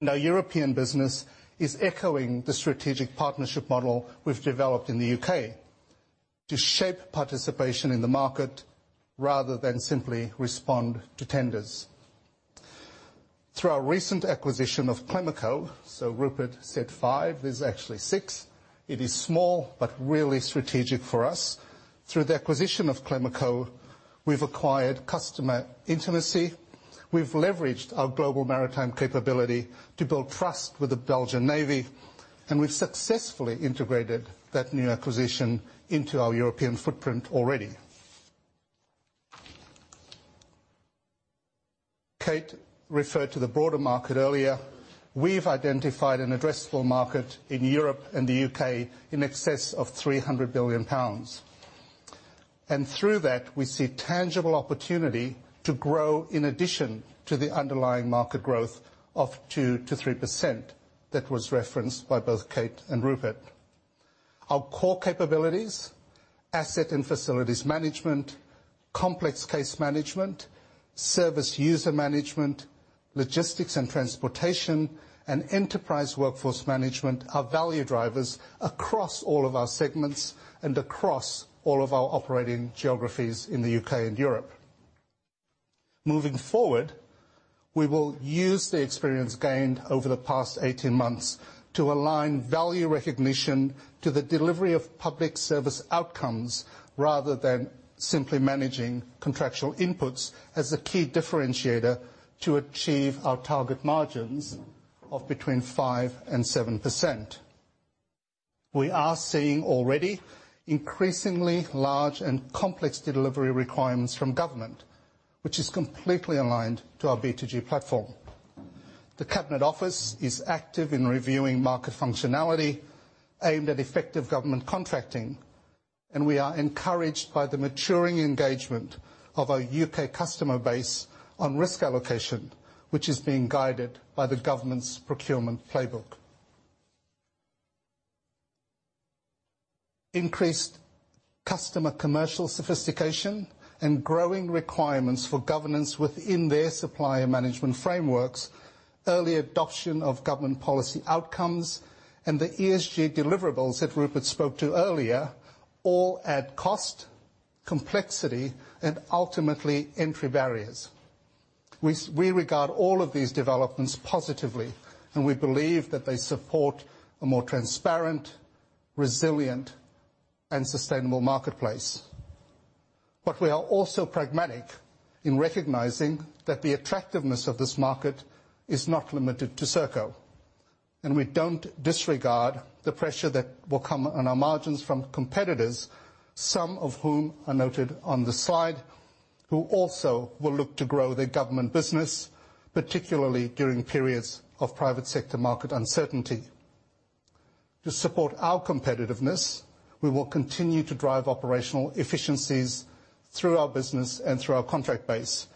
Now, European business is echoing the strategic partnership model we've developed in the UK to shape participation in the market rather than simply respond to tenders. Through our recent acquisition of Clemaco, so Rupert said five, there's actually six. It is small, but really strategic for us. Through the acquisition of Clemaco, we've acquired customer intimacy, we've leveraged our global maritime capability to build trust with the Belgian Navy, and we've successfully integrated that new acquisition into our European footprint already. Kate referred to the broader market earlier. We've identified an addressable market in Europe and the UK in excess of 300 billion pounds, and through that we see tangible opportunity to grow in addition to the underlying market growth of 2%-3% that was referenced by both Kate and Rupert. Our core capabilities, asset and facilities management, complex case management, service user management, logistics and transportation, and enterprise workforce management are value drivers across all of our segments and across all of our operating geographies in the U.K. and Europe. Moving forward, we will use the experience gained over the past 18 months to align value recognition to the delivery of public service outcomes, rather than simply managing contractual inputs as a key differentiator to achieve our target margins of between 5% and 7%. We are seeing already increasingly large and complex delivery requirements from government, which is completely aligned to our B2G platform. The Cabinet Office is active in reviewing market functionality aimed at effective government contracting, and we are encouraged by the maturing engagement of our U.K. customer base on risk allocation, which is being guided by the government's procurement playbook. Increased customer commercial sophistication and growing requirements for governance within their supplier management frameworks, early adoption of government policy outcomes, and the ESG deliverables that Rupert spoke to earlier all add cost, complexity, and ultimately entry barriers. We regard all of these developments positively, and we believe that they support a more transparent, resilient, and sustainable marketplace. We are also pragmatic in recognizing that the attractiveness of this market is not limited to Serco, and we don't disregard the pressure that will come on our margins from competitors, some of whom are noted on this slide, who also will look to grow their government business, particularly during periods of private sector market uncertainty. To support our competitiveness, we will continue to drive operational efficiencies through our business and through our contract base,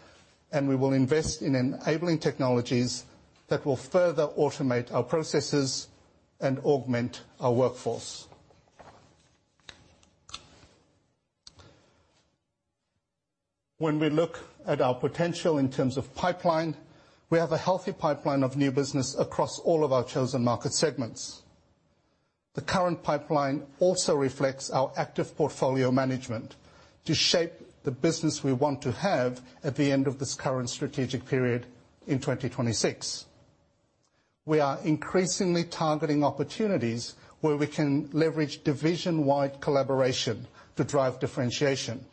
and we will invest in enabling technologies that will further automate our processes and augment our workforce. When we look at our potential in terms of pipeline, we have a healthy pipeline of new business across all of our chosen market segments. The current pipeline also reflects our active portfolio management to shape the business we want to have at the end of this current strategic period in 2026. We are increasingly targeting opportunities where we can leverage division-wide collaboration to drive differentiation.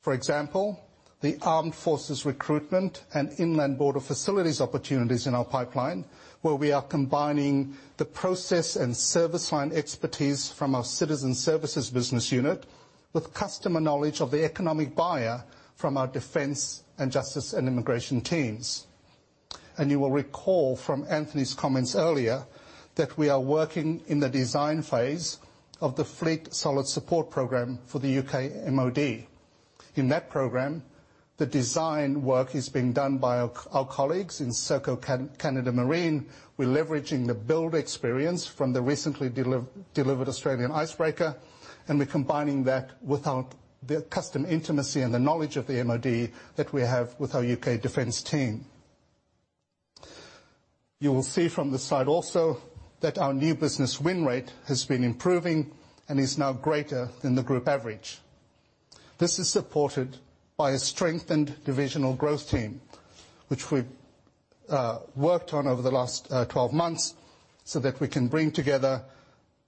For example, the armed forces recruitment and inland border facilities opportunities in our pipeline, where we are combining the process and service line expertise from our citizen services business unit with customer knowledge of the economic buyer from our defense and justice and immigration teams. You will recall from Anthony's comments earlier that we are working in the design phase of the Fleet Solid Support program for the U.K. MOD. In that program, the design work is being done by our colleagues in Serco Canada Marine. We're leveraging the build experience from the recently delivered Australian icebreaker, and we're combining that with our customer intimacy and the knowledge of the MOD that we have with our U.K. defense team. You will see from this slide also that our new business win rate has been improving and is now greater than the group average. This is supported by a strengthened divisional growth team, which we've worked on over the last 12 months, so that we can bring together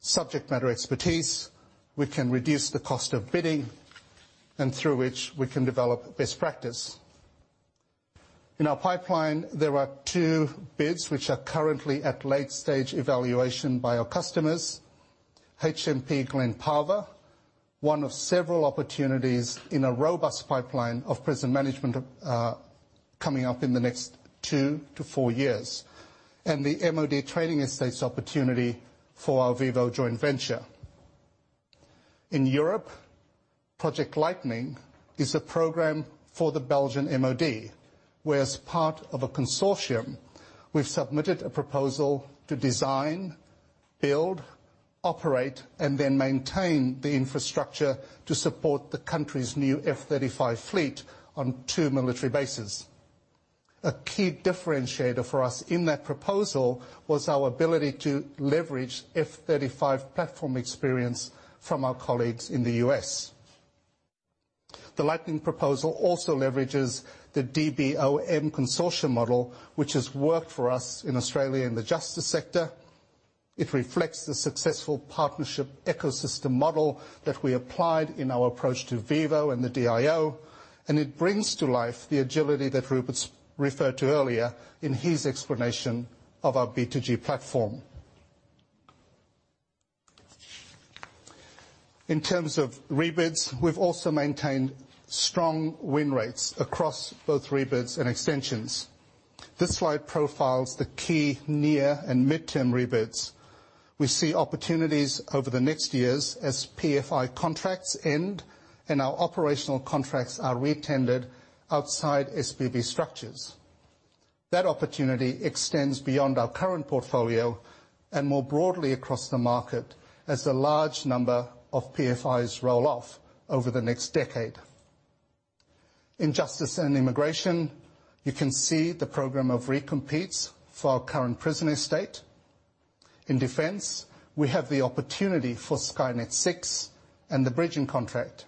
subject matter expertise, we can reduce the cost of bidding, and through which we can develop best practice. In our pipeline, there are 2 bids which are currently at late-stage evaluation by our customers, HMP Glen Parva, one of several opportunities in a robust pipeline of prison management coming up in the next two to four years, and the MOD training estates opportunity for our VIVO joint venture. In Europe, Project Lightning is a program for the Belgian MOD, where as part of a consortium, we've submitted a proposal to design, build, operate, and then maintain the infrastructure to support the country's new F-35 fleet on two military bases. A key differentiator for us in that proposal was our ability to leverage F-35 platform experience from our colleagues in the U.S. The Lightning proposal also leverages the DBOM consortium model, which has worked for us in Australia in the justice sector. It reflects the successful partnership ecosystem model that we applied in our approach to VIVO and the DIO, and it brings to life the agility that Rupert's referred to earlier in his explanation of our B2G platform. In terms of rebids, we've also maintained strong win rates across both rebids and extensions. This slide profiles the key near and midterm rebids. We see opportunities over the next years as PFI contracts end and our operational contracts are retendered outside SPV structures. That opportunity extends beyond our current portfolio and more broadly across the market as a large number of PFIs roll off over the next decade. In justice and immigration, you can see the program of recompetes for our current prison estate. In defense, we have the opportunity for Skynet 6 and the bridging contract.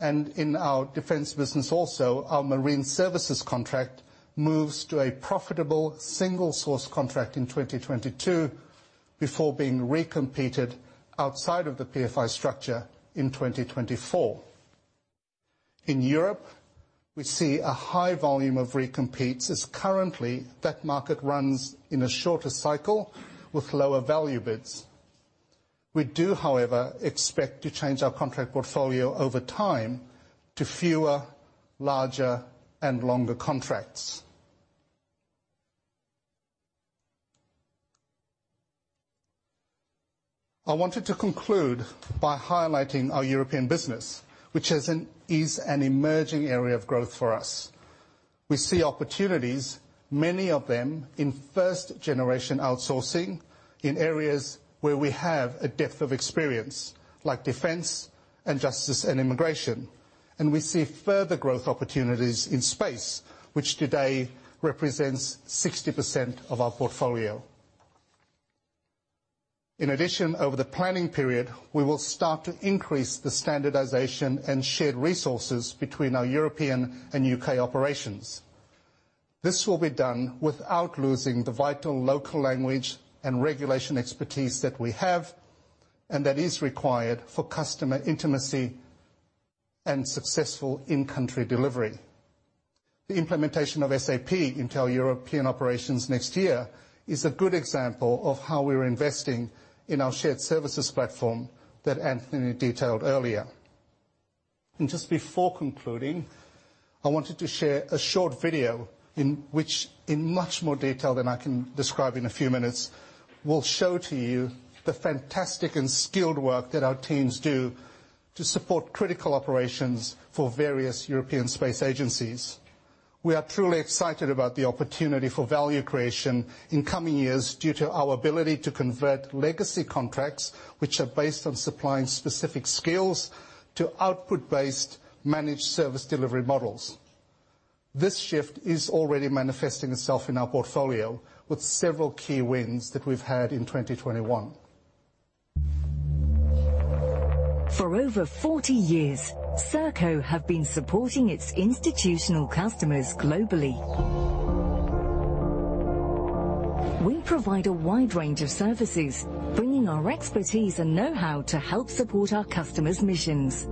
In our defense business also, our marine services contract moves to a profitable single-source contract in 2022 before being recompeted outside of the PFI structure in 2024. In Europe, we see a high volume of recompetes as currently that market runs in a shorter cycle with lower value bids. We do, however, expect to change our contract portfolio over time to fewer, larger, and longer contracts. I wanted to conclude by highlighting our European business, which is an emerging area of growth for us. We see opportunities, many of them in first generation outsourcing in areas where we have a depth of experience, like defense and justice and immigration. We see further growth opportunities in space, which today represents 60% of our portfolio. In addition, over the planning period, we will start to increase the standardization and shared resources between our European and U.K. operations. This will be done without losing the vital local language and regulation expertise that we have and that is required for customer intimacy and successful in-country delivery. The implementation of SAP in our European operations next year is a good example of how we're investing in our shared services platform that Anthony detailed earlier. Just before concluding, I wanted to share a short video in which, in much more detail than I can describe in a few minutes, will show to you the fantastic and skilled work that our teams do to support critical operations for various European space agencies. We are truly excited about the opportunity for value creation in coming years due to our ability to convert legacy contracts, which are based on supplying specific skills to output-based managed service delivery models. This shift is already manifesting itself in our portfolio with several key wins that we've had in 2021. For over forty years, Serco have been supporting its institutional customers globally. We provide a wide range of services, bringing our expertise and know-how to help support our customers' missions.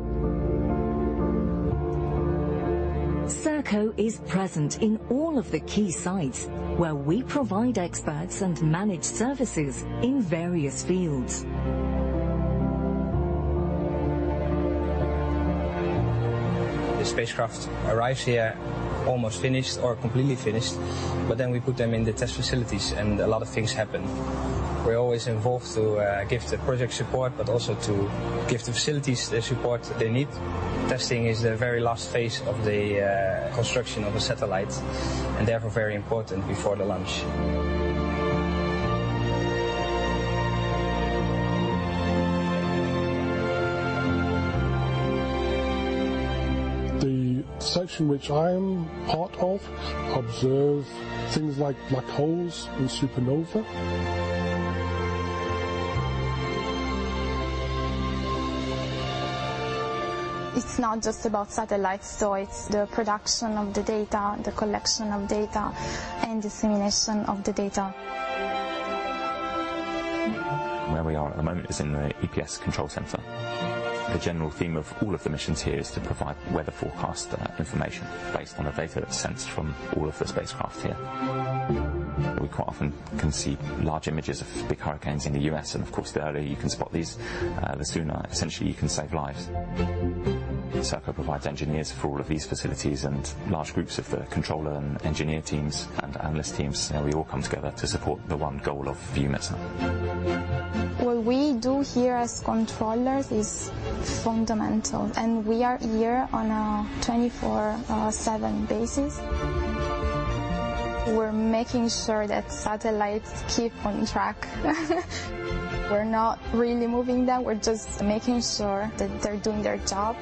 Serco is present in all of the key sites where we provide experts and managed services in various fields. The spacecraft arrives here almost finished or completely finished, but then we put them in the test facilities and a lot of things happen. We're always involved to give the project support, but also to give the facilities the support they need. Testing is the very last phase of the construction of a satellite, and therefore very important before the launch. The section which I am part of observe things like black holes and supernova. It's not just about satellites, so it's the production of the data, the collection of data and dissemination of the data. Where we are at the moment is in the EPS control center. The general theme of all of the missions here is to provide weather forecast information based on the data that's sent from all of the spacecraft here. We quite often can see large images of big hurricanes in the U.S., and of course, the earlier you can spot these, the sooner essentially you can save lives. Serco provides engineers for all of these facilities and large groups of the controller and engineer teams and analyst teams, you know, we all come together to support the one goal of EUMETSAT. What we do here as controllers is fundamental, and we are here on a 24/7 basis. We're making sure that satellites keep on track. We're not really moving them. We're just making sure that they're doing their job.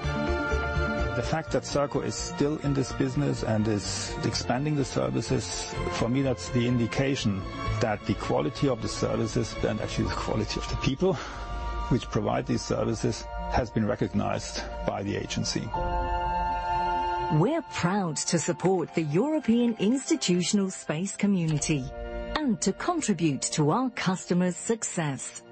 The fact that Serco is still in this business and is expanding the services, for me, that's the indication that the quality of the services, and actually the quality of the people which provide these services, has been recognized by the agency. We're proud to support the European institutional Space landscape and to contribute to our customers' success.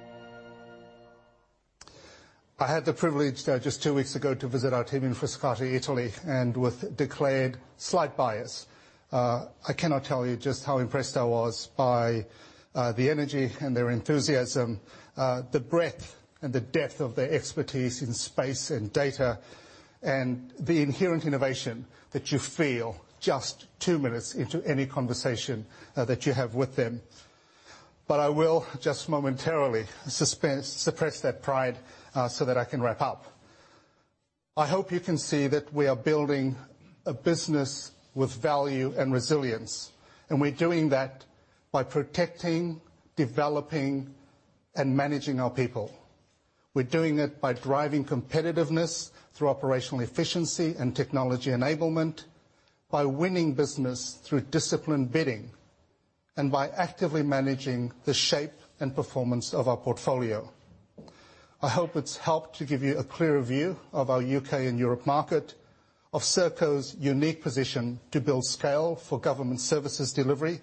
I had the privilege, just two weeks ago to visit our team in Frascati, Italy, and with declared slight bias, I cannot tell you just how impressed I was by, the energy and their enthusiasm, the breadth and the depth of their expertise in space and data, and the inherent innovation that you feel just two minutes into any conversation, that you have with them. I will just momentarily suppress that pride, so that I can wrap up. I hope you can see that we are building a business with value and resilience, and we're doing that by protecting, developing, and managing our people. We're doing it by driving competitiveness through operational efficiency and technology enablement, by winning business through disciplined bidding, and by actively managing the shape and performance of our portfolio. I hope it's helped to give you a clearer view of our UK and Europe market, of Serco's unique position to build scale for government services delivery,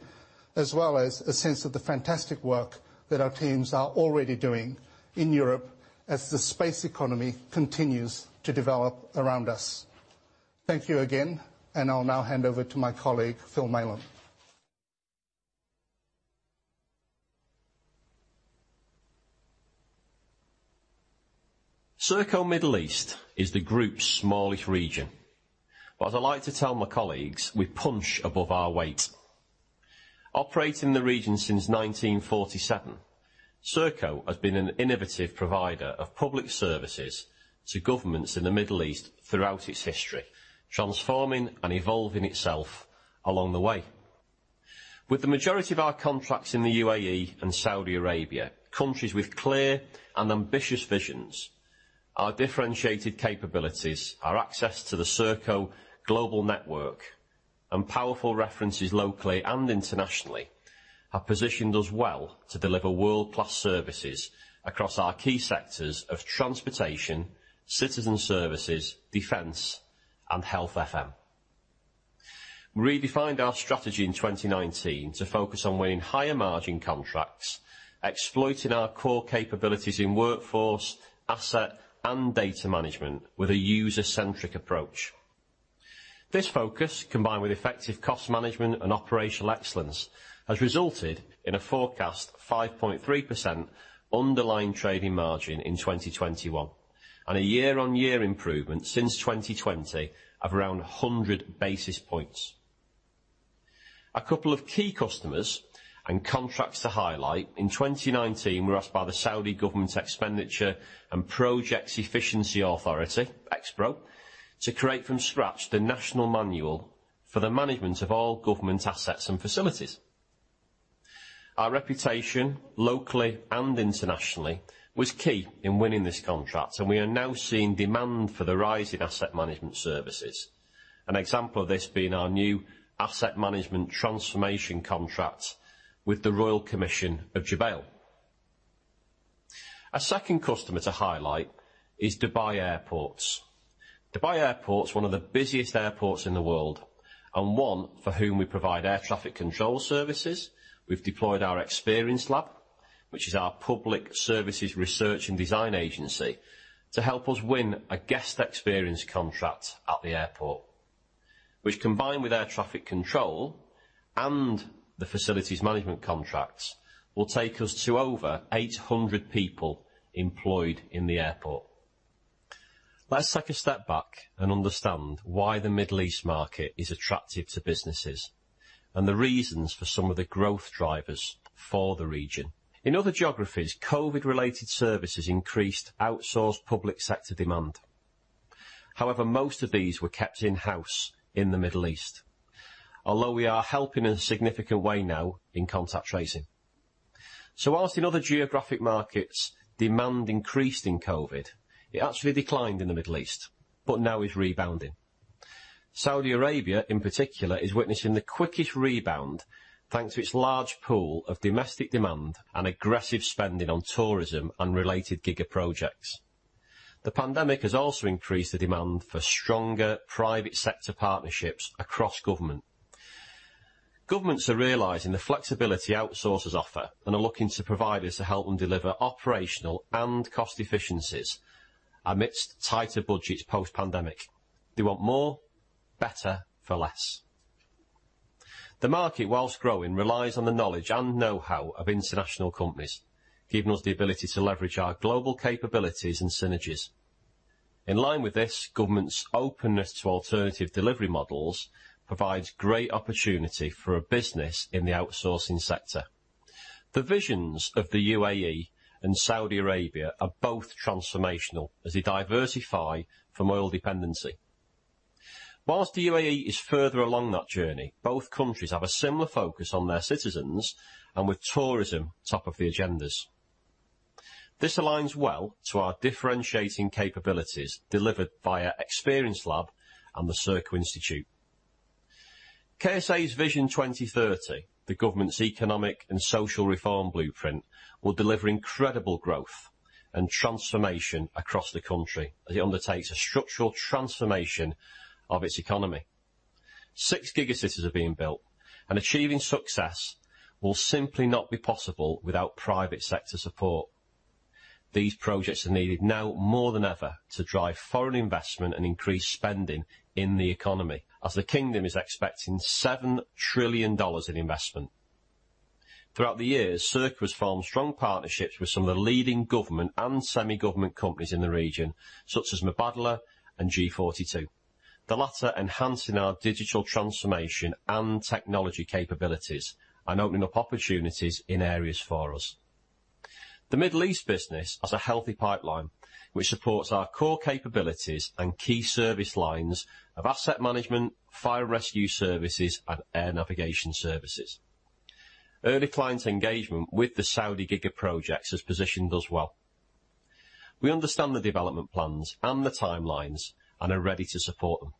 as well as a sense of the fantastic work that our teams are already doing in Europe as the space economy continues to develop around us. Thank you again, and I'll now hand over to my colleague, Phil Malem. Serco Middle East is the group's smallest region. As I like to tell my colleagues, we punch above our weight. Operating in the region since 1947, Serco has been an innovative provider of public services to governments in the Middle East throughout its history, transforming and evolving itself along the way. With the majority of our contracts in the UAE and Saudi Arabia, countries with clear and ambitious visions, our differentiated capabilities, our access to the Serco global network, and powerful references locally and internationally, have positioned us well to deliver world-class services across our key sectors of transportation, citizen services, defense, and health FM. We redefined our strategy in 2019 to focus on winning higher margin contracts, exploiting our core capabilities in workforce, asset, and data management with a user-centric approach. This focus, combined with effective cost management and operational excellence, has resulted in a forecast 5.3% underlying trading margin in 2021, and a year-on-year improvement since 2020 of around 100 basis points. A couple of key customers and contracts to highlight. In 2019, we were asked by the Saudi Government Expenditure & Projects Efficiency Authority, EXPRO, to create from scratch the national manual for the management of all government assets and facilities. Our reputation, locally and internationally, was key in winning this contract, and we are now seeing demand for the rise in asset management services. An example of this being our new asset management transformation contract with the Royal Commission for Jubail and Yanbu. Our second customer to highlight is Dubai Airports. Dubai Airports is one of the busiest airports in the world, and one for whom we provide air traffic control services. We've deployed our Experience Lab, which is our public services research and design agency, to help us win a guest experience contract at the airport. Which, combined with air traffic control and the facilities management contracts, will take us to over 800 people employed in the airport. Let's take a step back and understand why the Middle East market is attractive to businesses, and the reasons for some of the growth drivers for the region. In other geographies, COVID-related services increased outsourced public sector demand. However, most of these were kept in-house in the Middle East, although we are helping in a significant way now in contact tracing. While in other geographic markets, demand increased in COVID, it actually declined in the Middle East, but now is rebounding. Saudi Arabia, in particular, is witnessing the quickest rebound, thanks to its large pool of domestic demand and aggressive spending on tourism and related giga projects. The pandemic has also increased the demand for stronger private sector partnerships across government. Governments are realizing the flexibility outsourcers offer and are looking to providers to help them deliver operational and cost efficiencies amidst tighter budgets post-pandemic. They want more, better for less. The market, while growing, relies on the knowledge and know-how of international companies, giving us the ability to leverage our global capabilities and synergies. In line with this, government's openness to alternative delivery models provides great opportunity for a business in the outsourcing sector. The visions of the UAE and Saudi Arabia are both transformational as they diversify from oil dependency. While the UAE is further along that journey, both countries have a similar focus on their citizens and with tourism top of the agendas. This aligns well to our differentiating capabilities delivered via Experience Lab and the Serco Institute. KSA's Vision 2030, the government's economic and social reform blueprint, will deliver incredible growth and transformation across the country as it undertakes a structural transformation of its economy. Six gigacities are being built, and achieving success will simply not be possible without private sector support. These projects are needed now more than ever to drive foreign investment and increase spending in the economy, as the kingdom is expecting $7 trillion in investment. Throughout the years, Serco has formed strong partnerships with some of the leading government and semi-government companies in the region, such as Mubadala and G42. The latter enhancing our digital transformation and technology capabilities and opening up opportunities in areas for us. The Middle East business has a healthy pipeline which supports our core capabilities and key service lines of asset management, fire rescue services, and air navigation services. Early client engagement with the Saudi giga projects has positioned us well. We understand the development plans and the timelines and are ready to support them.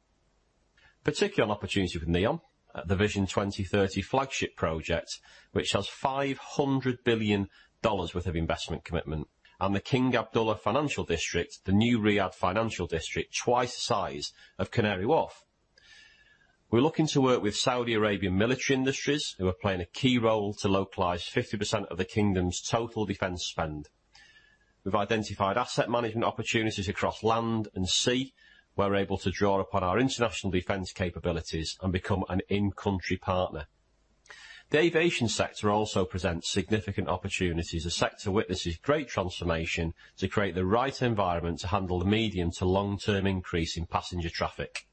Particular opportunity with NEOM, the Vision 2030 flagship project, which has $500 billion worth of investment commitment, and the King Abdullah Financial District, the new Riyadh financial district, twice the size of Canary Wharf. We're looking to work with Saudi Arabian Military Industries who are playing a key role to localize 50% of the kingdom's total defense spend. We've identified asset management opportunities across land and sea. We're able to draw upon our international defense capabilities and become an in-country partner. The aviation sector also presents significant opportunities. The sector witnesses great transformation to create the right environment to handle the medium to long-term increase in passenger traffic.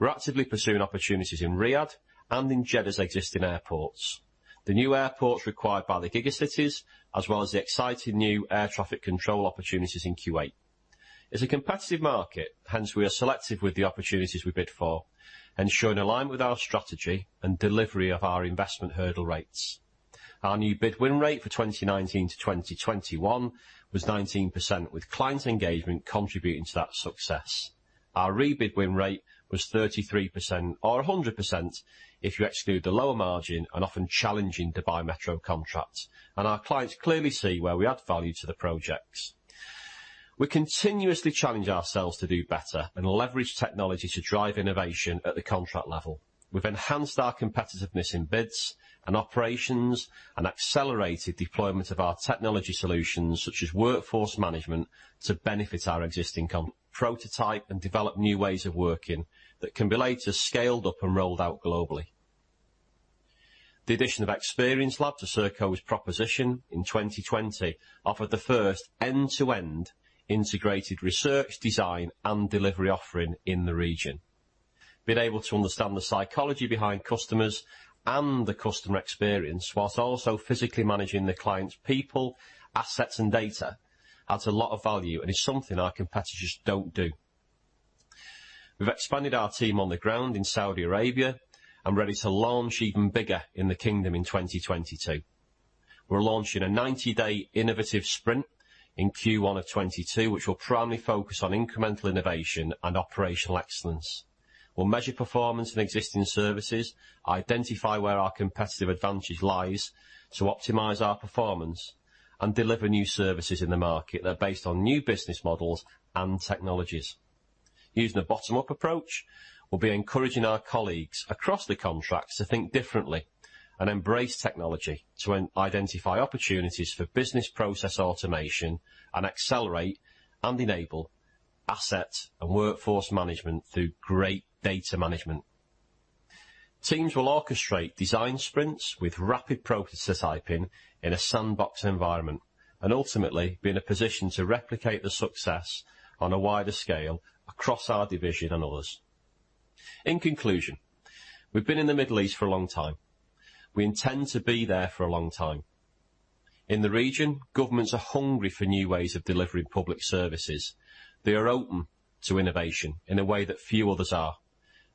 We're actively pursuing opportunities in Riyadh and in Jeddah's existing airports, the new airports required by the gigacities, as well as the exciting new air traffic control opportunities in Kuwait. It's a competitive market, hence we are selective with the opportunities we bid for, ensuring alignment with our strategy and delivery of our investment hurdle rates. Our new bid-win rate for 2019-2021 was 19%, with client engagement contributing to that success. Our re-bid win rate was 33%, or 100% if you exclude the lower margin and often challenging Dubai Metro contracts. Our clients clearly see where we add value to the projects. We continuously challenge ourselves to do better and leverage technology to drive innovation at the contract level. We've enhanced our competitiveness in bids and operations and accelerated deployment of our technology solutions, such as workforce management to benefit our existing customers, prototype and develop new ways of working that can be later scaled up and rolled out globally. The addition of Experience Lab to Serco's proposition in 2020 offered the first end-to-end integrated research design and delivery offering in the region. Being able to understand the psychology behind customers and the customer experience, while also physically managing the client's people, assets, and data adds a lot of value and is something our competitors don't do. We've expanded our team on the ground in Saudi Arabia and ready to launch even bigger in the kingdom in 2022. We're launching a 90-day innovative sprint in Q1 of 2022, which will primarily focus on incremental innovation and operational excellence. We'll measure performance in existing services, identify where our competitive advantage lies to optimize our performance and deliver new services in the market that are based on new business models and technologies. Using a bottom-up approach, we'll be encouraging our colleagues across the contracts to think differently and embrace technology to identify opportunities for business process automation and accelerate and enable asset and workforce management through great data management. Teams will orchestrate design sprints with rapid prototyping in a sandbox environment, and ultimately be in a position to replicate the success on a wider scale across our division and others. In conclusion, we've been in the Middle East for a long time. We intend to be there for a long time. In the region, governments are hungry for new ways of delivering public services. They are open to innovation in a way that few others are,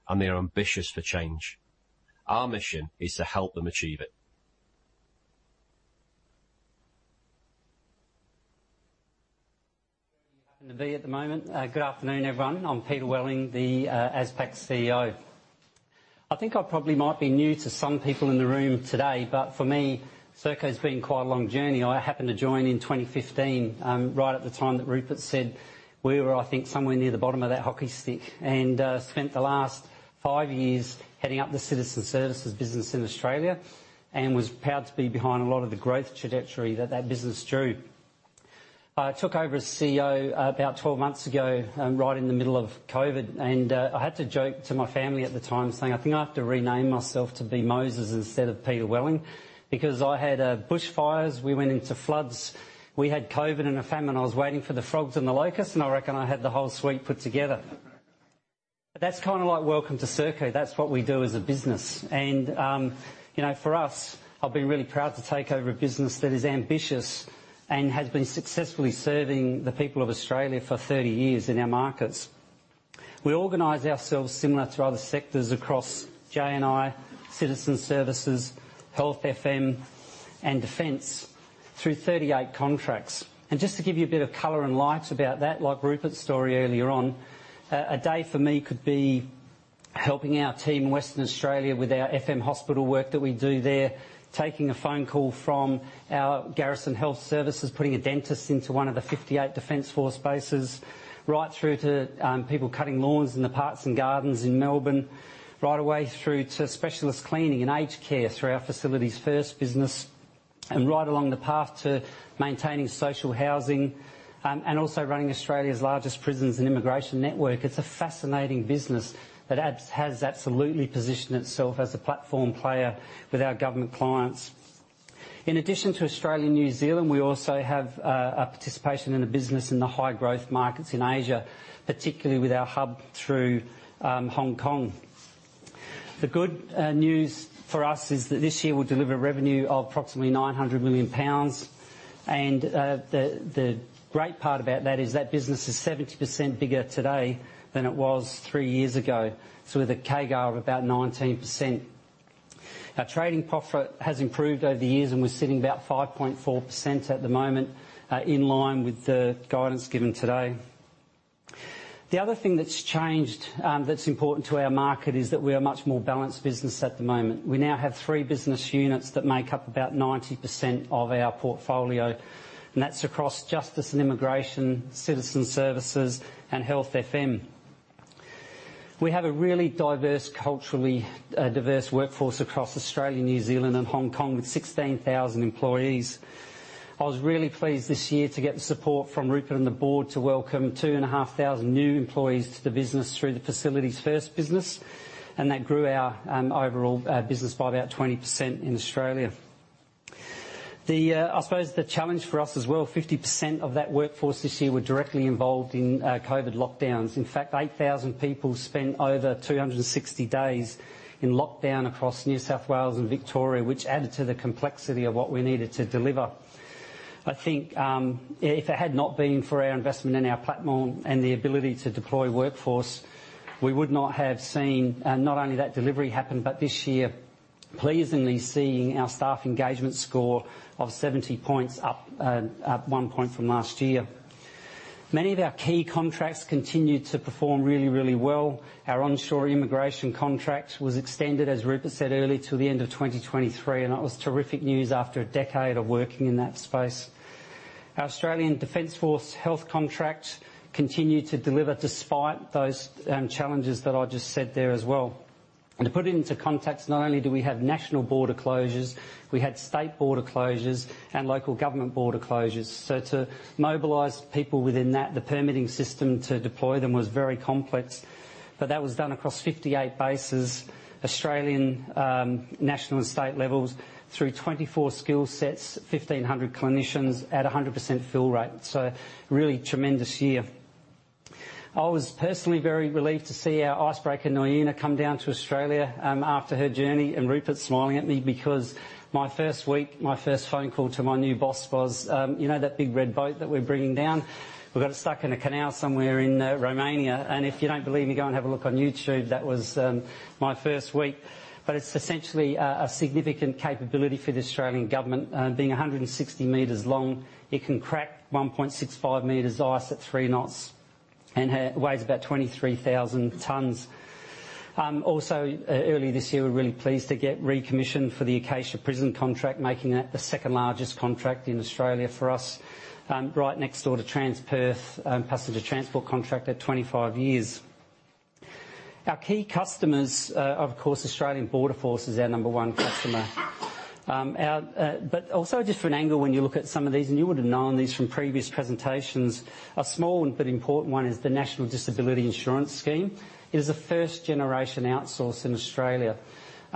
and they are ambitious for change. Our mission is to help them achieve it. Happen to be at the moment. Good afternoon, everyone. I'm Peter Welling, the ASPAC CEO. I think I probably might be new to some people in the room today, but for me, Serco's been quite a long journey. I happened to join in 2015, right at the time that Rupert said we were, I think, somewhere near the bottom of that hockey stick. Spent the last five years heading up the Citizen Services business in Australia and was proud to be behind a lot of the growth trajectory that that business drew. I took over as CEO 12 months ago, right in the middle of COVID, and I had to joke to my family at the time saying, "I think I have to rename myself to be Moses instead of Peter Welling," because I had bushfires, we went into floods, we had COVID and a famine. I was waiting for the frogs and the locusts, and I reckon I had the whole suite put together. But that's kind of like welcome to Serco. That's what we do as a business. You know, for us, I've been really proud to take over a business that is ambitious and has been successfully serving the people of Australia for 30 years in our markets. We organize ourselves similar to other sectors across J&I, Citizen Services, Health FM, and Defense through 38 contracts. Just to give you a bit of color and light about that, like Rupert's story earlier on, a day for me could be helping our team Western Australia with our FM hospital work that we do there. Taking a phone call from our Garrison Health Services, putting a dentist into one of the 58 defense force bases, right through to people cutting lawns in the parks and gardens in Melbourne, right away through to specialist cleaning and aged care through our Facilities First business, and right along the path to maintaining social housing, and also running Australia's largest prisons and immigration network. It's a fascinating business that has absolutely positioned itself as a platform player with our government clients. In addition to Australia and New Zealand, we also have a participation in the business in the high growth markets in Asia, particularly with our hub through Hong Kong. The good news for us is that this year we'll deliver revenue of approximately 900 million pounds and the great part about that is that business is 70% bigger today than it was three years ago, so with a CAGR of about 19%. Our trading profit has improved over the years, and we're sitting about 5.4% at the moment, in line with the guidance given today. The other thing that's changed, that's important to our market is that we are a much more balanced business at the moment. We now have three business units that make up about 90% of our portfolio, and that's across Justice and Immigration, Citizen Services, and Health FM. We have a really diverse, culturally diverse workforce across Australia, New Zealand, and Hong Kong with 16,000 employees. I was really pleased this year to get the support from Rupert and the board to welcome 2,500 new employees to the business through the Facilities First business, and that grew our overall business by about 20% in Australia. I suppose the challenge for us as well, 50% of that workforce this year were directly involved in COVID lockdowns. In fact, 8,000 people spent over 260 days in lockdown across New South Wales and Victoria, which added to the complexity of what we needed to deliver. I think, if it had not been for our investment in our platform and the ability to deploy workforce, we would not have seen, not only that delivery happen, but this year, pleasingly seeing our staff engagement score of 70 points up 1 point from last year. Many of our key contracts continued to perform really, really well. Our onshore immigration contract was extended, as Rupert said earlier, till the end of 2023, and that was terrific news after a decade of working in that space. Our Australian Defense Force health contract continued to deliver despite those challenges that I just said there as well. To put it into context, not only do we have national border closures, we had state border closures and local government border closures. To mobilize people within that, the permitting system to deploy them was very complex. That was done across 58 bases, Australian national and state levels through 24 skill sets, 1,500 clinicians at a 100% fill rate. A really tremendous year. I was personally very relieved to see our icebreaker, Nuyina, come down to Australia after her journey, and Rupert's smiling at me because my first week, my first phone call to my new boss was, "You know that big red boat that we're bringing down? We got it stuck in a canal somewhere in Romania. And if you don't believe me, go and have a look on YouTube." That was my first week. It's essentially a significant capability for the Australian government, being 160 m long. It can crack 1.65 m ice at 3 knots and weighs about 23,000 tons. Also earlier this year, we're really pleased to get recommissioned for the Acacia Prison contract, making it the second-largest contract in Australia for us, right next door to Transperth passenger transport contract at 25 years. Our key customers, of course, Australian Border Force is our number one customer. But also just for an angle, when you look at some of these, and you would have known these from previous presentations, a small but important one is the National Disability Insurance Scheme. It is a first-generation outsource in Australia.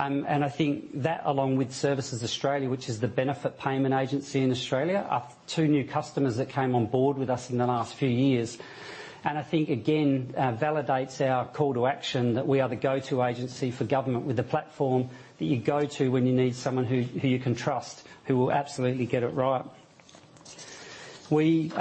I think that along with Services Australia, which is the benefit payment agency in Australia, are two new customers that came on board with us in the last few years. I think, again, validates our call to action that we are the go-to agency for government with the platform that you go to when you need someone who you can trust, who will absolutely get it right. We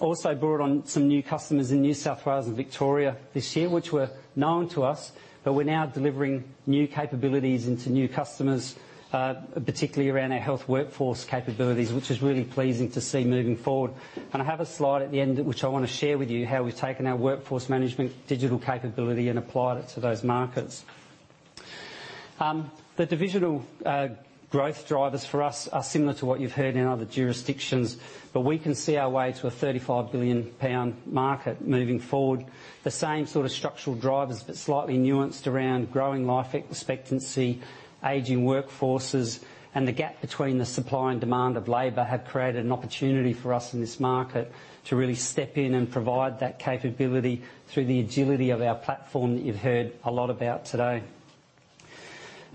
also brought on some new customers in New South Wales and Victoria this year, which were known to us, but we're now delivering new capabilities into new customers, particularly around our health workforce capabilities, which is really pleasing to see moving forward. I have a slide at the end, which I wanna share with you how we've taken our workforce management digital capability and applied it to those markets. The divisional growth drivers for us are similar to what you've heard in other jurisdictions, but we can see our way to a 35 billion pound market moving forward. The same sort of structural drivers, but slightly nuanced around growing life expectancy, aging workforces, and the gap between the supply and demand of labor have created an opportunity for us in this market to really step in and provide that capability through the agility of our platform that you've heard a lot about today.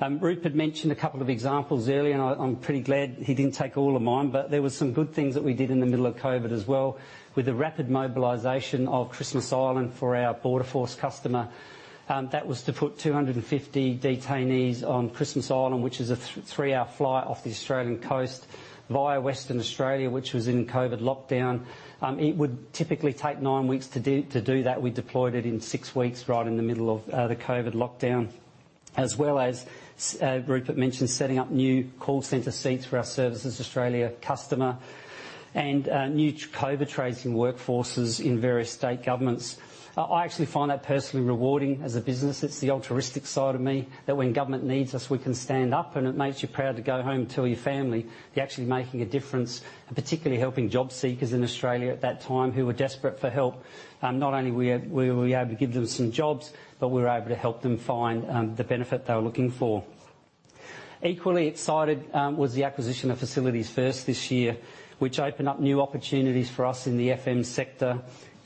Rupert mentioned a couple of examples earlier, and I'm pretty glad he didn't take all of mine, but there was some good things that we did in the middle of COVID as well with the rapid mobilization of Christmas Island for our Border Force customer. That was to put 250 detainees on Christmas Island, which is a three-hour flight off the Australian coast via Western Australia, which was in COVID lockdown. It would typically take nine weeks to do that. We deployed it in six weeks, right in the middle of the COVID lockdown. As well as Rupert mentioned, setting up new call center seats for our Services Australia customer and new COVID tracing workforces in various state governments. I actually find that personally rewarding as a business. It's the altruistic side of me that when government needs us, we can stand up and it makes you proud to go home and tell your family you're actually making a difference, and particularly helping job seekers in Australia at that time who were desperate for help. Not only were we able to give them some jobs, but we were able to help them find the benefit they were looking for. Equally excited was the acquisition of Facilities First this year, which opened up new opportunities for us in the FM sector,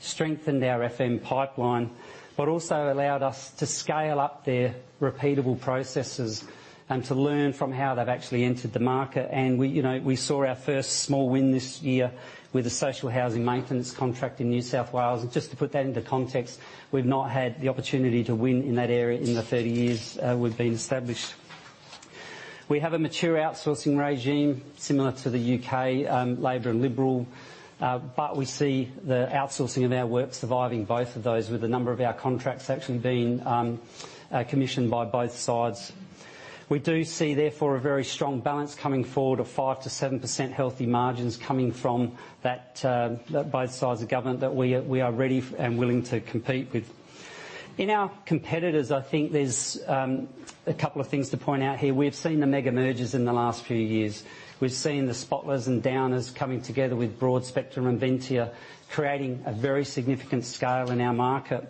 strengthened our FM pipeline, but also allowed us to scale up their repeatable processes and to learn from how they've actually entered the market. We, you know, saw our first small win this year with a social housing maintenance contract in New South Wales. Just to put that into context, we've not had the opportunity to win in that area in the 30 years we've been established. We have a mature outsourcing regime similar to the U.K., Labor and Liberal, but we see the outsourcing of our work surviving both of those with a number of our contracts actually being commissioned by both sides. We do see therefore a very strong balance coming forward of 5%-7% healthy margins coming from that both sides of government that we are ready and willing to compete with. In our competitors, I think there's a couple of things to point out here. We've seen the mega mergers in the last few years. We've seen the Spotless and Downer coming together with Broadspectrum and Ventia, creating a very significant scale in our market.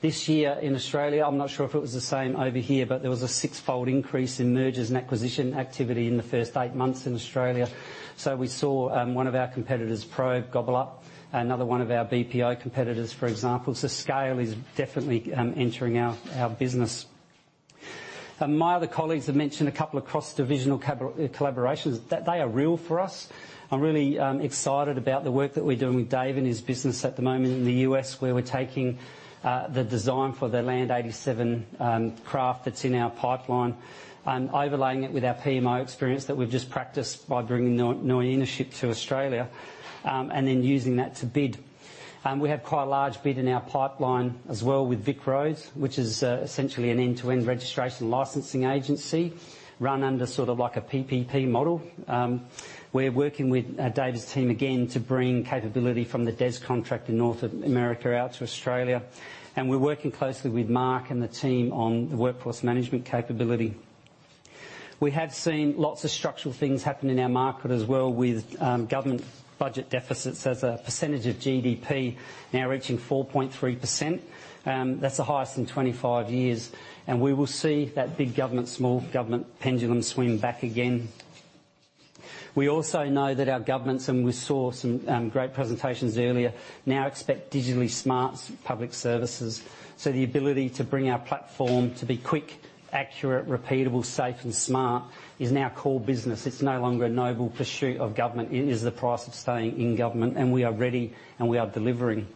This year in Australia, I'm not sure if it was the same over here, but there was a six-fold increase in mergers and acquisitions activity in the first eight months in Australia. We saw one of our competitors, Probe, gobble up another one of our BPO competitors, for example. Scale is definitely entering our business. My other colleagues have mentioned a couple of cross-divisional collaborations. They are real for us. I'm really excited about the work that we're doing with Dave and his business at the moment in the U.S., where we're taking the design for the Land 87 craft that's in our pipeline and overlaying it with our PMO experience that we've just practiced by bringing the Nuyina ship to Australia and then using that to bid. We have quite a large bid in our pipeline as well with VicRoads, which is essentially an end-to-end registration licensing agency run under sort of like a PPP model. We're working with Dave's team again to bring capability from the DES contract in North America out to Australia. We're working closely with Mark and the team on the workforce management capability. We have seen lots of structural things happen in our market as well with government budget deficits as a percentage of GDP now reaching 4.3%. That's the highest in 25 years. We will see that big government, small government pendulum swing back again. We also know that our governments, and we saw some great presentations earlier, now expect digitally smart public services. The ability to bring our platform to be quick, accurate, repeatable, safe, and smart is now core business. It's no longer a noble pursuit of government. It is the price of staying in government, and we are ready, and we are delivering.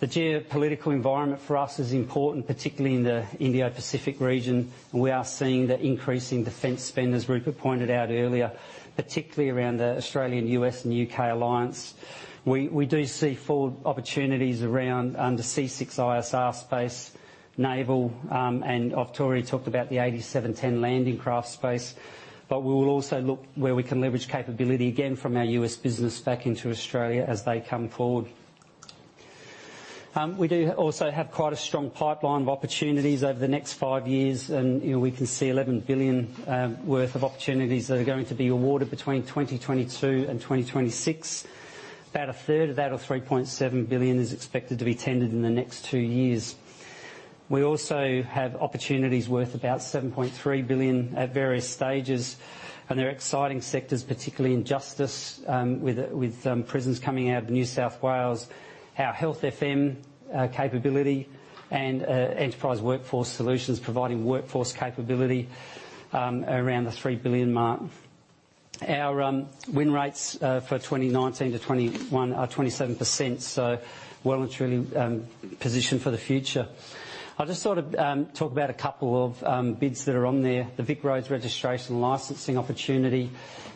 The geopolitical environment for us is important, particularly in the Indo-Pacific region. We are seeing the increase in defense spend, as Rupert pointed out earlier, particularly around the Australian, U.S., and U.K. alliance. We do see full opportunities around under C6ISR space, naval, and I've already talked about the LAND 8710 landing craft space. We will also look where we can leverage capability again from our U.S. business back into Australia as they come forward. We do also have quite a strong pipeline of opportunities over the next five years. You know, we can see 11 billion worth of opportunities that are going to be awarded between 2022 and 2026. About a third of that, or 3.7 billion, is expected to be tendered in the next two years. We also have opportunities worth about 7.3 billion at various stages. They're exciting sectors, particularly in justice, with prisons coming out of New South Wales, our Health FM capability and Enterprise Workforce Solutions providing workforce capability around the 3 billion mark. Our win rates for 2019 to 2021 are 27%, so well and truly positioned for the future. I'll just sort of talk about a couple of bids that are on there. The VicRoads registration licensing opportunity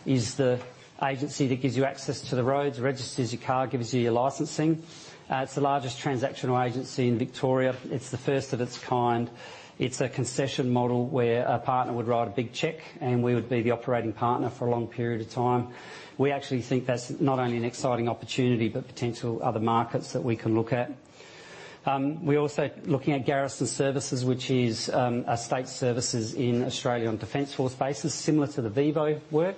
is the agency that gives you access to the roads, registers your car, gives you your licensing. It's the largest transactional agency in Victoria. It's the first of its kind. It's a concession model where a partner would write a big check, and we would be the operating partner for a long period of time. We actually think that's not only an exciting opportunity, but potential other markets that we can look at. We're also looking at garrison services, which is estate services in Australian Defence Force bases, similar to the VIVO work.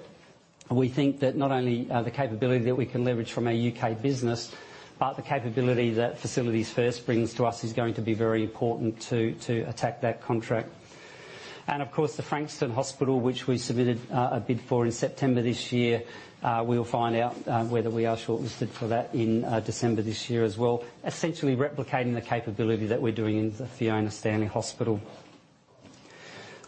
We think that not only the capability that we can leverage from our UK business, but the capability that Facilities First brings to us is going to be very important to attack that contract. Of course, the Frankston Hospital, which we submitted a bid for in September this year, we'll find out whether we are shortlisted for that in December this year as well, essentially replicating the capability that we're doing in the Fiona Stanley Hospital.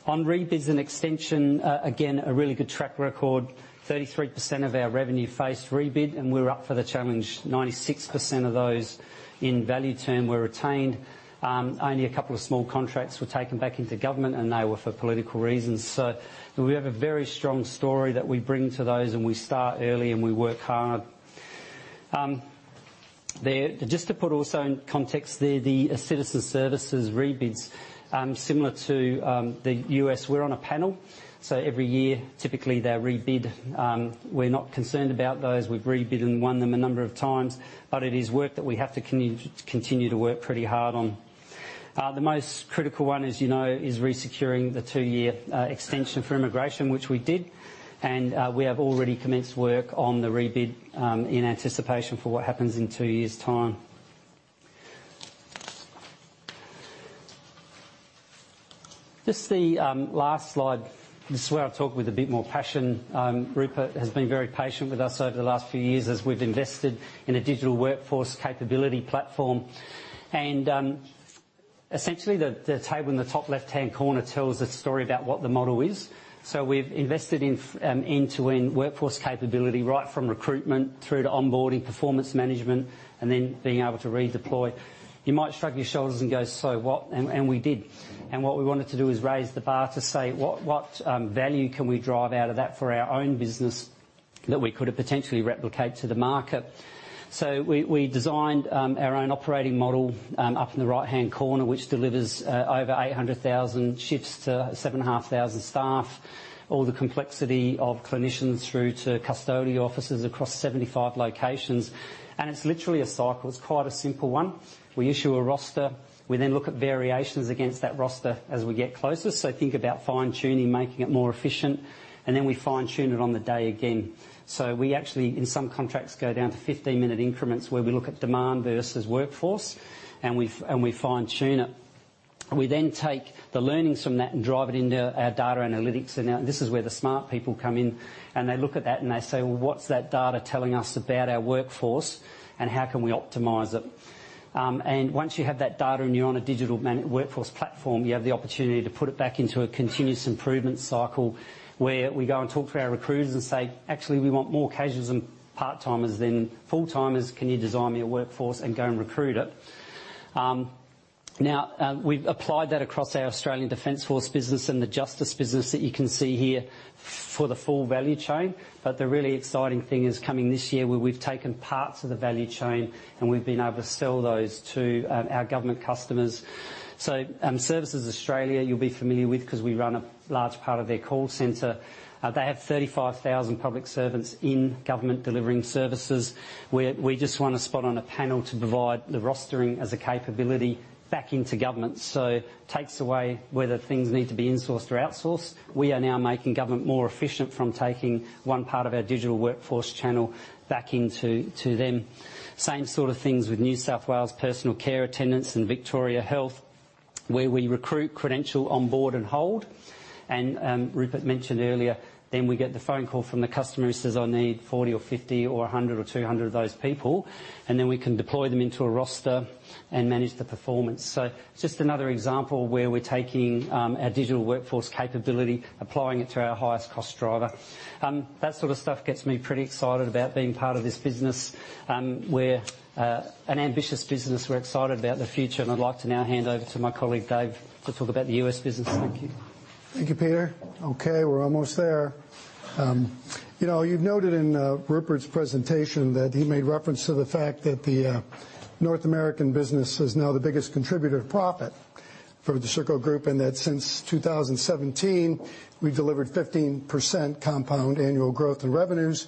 On rebids and extension, again, a really good track record. 33% of our revenue faced rebid, and we're up for the challenge. 96% of those in value term were retained. Only a couple of small contracts were taken back into government, and they were for political reasons. We have a very strong story that we bring to those, and we start early, and we work hard. Just to put also in context there, the citizen services rebids, similar to the U.S., we're on a panel. Every year, typically, they rebid. We're not concerned about those. We've rebid and won them a number of times. It is work that we have to continue to work pretty hard on. The most critical one, as you know, is resecuring the 2-year extension for immigration, which we did. We have already commenced work on the rebid in anticipation for what happens in two years' time. Just the last slide. This is where I talk with a bit more passion. Rupert has been very patient with us over the last few years as we've invested in a digital workforce capability platform. Essentially, the table in the top left-hand corner tells a story about what the model is. We've invested in end-to-end workforce capability, right from recruitment through to onboarding, performance management, and then being able to redeploy. You might shrug your shoulders and go, "So what?" We did. What we wanted to do is raise the bar to say what value can we drive out of that for our own business that we could potentially replicate to the market? We designed our own operating model up in the right-hand corner, which delivers over 800,000 shifts to 7,500 staff. All the complexity of clinicians through to custodial officers across 75 locations. It's literally a cycle. It's quite a simple one. We issue a roster. We then look at variations against that roster as we get closer. Think about fine-tuning, making it more efficient. Then we fine-tune it on the day again. We actually, in some contracts, go down to 15-minute increments where we look at demand versus workforce, and we fine-tune it. We then take the learnings from that and drive it into our data analytics. Now this is where the smart people come in, and they look at that and they say, "Well, what's that data telling us about our workforce and how can we optimize it?" Once you have that data and you're on a digital workforce platform, you have the opportunity to put it back into a continuous improvement cycle where we go and talk to our recruiters and say, "Actually, we want more casuals and part-timers than full-timers. Can you design me a workforce and go and recruit it?" We've applied that across our Australian Defence Force business and the justice business that you can see here for the full value chain. The really exciting thing is coming this year where we've taken parts of the value chain and we've been able to sell those to our government customers. Services Australia you'll be familiar with because we run a large part of their call center. They have 35,000 public servants in government delivering services. We just won a spot on a panel to provide the rostering as a capability back into government. Takes away whether things need to be insourced or outsourced. We are now making government more efficient from taking one part of our digital workforce channel back into, to them. Same sort of things with New South Wales Personal Care Attendants and Victoria Health, where we recruit, credential, onboard and hold. Rupert mentioned earlier, then we get the phone call from the customer who says, "I need 40 or 50 or 100 or 200 of those people." Then we can deploy them into a roster and manage the performance. Just another example where we're taking our digital workforce capability, applying it to our highest cost driver. That sort of stuff gets me pretty excited about being part of this business. We're an ambitious business. We're excited about the future, and I'd like to now hand over to my colleague, Dave, to talk about the U.S. business. Thank you. Thank you, Peter. Okay, we're almost there. You know, you've noted in Rupert's presentation that he made reference to the fact that the North American business is now the biggest contributor to profit for the Serco Group, and that since 2017, we've delivered 15% compound annual growth in revenues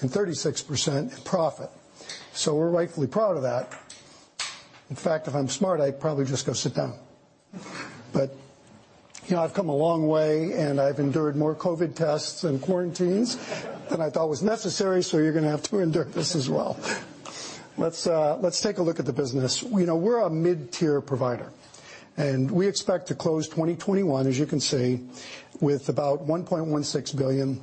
and 36% in profit. We're rightfully proud of that. In fact, if I'm smart, I'd probably just go sit down. You know, I've come a long way, and I've endured more COVID tests and quarantines than I thought was necessary, so you're gonna have to endure this as well. Let's take a look at the business. You know, we're a mid-tier provider, and we expect to close 2021, as you can see, with about 1.16 billion.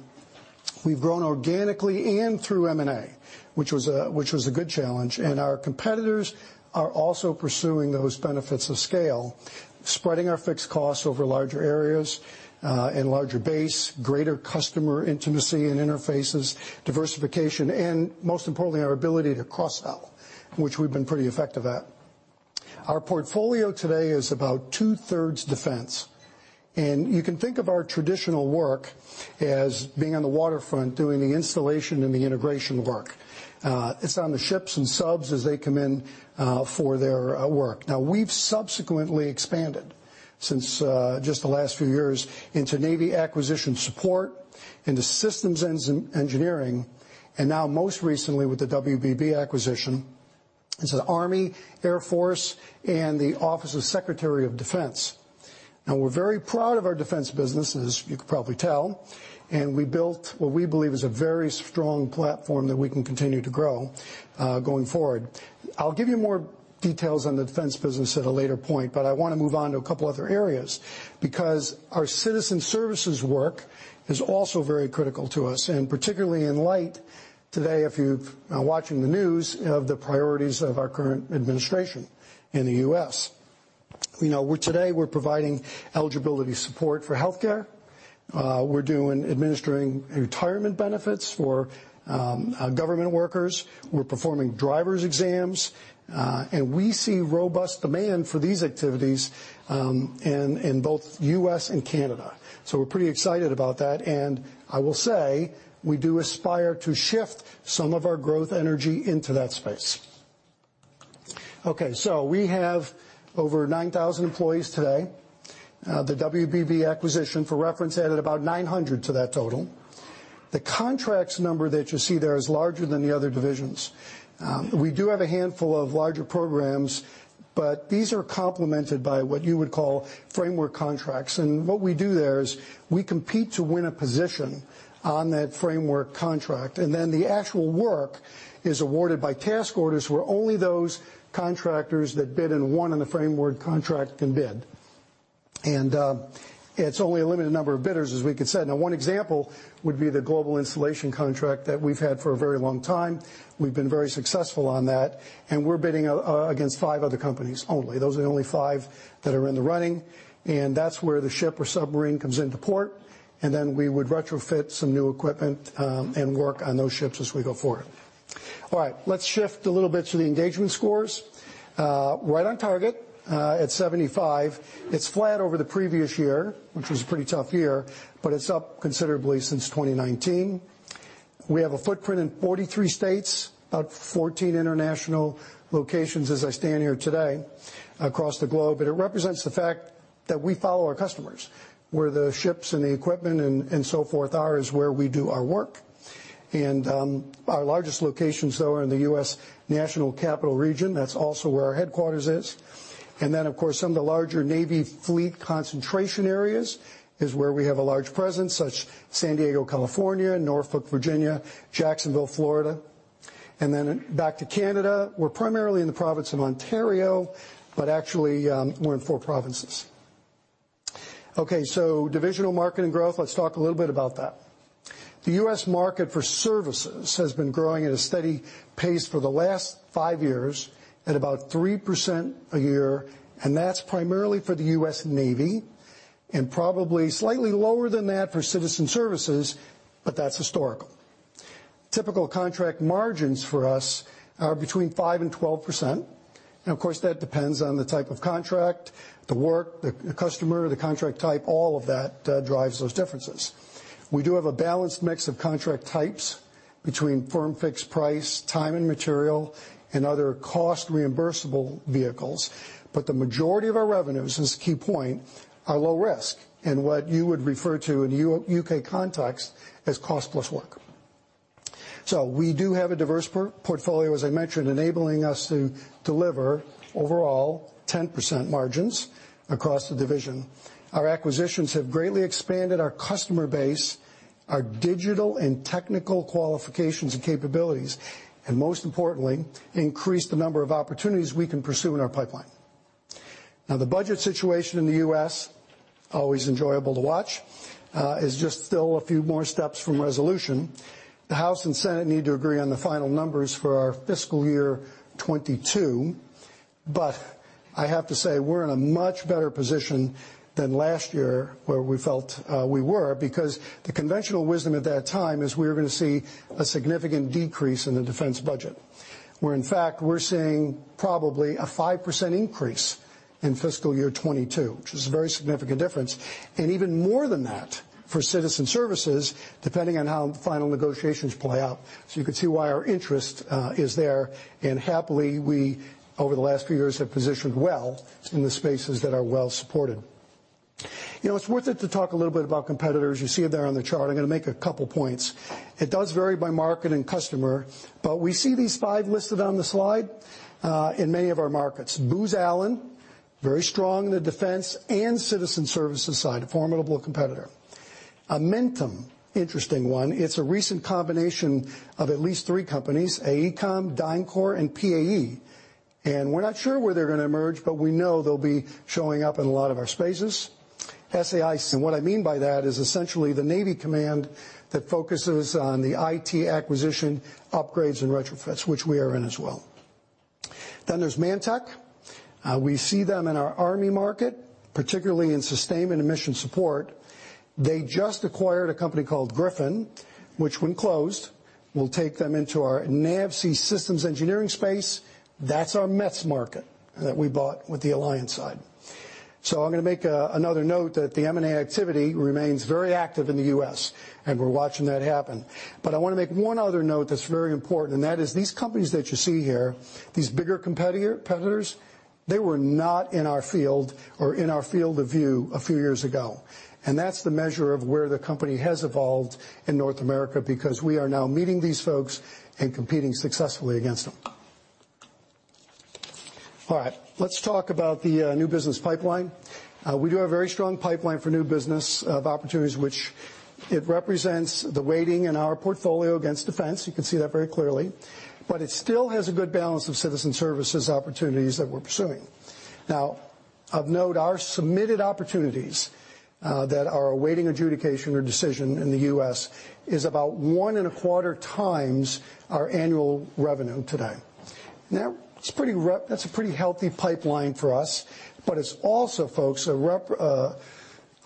We've grown organically and through M&A, which was a good challenge. Our competitors are also pursuing those benefits of scale, spreading our fixed costs over larger areas, and larger base, greater customer intimacy and interfaces, diversification, and most importantly, our ability to cross-sell, which we've been pretty effective at. Our portfolio today is about two-thirds defense. You can think of our traditional work as being on the waterfront, doing the installation and the integration work. It's on the ships and subs as they come in for their work. Now, we've subsequently expanded since just the last few years into Navy acquisition support, into systems engineering, and now most recently with the WBB acquisition, it's the Army, Air Force, and the Office of the Secretary of Defense. Now, we're very proud of our defense business, as you can probably tell, and we built what we believe is a very strong platform that we can continue to grow going forward. I'll give you more details on the defense business at a later point, but I wanna move on to a couple other areas because our citizen services work is also very critical to us, and particularly in light today, if you're watching the news, of the priorities of our current administration in the U.S. You know, today we're providing eligibility support for healthcare. We're administering retirement benefits for government workers. We're performing driver's exams. And we see robust demand for these activities in both U.S. and Canada. We're pretty excited about that. I will say we do aspire to shift some of our growth energy into that space. Okay, so we have over 9,000 employees today. The WBB acquisition, for reference, added about 900 to that total. The contracts number that you see there is larger than the other divisions. We do have a handful of larger programs, but these are complemented by what you would call framework contracts. What we do there is we compete to win a position on that framework contract, and then the actual work is awarded by task orders, where only those contractors that bid and won on the framework contract can bid. It's only a limited number of bidders, as we could say. Now, one example would be the global installation contract that we've had for a very long time. We've been very successful on that, and we're bidding against five other companies only. Those are the only five that are in the running, and that's where the ship or submarine comes into port, and then we would retrofit some new equipment, and work on those ships as we go forward. All right, let's shift a little bit to the engagement scores. Right on target at 75. It's flat over the previous year, which was a pretty tough year, but it's up considerably since 2019. We have a footprint in 43 states, about 14 international locations as I stand here today across the globe, and it represents the fact that we follow our customers. Where the ships and the equipment and so forth are is where we do our work. Our largest locations, though, are in the U.S. National Capital Region. That's also where our headquarters is. Then, of course, some of the larger Navy fleet concentration areas is where we have a large presence, such as San Diego, California, Norfolk, Virginia, Jacksonville, Florida. Then back to Canada, we're primarily in the province of Ontario, but actually, we're in four provinces. Okay, divisional market and growth, let's talk a little bit about that. The U.S. market for services has been growing at a steady pace for the last five years at about 3% a year, and that's primarily for the U.S. Navy, and probably slightly lower than that for citizen services, but that's historical. Typical contract margins for us are between 5% and 12%. Of course, that depends on the type of contract, the work, the customer, the contract type, all of that drives those differences. We do have a balanced mix of contract types between firm fixed price, time and material, and other cost-reimbursable vehicles. The majority of our revenues, this is a key point, are low risk, and what you would refer to in UK context as cost-plus work. We do have a diverse portfolio, as I mentioned, enabling us to deliver overall 10% margins across the division. Our acquisitions have greatly expanded our customer base, our digital and technical qualifications and capabilities, and most importantly, increased the number of opportunities we can pursue in our pipeline. Now, the budget situation in the U.S., always enjoyable to watch, is just still a few more steps from resolution. The House and Senate need to agree on the final numbers for our fiscal year 2022, but I have to say we're in a much better position than last year, where we felt we were, because the conventional wisdom at that time is we were gonna see a significant decrease in the defense budget. Where in fact, we're seeing probably a 5% increase in fiscal year 2022, which is a very significant difference. Even more than that for citizen services, depending on how final negotiations play out. You can see why our interest is there, and happily, we over the last few years have positioned well in the spaces that are well supported. You know, it's worth it to talk a little bit about competitors. You see it there on the chart. I'm gonna make a couple points. It does vary by market and customer, but we see these five listed on the slide in many of our markets. Booz Allen, very strong in the defense and citizen services side, a formidable competitor. Amentum, interesting one. It's a recent combination of at least three companies, AECOM, DynCorp, and PAE. We're not sure where they're gonna emerge, but we know they'll be showing up in a lot of our spaces. SAIC, and what I mean by that is essentially the Navy command that focuses on the IT acquisition, upgrades, and retrofits, which we are in as well. There's ManTech. We see them in our Army market, particularly in sustainment and mission support. They just acquired a company called Gryphon, which when closed, will take them into our NAVSEA systems engineering space. That's our METS market that we bought with the Alion side. I'm gonna make another note that the M&A activity remains very active in the U.S., and we're watching that happen. I wanna make one other note that's very important, and that is these companies that you see here, these bigger competitors, they were not in our field or in our field of view a few years ago. That's the measure of where the company has evolved in North America, because we are now meeting these folks and competing successfully against them. All right, let's talk about the new business pipeline. We do have a very strong pipeline for new business, of opportunities which it represents the weighting in our portfolio against defense. You can see that very clearly. It still has a good balance of citizen services opportunities that we're pursuing. Now, of note, our submitted opportunities that are awaiting adjudication or decision in the U.S. is about 1.25 times our annual revenue today. Now, that's a pretty healthy pipeline for us, but it's also, folks, a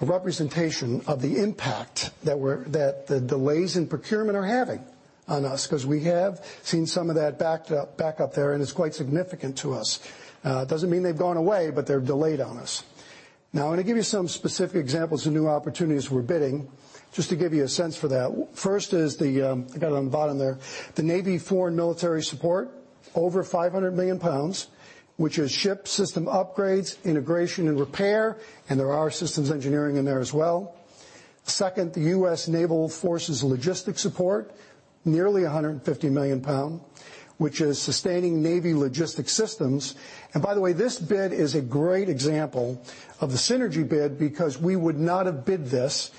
representation of the impact that the delays in procurement are having on us, 'cause we have seen some of that back up there, and it's quite significant to us. It doesn't mean they've gone away, but they're delayed on us. Now, I'm gonna give you some specific examples of new opportunities we're bidding, just to give you a sense for that. First is the, I got it on the bottom there, the Navy Foreign Military Support, over 500 million pounds, which is ship system upgrades, integration, and repair, and there are systems engineering in there as well. Second, the U.S. Naval Forces logistics support, nearly 150 million pounds, which is sustaining Navy logistics systems. By the way, this bid is a great example of the synergy bid because we would not have bid this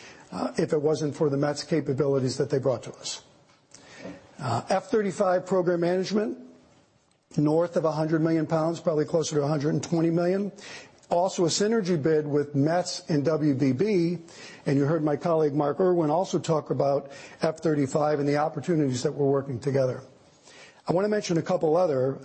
if it wasn't for the METS capabilities that they brought to us. F-35 program management, north of 100 million pounds, probably closer to 120 million. Also a synergy bid with METS and WBB, and you heard my colleague, Mark Irwin, also talk about F-35 and the opportunities that we're working together. I want to mention a couple other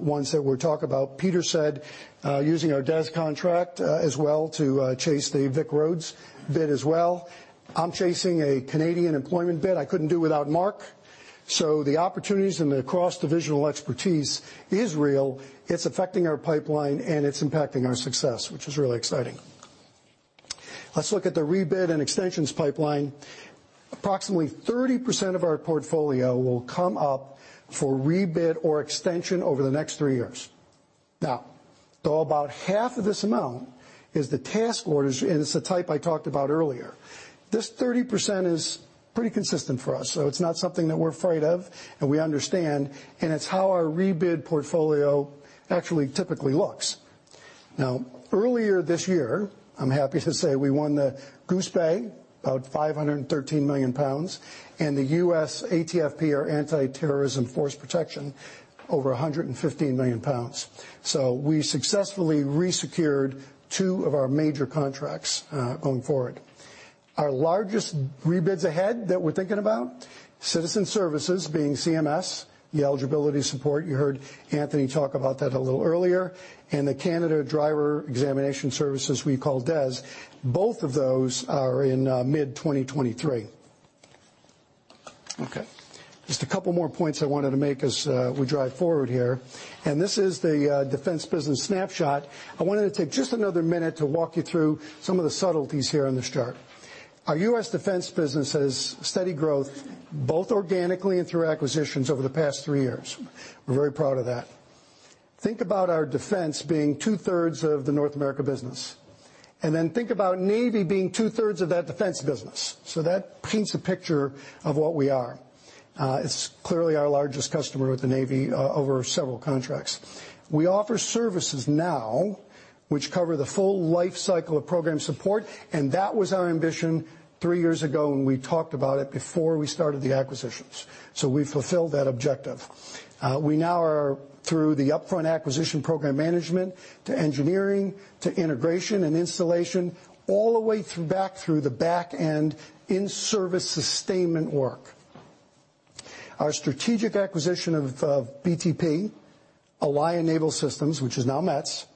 ones that we'll talk about. Peter said using our DE&S contract as well to chase the VicRoads bid as well. I'm chasing a Canadian employment bid I couldn't do without Mark. The opportunities and the cross-divisional expertise is real. It's affecting our pipeline, and it's impacting our success, which is really exciting. Let's look at the rebid and extensions pipeline. Approximately 30% of our portfolio will come up for rebid or extension over the next three years. About half of this amount is the task orders, and it's the type I talked about earlier. This 30% is pretty consistent for us, so it's not something that we're afraid of, and we understand, and it's how our rebid portfolio actually typically looks. Earlier this year, I'm happy to say we won the Goose Bay, about 513 million pounds, and the U.S. ATFP, or Anti-Terrorism Force Protection, over 115 million pounds. We successfully resecured two of our major contracts going forward. Our largest rebids ahead that we're thinking about, citizen services, being CMS, the eligibility support, you heard Anthony talk about that a little earlier, and the Canada Driver Examination Services we call DES. Both of those are in mid-2023. Okay. Just a couple more points I wanted to make as we drive forward here. This is the defense business snapshot. I wanted to take just another minute to walk you through some of the subtleties here on this chart. Our U.S. Defense business has steady growth, both organically and through acquisitions over the past three years. We're very proud of that. Think about our defense being two-thirds of the North America business. Then think about Navy being two-thirds of that defense business. So that paints a picture of what we are. It's clearly our largest customer with the Navy over several contracts. We offer services now which cover the full life cycle of program support, and that was our ambition three years ago when we talked about it before we started the acquisitions. We fulfilled that objective. We now are through the upfront acquisition program management to engineering, to integration and installation, all the way through back through the back-end in-service sustainment work. Our strategic acquisition of BTP, Alion Naval Systems, which is now METS,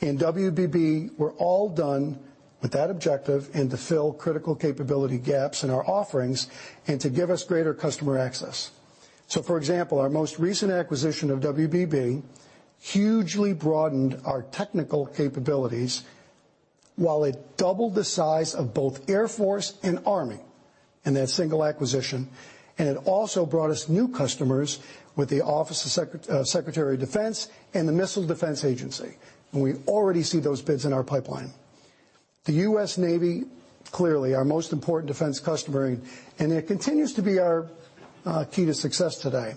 and WBB were all done with that objective and to fill critical capability gaps in our offerings and to give us greater customer access. For example, our most recent acquisition of WBB hugely broadened our technical capabilities while it doubled the size of both Air Force and Army in that single acquisition. It also brought us new customers with the Office of Secretary of Defense and the Missile Defense Agency. We already see those bids in our pipeline. The U.S. Navy, clearly our most important defense customer, and it continues to be our key to success today.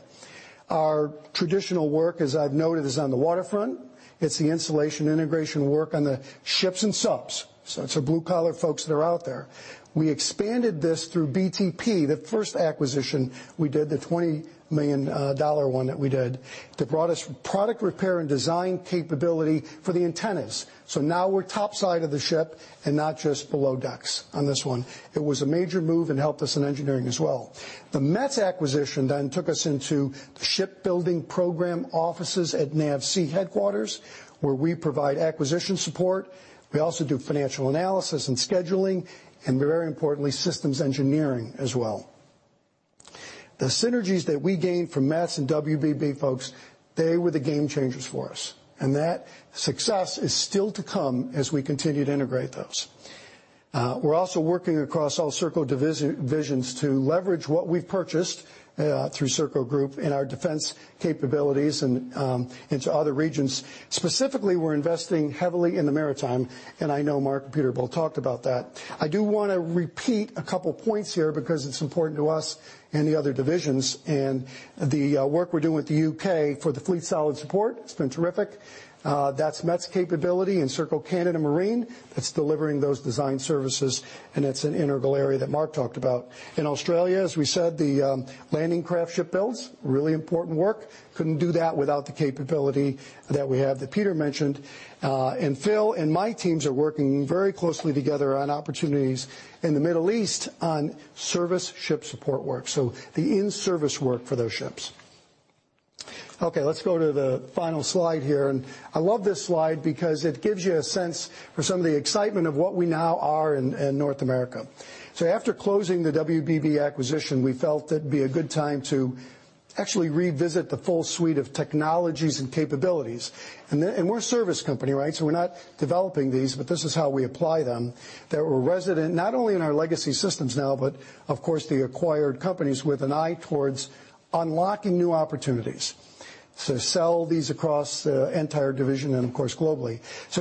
Our traditional work, as I've noted, is on the waterfront. It's the installation integration work on the ships and subs, so it's our blue-collar folks that are out there. We expanded this through BTP, the first acquisition we did, the $20 million one that we did, that brought us product repair and design capability for the antennas. Now we're top side of the ship and not just below decks on this one. It was a major move and helped us in engineering as well. The METS acquisition then took us into the shipbuilding program offices at NAVSEA headquarters, where we provide acquisition support. We also do financial analysis and scheduling, and very importantly, systems engineering as well. The synergies that we gained from METS and WBB, folks, they were the game changers for us, and that success is still to come as we continue to integrate those. We're also working across all Serco divisions to leverage what we've purchased through Serco Group in our defense capabilities and into other regions. Specifically, we're investing heavily in the maritime, and I know Mark and Peter both talked about that. I do wanna repeat a couple points here because it's important to us and the other divisions and the work we're doing with the U.K. for the Fleet Solid Support. It's been terrific. That's METS capability and Serco Canada Marine that's delivering those design services, and it's an integral area that Mark talked about. In Australia, as we said, the landing craft ship builds. Really important work. Couldn't do that without the capability that we have that Peter mentioned. Phil and my teams are working very closely together on opportunities in the Middle East on service ship support work, so the in-service work for those ships. Okay, let's go to the final slide here. I love this slide because it gives you a sense for some of the excitement of what we now are in North America. After closing the WBB acquisition, we felt it'd be a good time to actually revisit the full suite of technologies and capabilities. We're a service company, right? We're not developing these, but this is how we apply them, that we're resident not only in our legacy systems now, but of course, the acquired companies with an eye towards unlocking new opportunities. Sell these across the entire division and of course, globally.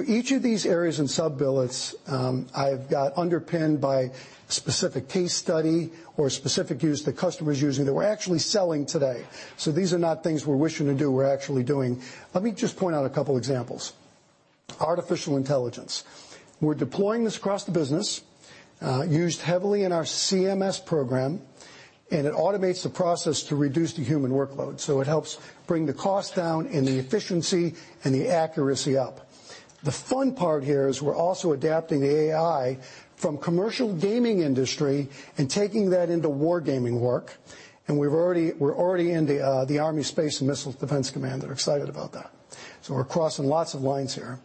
Each of these areas and sub-bullets, I've got underpinned by specific case study or specific use the customer is using that we're actually selling today. These are not things we're wishing to do, we're actually doing. Let me just point out a couple examples. Artificial intelligence. We're deploying this across the business, used heavily in our CMS program, and it automates the process to reduce the human workload. It helps bring the cost down and the efficiency and the accuracy up. The fun part here is we're also adapting the AI from commercial gaming industry and taking that into war gaming work. We've already—we're already in the U.S. Army Space and Missile Defense Command. They're excited about that. We're crossing lots of lines here.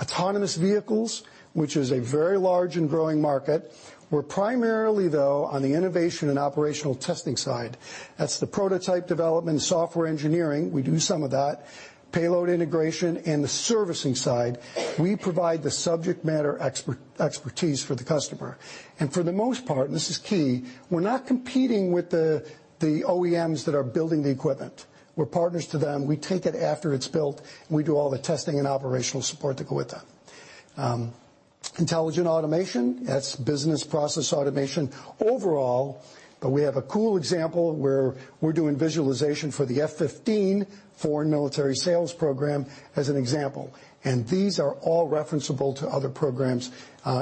Autonomous vehicles, which is a very large and growing market. We're primarily, though, on the innovation and operational testing side. That's the prototype development, software engineering, we do some of that, payload integration, and the servicing side. We provide the subject matter expertise for the customer. For the most part, and this is key, we're not competing with the OEMs that are building the equipment. We're partners to them. We take it after it's built, and we do all the testing and operational support that go with that. Intelligent automation. That's business process automation overall. We have a cool example where we're doing visualization for the F-15 Foreign Military Sales Program as an example. These are all referenceable to other programs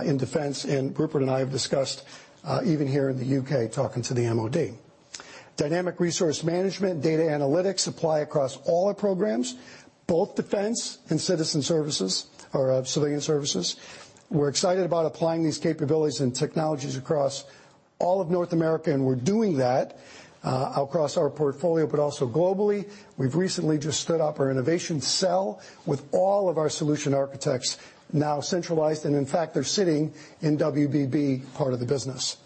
in defense, and Rupert and I have discussed even here in the U.K., talking to the MOD. Dynamic resource management, data analytics apply across all our programs, both defense and citizen services or civilian services. We're excited about applying these capabilities and technologies across all of North America, and we're doing that across our portfolio, but also globally. We've recently just stood up our innovation cell with all of our solution architects now centralized, and in fact, they're sitting in WBB part of the business.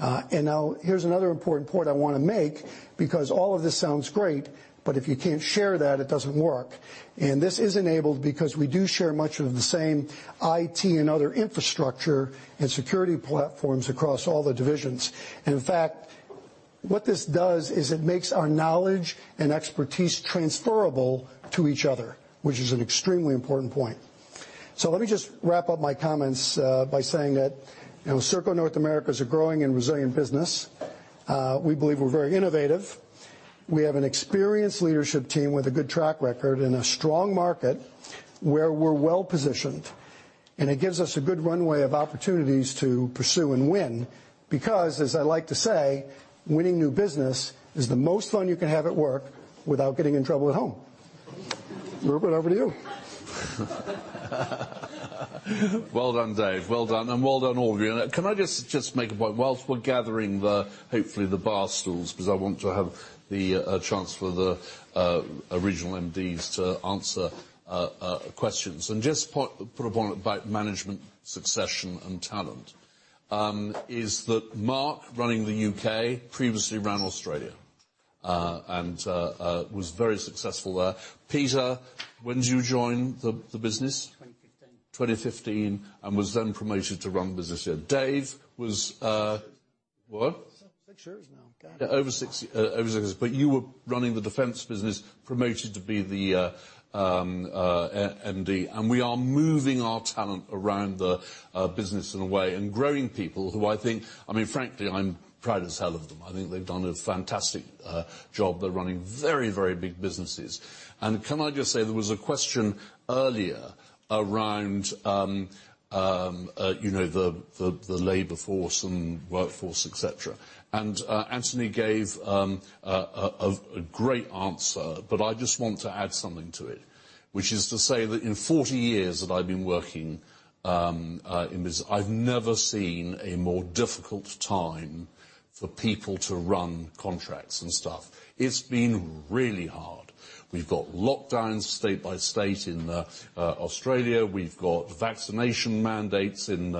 Now here's another important point I wanna make because all of this sounds great, but if you can't share that, it doesn't work. This is enabled because we do share much of the same IT and other infrastructure and security platforms across all the divisions. In fact, what this does is it makes our knowledge and expertise transferable to each other, which is an extremely important point. Let me just wrap up my comments, by saying that, you know, Serco North America is a growing and resilient business. We believe we're very innovative. We have an experienced leadership team with a good track record in a strong market where we're well positioned, and it gives us a good runway of opportunities to pursue and win because, as I like to say, winning new business is the most fun you can have at work without getting in trouble at home. Rupert, over to you. Well done, Dave. Well done, and well done, all of you. Can I just make a point? While we're gathering the hopefully the barstools, 'cause I want to have the chance for the regional MDs to answer questions. Just put a point about management succession and talent, is that Mark running the UK previously ran Australia, and was very successful there. Peter, when did you join the business? 2015. 2015, was then promoted to run the business here. Dave was Six years. What? Six years now. God. Over 6 years. You were running the defense business, promoted to be the MD. We are moving our talent around the business in a way, and growing people who I think I mean, frankly, I'm proud as hell of them. I think they've done a fantastic job. They're running very, very big businesses. Can I just say there was a question earlier around you know, the labor force and workforce, et cetera. Anthony gave a great answer, but I just want to add something to it, which is to say that in 40 years that I've been working in this, I've never seen a more difficult time for people to run contracts and stuff. It's been really hard. We've got lockdowns state by state in Australia. We've got vaccination mandates in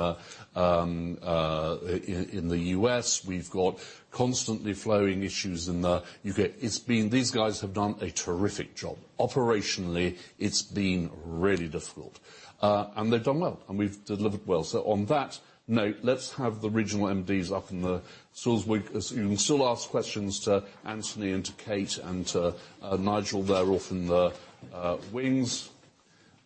the U.S. We've got constantly flowing issues in the U.K. These guys have done a terrific job. Operationally, it's been really difficult. They've done well, and we've delivered well. On that note, let's have the regional MDs up and the you can still ask questions to Anthony and to Kate and to Nigel there off in the wings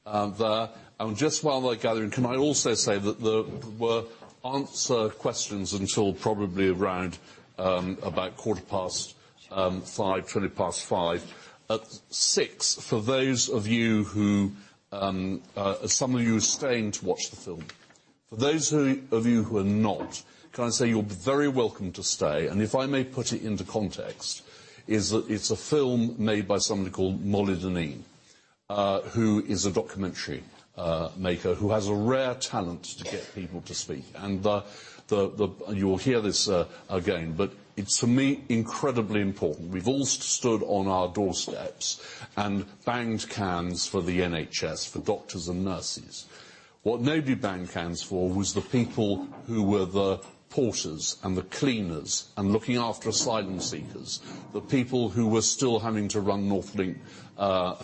there. Just while they're gathering, can I also say that we'll answer questions until probably around about 5:15 P.M., 5:20 P.M. At 6:00 P.M., for those of you who are staying to watch the film. For those of you who are not, can I say you're very welcome to stay. If I may put it into context, it's a film made by somebody called Molly Dineen, who is a documentary maker who has a rare talent to get people to speak. You'll hear this again, but it's to me incredibly important. We've all stood on our doorsteps and banged cans for the NHS, for doctors and nurses. What nobody banged cans for was the people who were the porters and the cleaners and looking after asylum seekers. The people who were still having to run NorthLink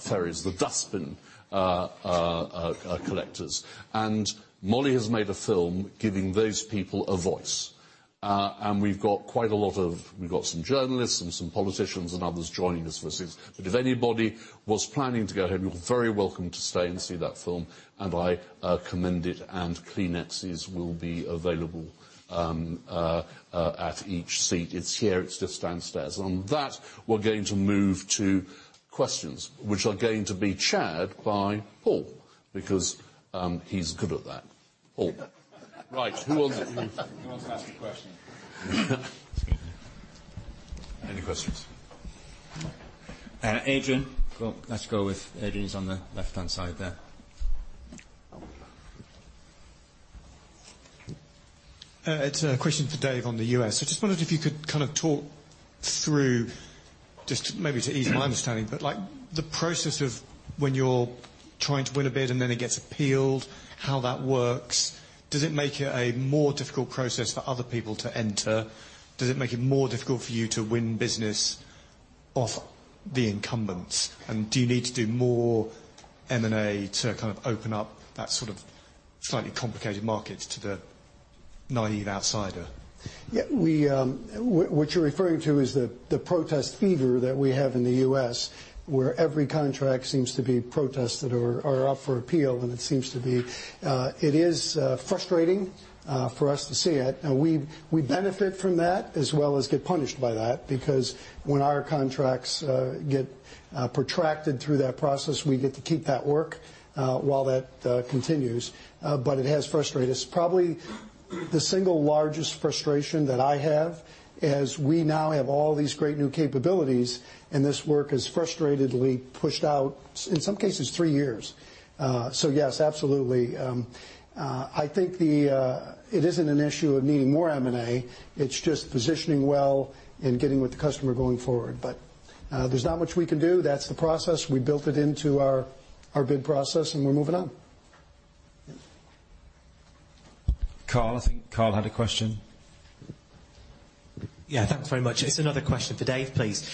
Ferries, the dustbin collectors. Molly has made a film giving those people a voice. We've got some journalists and some politicians and others joining us for this. If anybody was planning to go home, you're very welcome to stay and see that film, and I commend it, and Kleenexes will be available at each seat. It's here. It's just downstairs. On that, we're going to move to questions, which are going to be chaired by Paul because he's good at that. Paul. Right. Who wants to ask a question? Any questions? Adrian, go. Let's go with Adrian. He's on the left-hand side there. It's a question for Dave on the U.S. I just wondered if you could kind of talk through just maybe to ease my understanding, but, like, the process of when you're trying to win a bid and then it gets appealed, how that works. Does it make it a more difficult process for other people to enter? Does it make it more difficult for you to win business off the incumbents? And do you need to do more M&A to kind of open up that sort of slightly complicated market to the naïve outsider. What you're referring to is the protest fever that we have in the U.S. where every contract seems to be protested or up for appeal, and it seems to be frustrating for us to see it. Now, we benefit from that as well as get punished by that because when our contracts get protracted through that process, we get to keep that work while that continues. It has frustrated us. Probably the single largest frustration that I have is we now have all these great new capabilities, and this work is frustratingly pushed out, in some cases, three years. Yes, absolutely. I think it isn't an issue of needing more M&A, it's just positioning well and getting with the customer going forward. There's not much we can do. That's the process. We built it into our bid process, and we're moving on. Karl. I think Karl had a question. Yeah. Thanks very much. It's another question for Dave, please.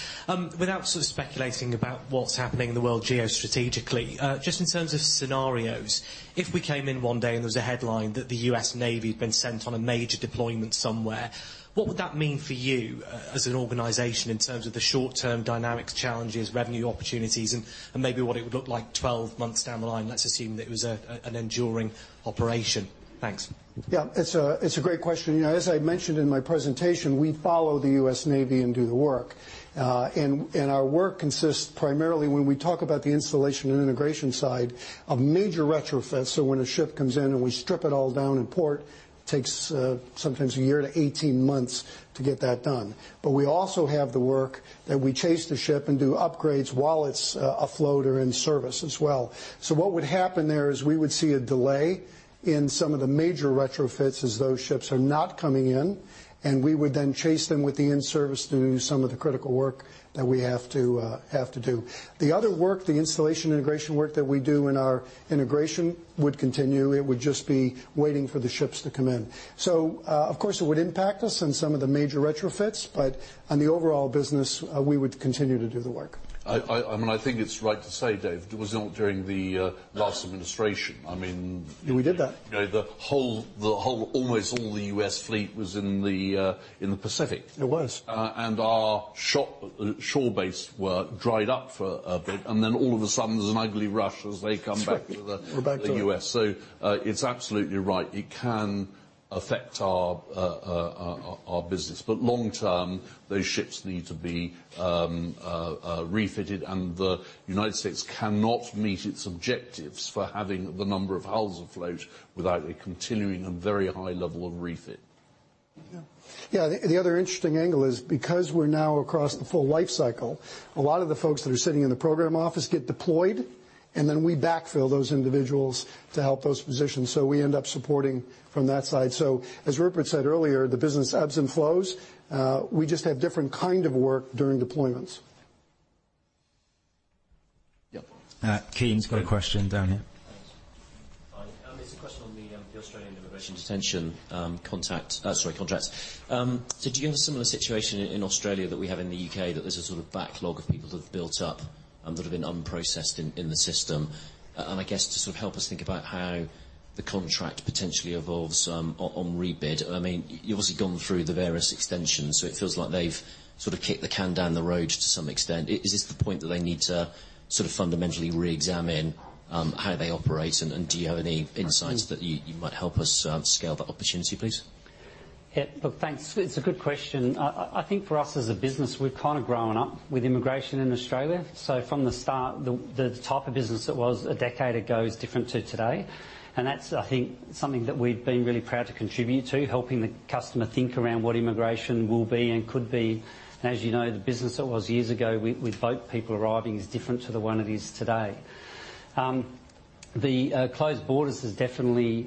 Without sort of speculating about what's happening in the world geo-strategically, just in terms of scenarios, if we came in one day and there was a headline that the U.S. Navy had been sent on a major deployment somewhere, what would that mean for you, as an organization in terms of the short-term dynamics, challenges, revenue opportunities, and maybe what it would look like 12 months down the line? Let's assume that it was an enduring operation. Thanks. Yeah, it's a great question. You know, as I mentioned in my presentation, we follow the U.S. Navy and do the work, and our work consists primarily when we talk about the installation and integration side of major retrofits. When a ship comes in and we strip it all down in port, it takes sometimes a year to 18 months to get that done. But we also have the work that we chase the ship and do upgrades while it's afloat or in service as well. What would happen there is we would see a delay in some of the major retrofits as those ships are not coming in, and we would then chase them with the in-service to do some of the critical work that we have to do. The other work, the installation integration work that we do in our integration would continue. It would just be waiting for the ships to come in. So, of course, it would impact us in some of the major retrofits, but on the overall business, we would continue to do the work. I think it's right to say, Dave, it was not during the last administration. I mean- Yeah, we did that. You know, the whole, almost all the U.S. fleet was in the Pacific. It was. Our shore bases were dried up for a bit, and then all of a sudden, there's a huge rush as they come back to the- We're back to U.S. It's absolutely right. It can affect our business. Long term, those ships need to be refitted, and the United States cannot meet its objectives for having the number of hulls afloat without a continuing and very high level of refit. Yeah. The other interesting angle is because we're now across the full life cycle, a lot of the folks that are sitting in the program office get deployed, and then we backfill those individuals to help those positions. We end up supporting from that side. As Rupert said earlier, the business ebbs and flows. We just have different kind of work during deployments. Yeah. Kean has got a question down here. Thanks. It's a question on the Australian immigration detention contracts. Did you have a similar situation in Australia that we have in the UK that there's a sort of backlog of people that have built up and that have been unprocessed in the system? I guess to sort of help us think about how the contract potentially evolves on rebid. I mean, you've obviously gone through the various extensions, so it feels like they've sort of kicked the can down the road to some extent. Is this the point that they need to sort of fundamentally reexamine how they operate? Do you have any insights that you might help us scale that opportunity, please? Yeah. Look, thanks. It's a good question. I think for us as a business, we've kind of grown up with immigration in Australia. From the start, the type of business it was a decade ago is different to today. That's, I think, something that we've been really proud to contribute to, helping the customer think around what immigration will be and could be. As you know, the business it was years ago with boat people arriving is different to the one it is today. The closed borders has definitely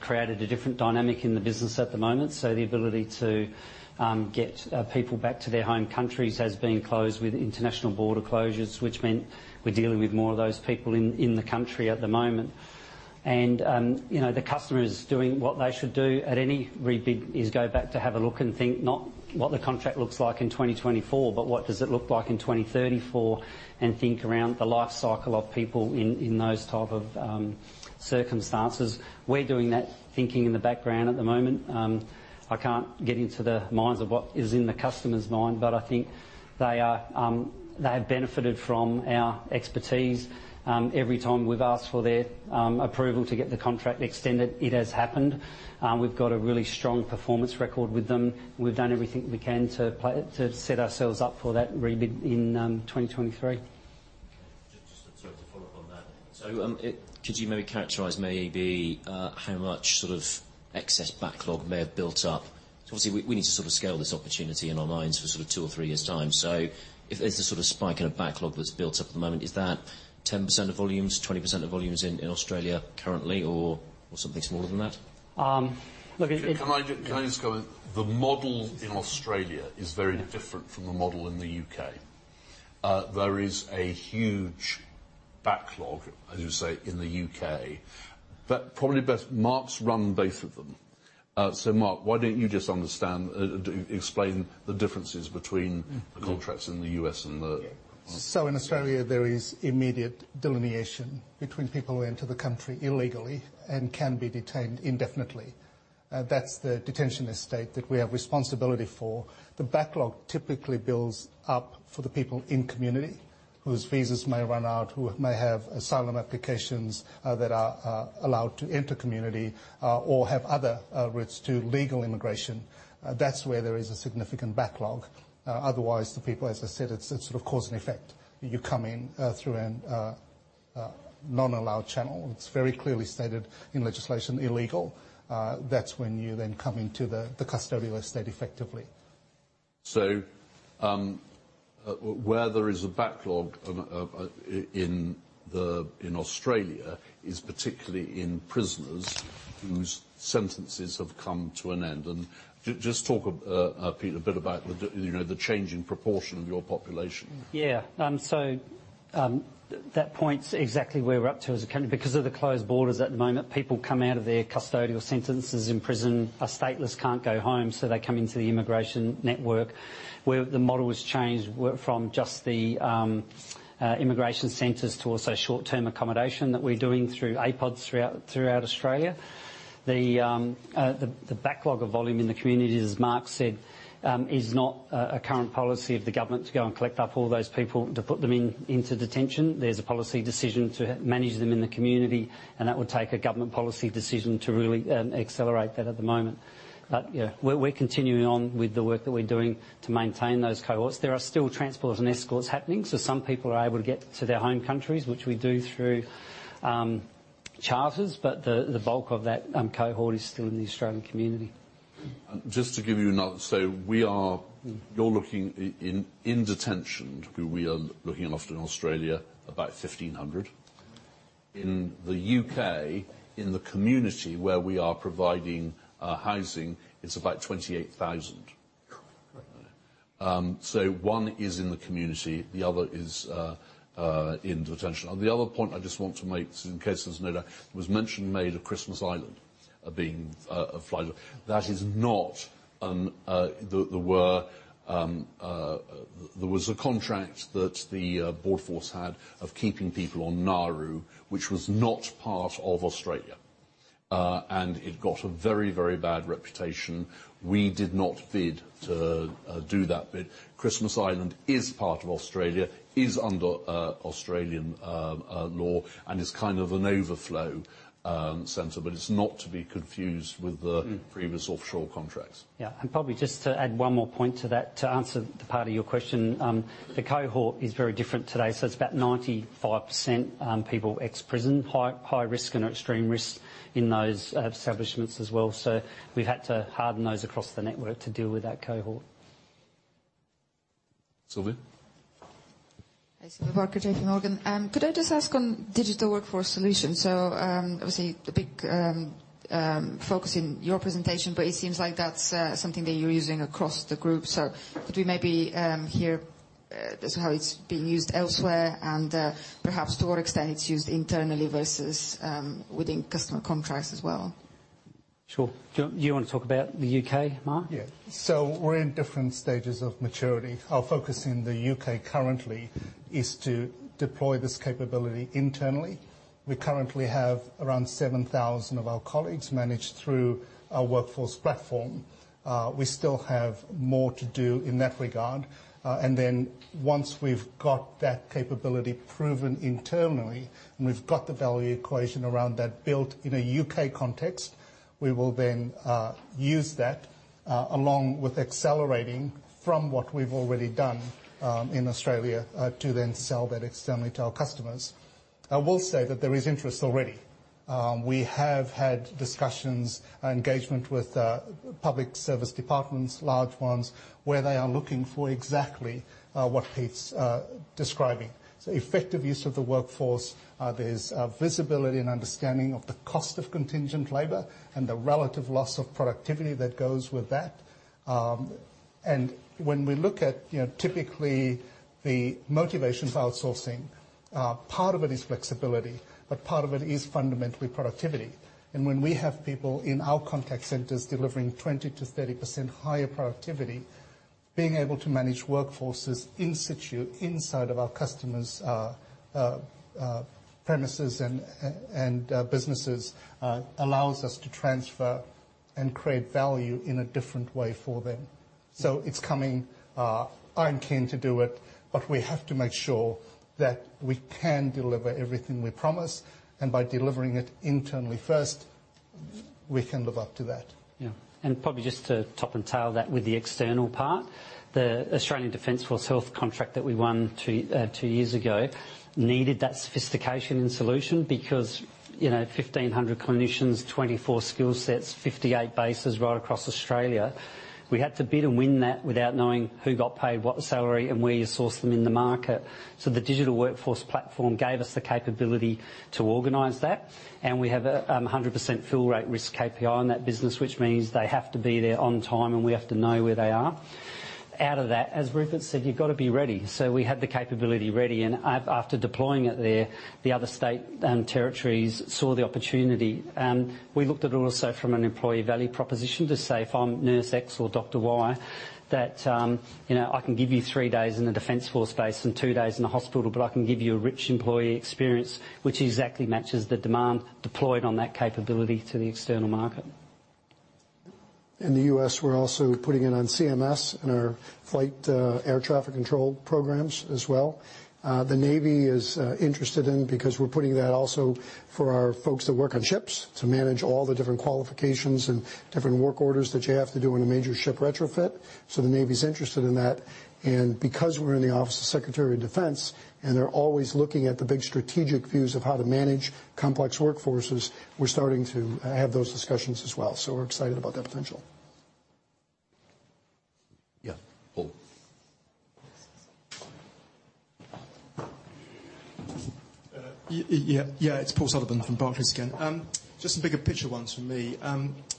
created a different dynamic in the business at the moment. The ability to get people back to their home countries has been closed with international border closures, which meant we're dealing with more of those people in the country at the moment. You know, the customer is doing what they should do at any rebid is go back to have a look and think not what the contract looks like in 2024, but what does it look like in 2034, and think around the life cycle of people in those type of circumstances. We're doing that thinking in the background at the moment. I can't get into the minds of what is in the customer's mind, but I think they are, they have benefited from our expertise. Every time we've asked for their approval to get the contract extended, it has happened. We've got a really strong performance record with them. We've done everything we can to set ourselves up for that rebid in 2023. Just to follow up on that. Could you maybe characterize how much sort of excess backlog may have built up? Obviously we need to sort of scale this opportunity in our minds for sort of two or three years' time. If there's a sort of spike in a backlog that's built up at the moment, is that 10% of volumes, 20% of volumes in Australia currently or something smaller than that? Um, look- Can I just go in? The model in Australia is very different from the model in the UK. There is a huge backlog, as you say, in the UK, but probably best. Mark's run both of them. Mark, why don't you just explain the differences between the contracts in the U.S. and the- In Australia, there is immediate delineation between people who enter the country illegally and can be detained indefinitely. That's the detention estate that we have responsibility for. The backlog typically builds up for the people in community whose visas may run out, who may have asylum applications that are allowed to enter community or have other routes to legal immigration. That's where there is a significant backlog. Otherwise, the people, as I said, it's sort of cause and effect. You come in through a non-allowed channel, it's very clearly stated in legislation illegal. That's when you then come into the custodial estate, effectively. Where there is a backlog in Australia is particularly in prisoners whose sentences have come to an end. Just talk, Pete, a bit about the, you know, the change in proportion of your population. Yeah. That points exactly where we're up to as a country. Because of the closed borders at the moment, people come out of their custodial sentences in prison, are stateless, can't go home, so they come into the immigration network, where the model was changed from just the immigration centers to also short-term accommodation that we're doing through APODs throughout Australia. The backlog of volume in the community, as Mark said, is not a current policy of the government to go and collect up all those people to put them into detention. There's a policy decision to manage them in the community, and that would take a government policy decision to really accelerate that at the moment. You know, we're continuing on with the work that we're doing to maintain those cohorts. There are still transports and escorts happening, so some people are able to get to their home countries, which we do through charters, but the bulk of that cohort is still in the Australian community. Just to give you another, you're looking in detention, who we are looking after in Australia, about 1,500. In the UK, in the community where we are providing housing, it's about 28,000. Right. One is in the community, the other is in detention. The other point I just want to make, in case there's no doubt, there was mention made of Christmas Island being a flynet. That is not. There was a contract that the Border Force had of keeping people on Nauru, which was not part of Australia, and it got a very, very bad reputation. We did not bid to do that bit. Christmas Island is part of Australia, is under Australian law, and is kind of an overflow center, but it's not to be confused with the- Mm. previous offshore contracts. Yeah. Probably just to add one more point to that, to answer the part of your question, the cohort is very different today. It's about 95%, people ex-prison, high risk and extreme risk in those establishments as well. We've had to harden those across the network to deal with that cohort. Sylvia? Sylvia Barker, J.P. Morgan. Could I just ask on digital workforce solution? Obviously, the big focus in your presentation, but it seems like that's something that you're using across the group. Could we maybe hear how it's being used elsewhere and perhaps to what extent it's used internally versus within customer contracts as well? Sure. Do you want to talk about the U.K., Mark? We're in different stages of maturity. Our focus in the UK currently is to deploy this capability internally. We currently have around 7,000 of our colleagues managed through our workforce platform. We still have more to do in that regard. Once we've got that capability proven internally, and we've got the value equation around that built in a UK context, we will then use that, along with accelerating from what we've already done, in Australia, to then sell that externally to our customers. I will say that there is interest already. We have had discussions, engagement with public service departments, large ones, where they are looking for exactly what Pete's describing. Effective use of the workforce. There's visibility and understanding of the cost of contingent labor and the relative loss of productivity that goes with that. When we look at, you know, typically the motivation for outsourcing, part of it is flexibility, but part of it is fundamentally productivity. When we have people in our contact centers delivering 20%-30% higher productivity, being able to manage workforces in situ, inside of our customers' premises and businesses, allows us to transfer and create value in a different way for them. It's coming. I'm keen to do it, but we have to make sure that we can deliver everything we promise, and by delivering it internally first, we can live up to that. Yeah. Probably just to top and tail that with the external part, the Australian Defense Force Health contract that we won two years ago needed that sophistication and solution because, you know, 1,500 clinicians, 24 skill sets, 58 bases right across Australia. We had to bid and win that without knowing who got paid what salary and where you source them in the market. The digital workforce platform gave us the capability to organize that. We have a 100% fill rate risk KPI on that business, which means they have to be there on time, and we have to know where they are. Out of that, as Rupert said, you've got to be ready. We had the capability ready, and after deploying it there, the other state and territories saw the opportunity. We looked at it also from an employee value proposition to say, if I'm nurse X or doctor Y, that, you know, I can give you three days in the defense force base and two days in the hospital, but I can give you a rich employee experience which exactly matches the demand deployed on that capability to the external market. In the U.S., we're also putting it on CMS and our FAA air traffic control programs as well. The U.S. Navy is interested in it because we're putting that also for our folks that work on ships to manage all the different qualifications and different work orders that you have to do in a major ship retrofit. The U.S. Navy is interested in that. Because we're in the Office of the Secretary of Defense, and they're always looking at the big strategic views of how to manage complex workforces, we're starting to have those discussions as well. We're excited about that potential. Yeah. Paul. Yeah, it's Paul Sullivan from Barclays again. Just the bigger picture ones from me.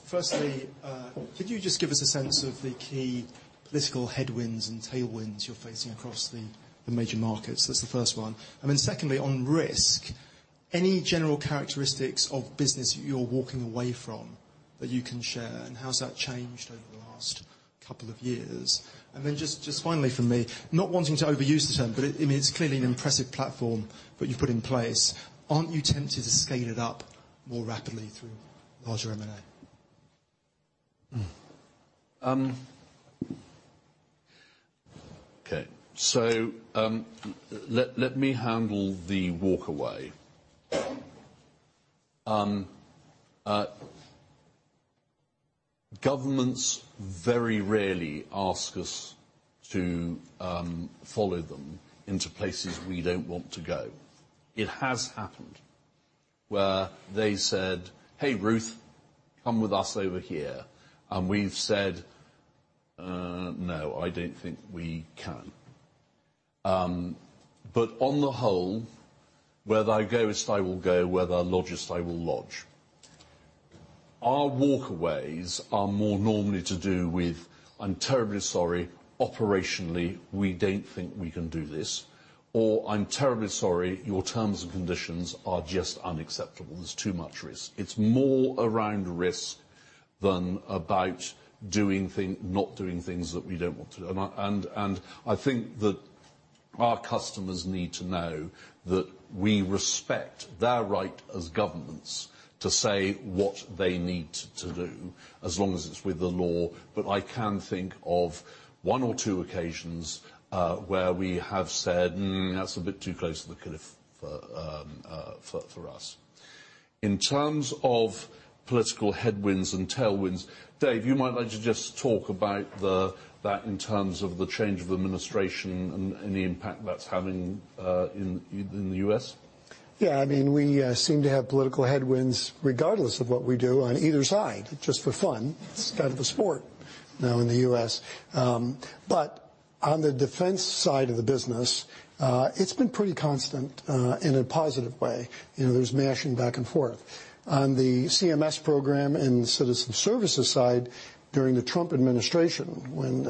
Firstly, could you just give us a sense of the key political headwinds and tailwinds you're facing across the major markets? That's the first one. Secondly, on risk, any general characteristics of business you're walking away from that you can share, and how has that changed over the last couple of years? Just finally for me, not wanting to overuse the term, but I mean, it's clearly an impressive platform that you've put in place. Aren't you tempted to scale it up more rapidly through larger M&A? Let me handle the walk away. Governments very rarely ask us to follow them into places we don't want to go. It has happened where they said, "Hey, Ruth, come with us over here." We've said, "No, I don't think we can." On the whole, where thou goest, I will go. Where thou lodgest, I will lodge. Our walk aways are more normally to do with, "I'm terribly sorry. Operationally, we don't think we can do this," or, "I'm terribly sorry, your terms and conditions are just unacceptable. There's too much risk." It's more around risk than about not doing things that we don't want to. I think that our customers need to know that we respect their right as governments to say what they need to do as long as it's with the law. I can think of one or two occasions where we have said, "That's a bit too close to the cliff for us." In terms of political headwinds and tailwinds, Dave, you might like to just talk about that in terms of the change of administration and the impact that's having in the U.S. Yeah. I mean, we seem to have political headwinds regardless of what we do on either side, just for fun. It's kind of a sport now in the U.S. But on the defense side of the business, it's been pretty constant in a positive way. You know, there's bashing back and forth. On the CMS program and Citizen Services side during the Trump administration, when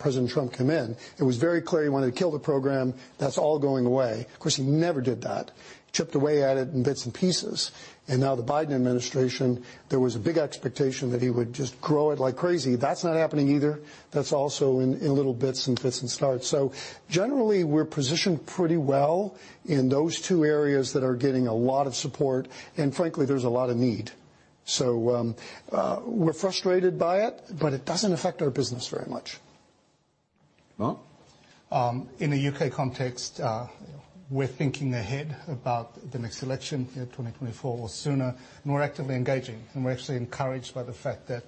President Trump came in, it was very clear he wanted to kill the program. That's all going away. Of course, he never did that. Chipped away at it in bits and pieces. Now the Biden administration, there was a big expectation that he would just grow it like crazy. That's not happening either. That's also in little bits and fits and starts. Generally, we're positioned pretty well in those two areas that are getting a lot of support, and frankly, there's a lot of need. We're frustrated by it, but it doesn't affect our business very much. Mark? In the UK context, we're thinking ahead about the next election, you know, 2024 or sooner, and we're actively engaging, and we're actually encouraged by the fact that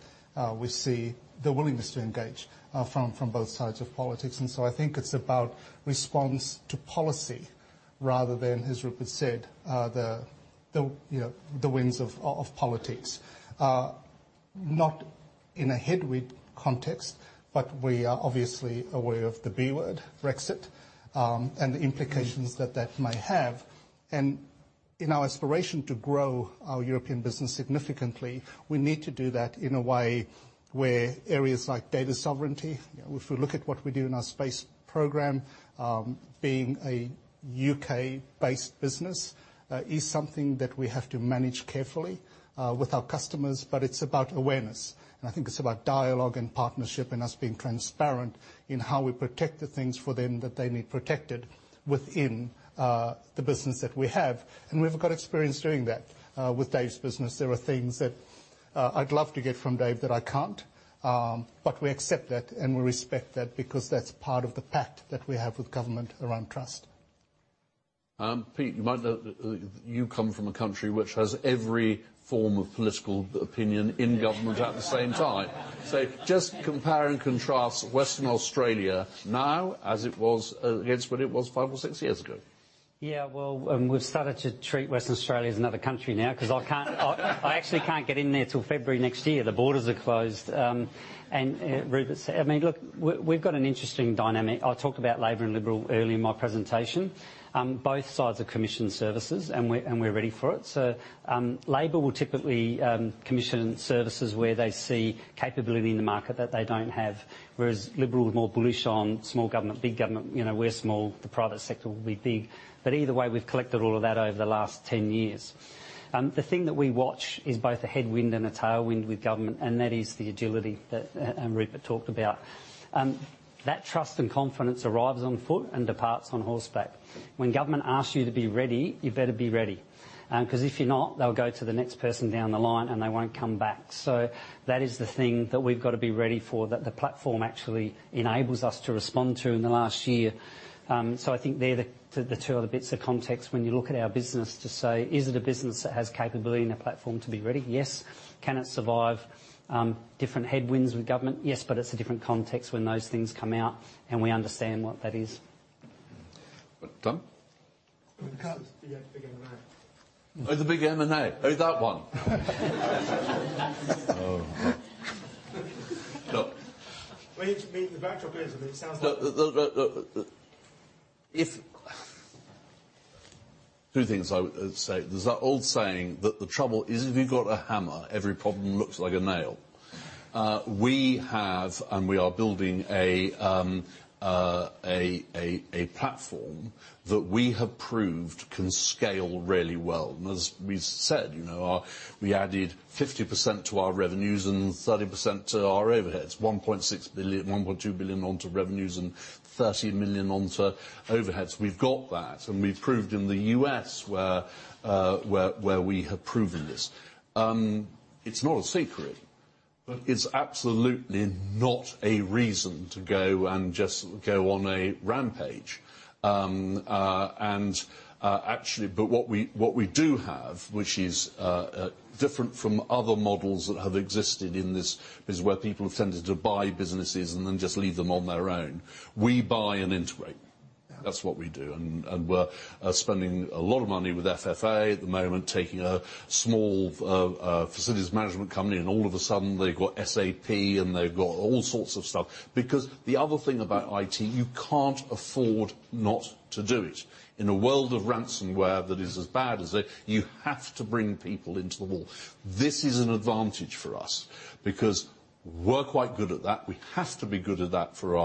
we see the willingness to engage from both sides of politics. I think it's about response to policy rather than, as Rupert said, you know, the winds of politics. Not in a headwind context, but we are obviously aware of the B word, Brexit, and the implications that that may have. In our aspiration to grow our European business significantly, we need to do that in a way where areas like data sovereignty, you know, if we look at what we do in our space program, being a U.K.-based business, is something that we have to manage carefully, with our customers, but it's about awareness. I think it's about dialogue and partnership and us being transparent in how we protect the things for them that they need protected within, the business that we have, and we've got experience doing that. With Dave's business, there are things that, I'd love to get from Dave that I can't, but we accept that, and we respect that because that's part of the pact that we have with government around trust. Pete, you might know, you come from a country which has every form of political opinion in government at the same time. Just compare and contrast Western Australia now as it was against what it was five or six years ago. Yeah. Well, we've started to treat Western Australia as another country now 'cause I actually can't get in there till February next year. The borders are closed. Rupert said. I mean, look, we've got an interesting dynamic. I talked about Labor and Liberal earlier in my presentation. Both sides commission services, and we're ready for it. Labor will typically commission services where they see capability in the market that they don't have, whereas Liberal is more bullish on small government, big government. You know, we're small, the private sector will be big. Either way, we've collected all of that over the last 10 years. The thing that we watch is both a headwind and a tailwind with government, and that is the agility that Rupert talked about. That trust and confidence arrives on foot and departs on horseback. When government asks you to be ready, you better be ready. 'Cause if you're not, they'll go to the next person down the line, and they won't come back. That is the thing that we've got to be ready for, that the platform actually enables us to respond to in the last year. I think they're the two other bits of context when you look at our business to say, is it a business that has capability and a platform to be ready? Yes. Can it survive different headwinds with government? Yes, but it's a different context when those things come out, and we understand what that is. Tom? The big M and A. Oh, the big M&A. Oh, that one. Oh, right. Sure. Well, maybe the backdrop is, but it sounds like. Two things I would say. There's that old saying that the trouble is if you've got a hammer, every problem looks like a nail. We have and we are building a platform that we have proved can scale really well. As we said, you know, we added 50% to our revenues and 30% to our overheads, 1.2 billion onto revenues and 30 million onto overheads. We've got that, and we've proved in the U.S. where we have proven this. It's not a secret, but it's absolutely not a reason to go and just go on a rampage. Actually, what we do have, which is different from other models that have existed in this, is where people have tended to buy businesses and then just leave them on their own. We buy and integrate. Yeah. That's what we do. We're spending a lot of money with FFA at the moment, taking a small facilities management company, and all of a sudden they've got SAP, and they've got all sorts of stuff. Because the other thing about IT, you can't afford not to do it. In a world of ransomware that is as bad as it, you have to bring people into the wall. This is an advantage for us because we're quite good at that. We have to be good at that for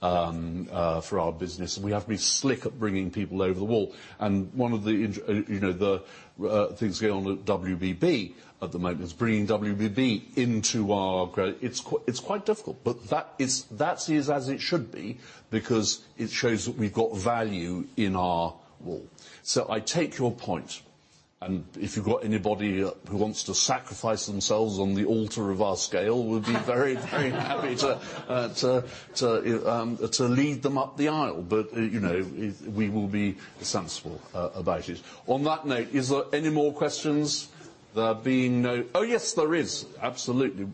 our business, and we have to be slick at bringing people over the wall. One of the things going on at WBB at the moment is bringing WBB into our grow... It's quite difficult, but that is as it should be because it shows that we've got value in our whole. I take your point, and if you've got anybody who wants to sacrifice themselves on the altar of our scale, we'll be very happy to lead them up the aisle. You know, we will be sensible about it. On that note, is there any more questions? There being no. Oh, yes, there is. Absolutely.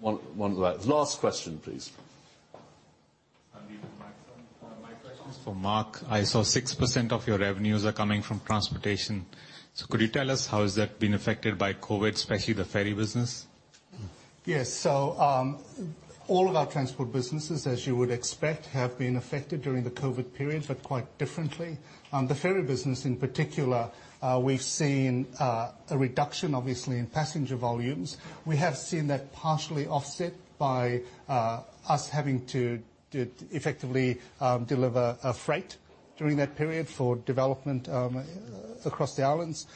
One last. Last question, please. I need the microphone. My question is for Mark. I saw 6% of your revenues are coming from transportation. Could you tell us how has that been affected by COVID, especially the ferry business? Mm-hmm. Yes. All of our transport businesses, as you would expect, have been affected during the COVID period, but quite differently. The ferry business in particular, we've seen a reduction obviously in passenger volumes. We have seen that partially offset by us having to effectively deliver freight during that period for development across the islands.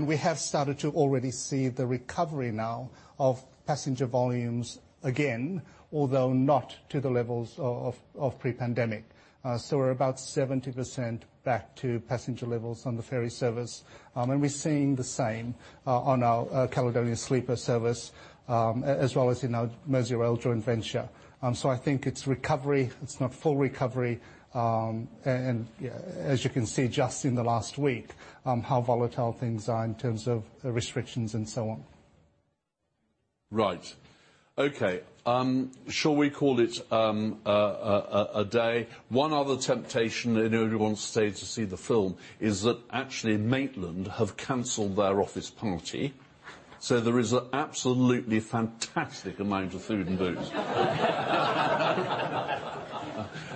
We have started to already see the recovery now of passenger volumes again, although not to the levels of pre-pandemic. We're about 70% back to passenger levels on the ferry service. We're seeing the same on our Caledonian Sleeper service as well as in our Merseyrail joint venture. I think it's recovery. It's not full recovery. As you can see just in the last week, how volatile things are in terms of restrictions and so on. Right. Okay. Shall we call it a day? One other temptation, anybody wants to stay to see the film, is that actually Maitland have canceled their office party. There is an absolutely fantastic amount of food and booze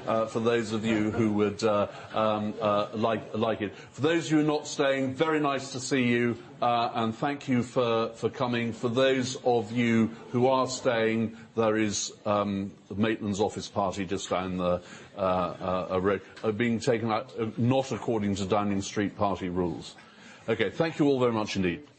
for those of you who would like it. For those who are not staying, very nice to see you, and thank you for coming. For those of you who are staying, there is the Maitland's office party just down the road. You are being taken out, not according to Downing Street party rules. Okay, thank you all very much indeed.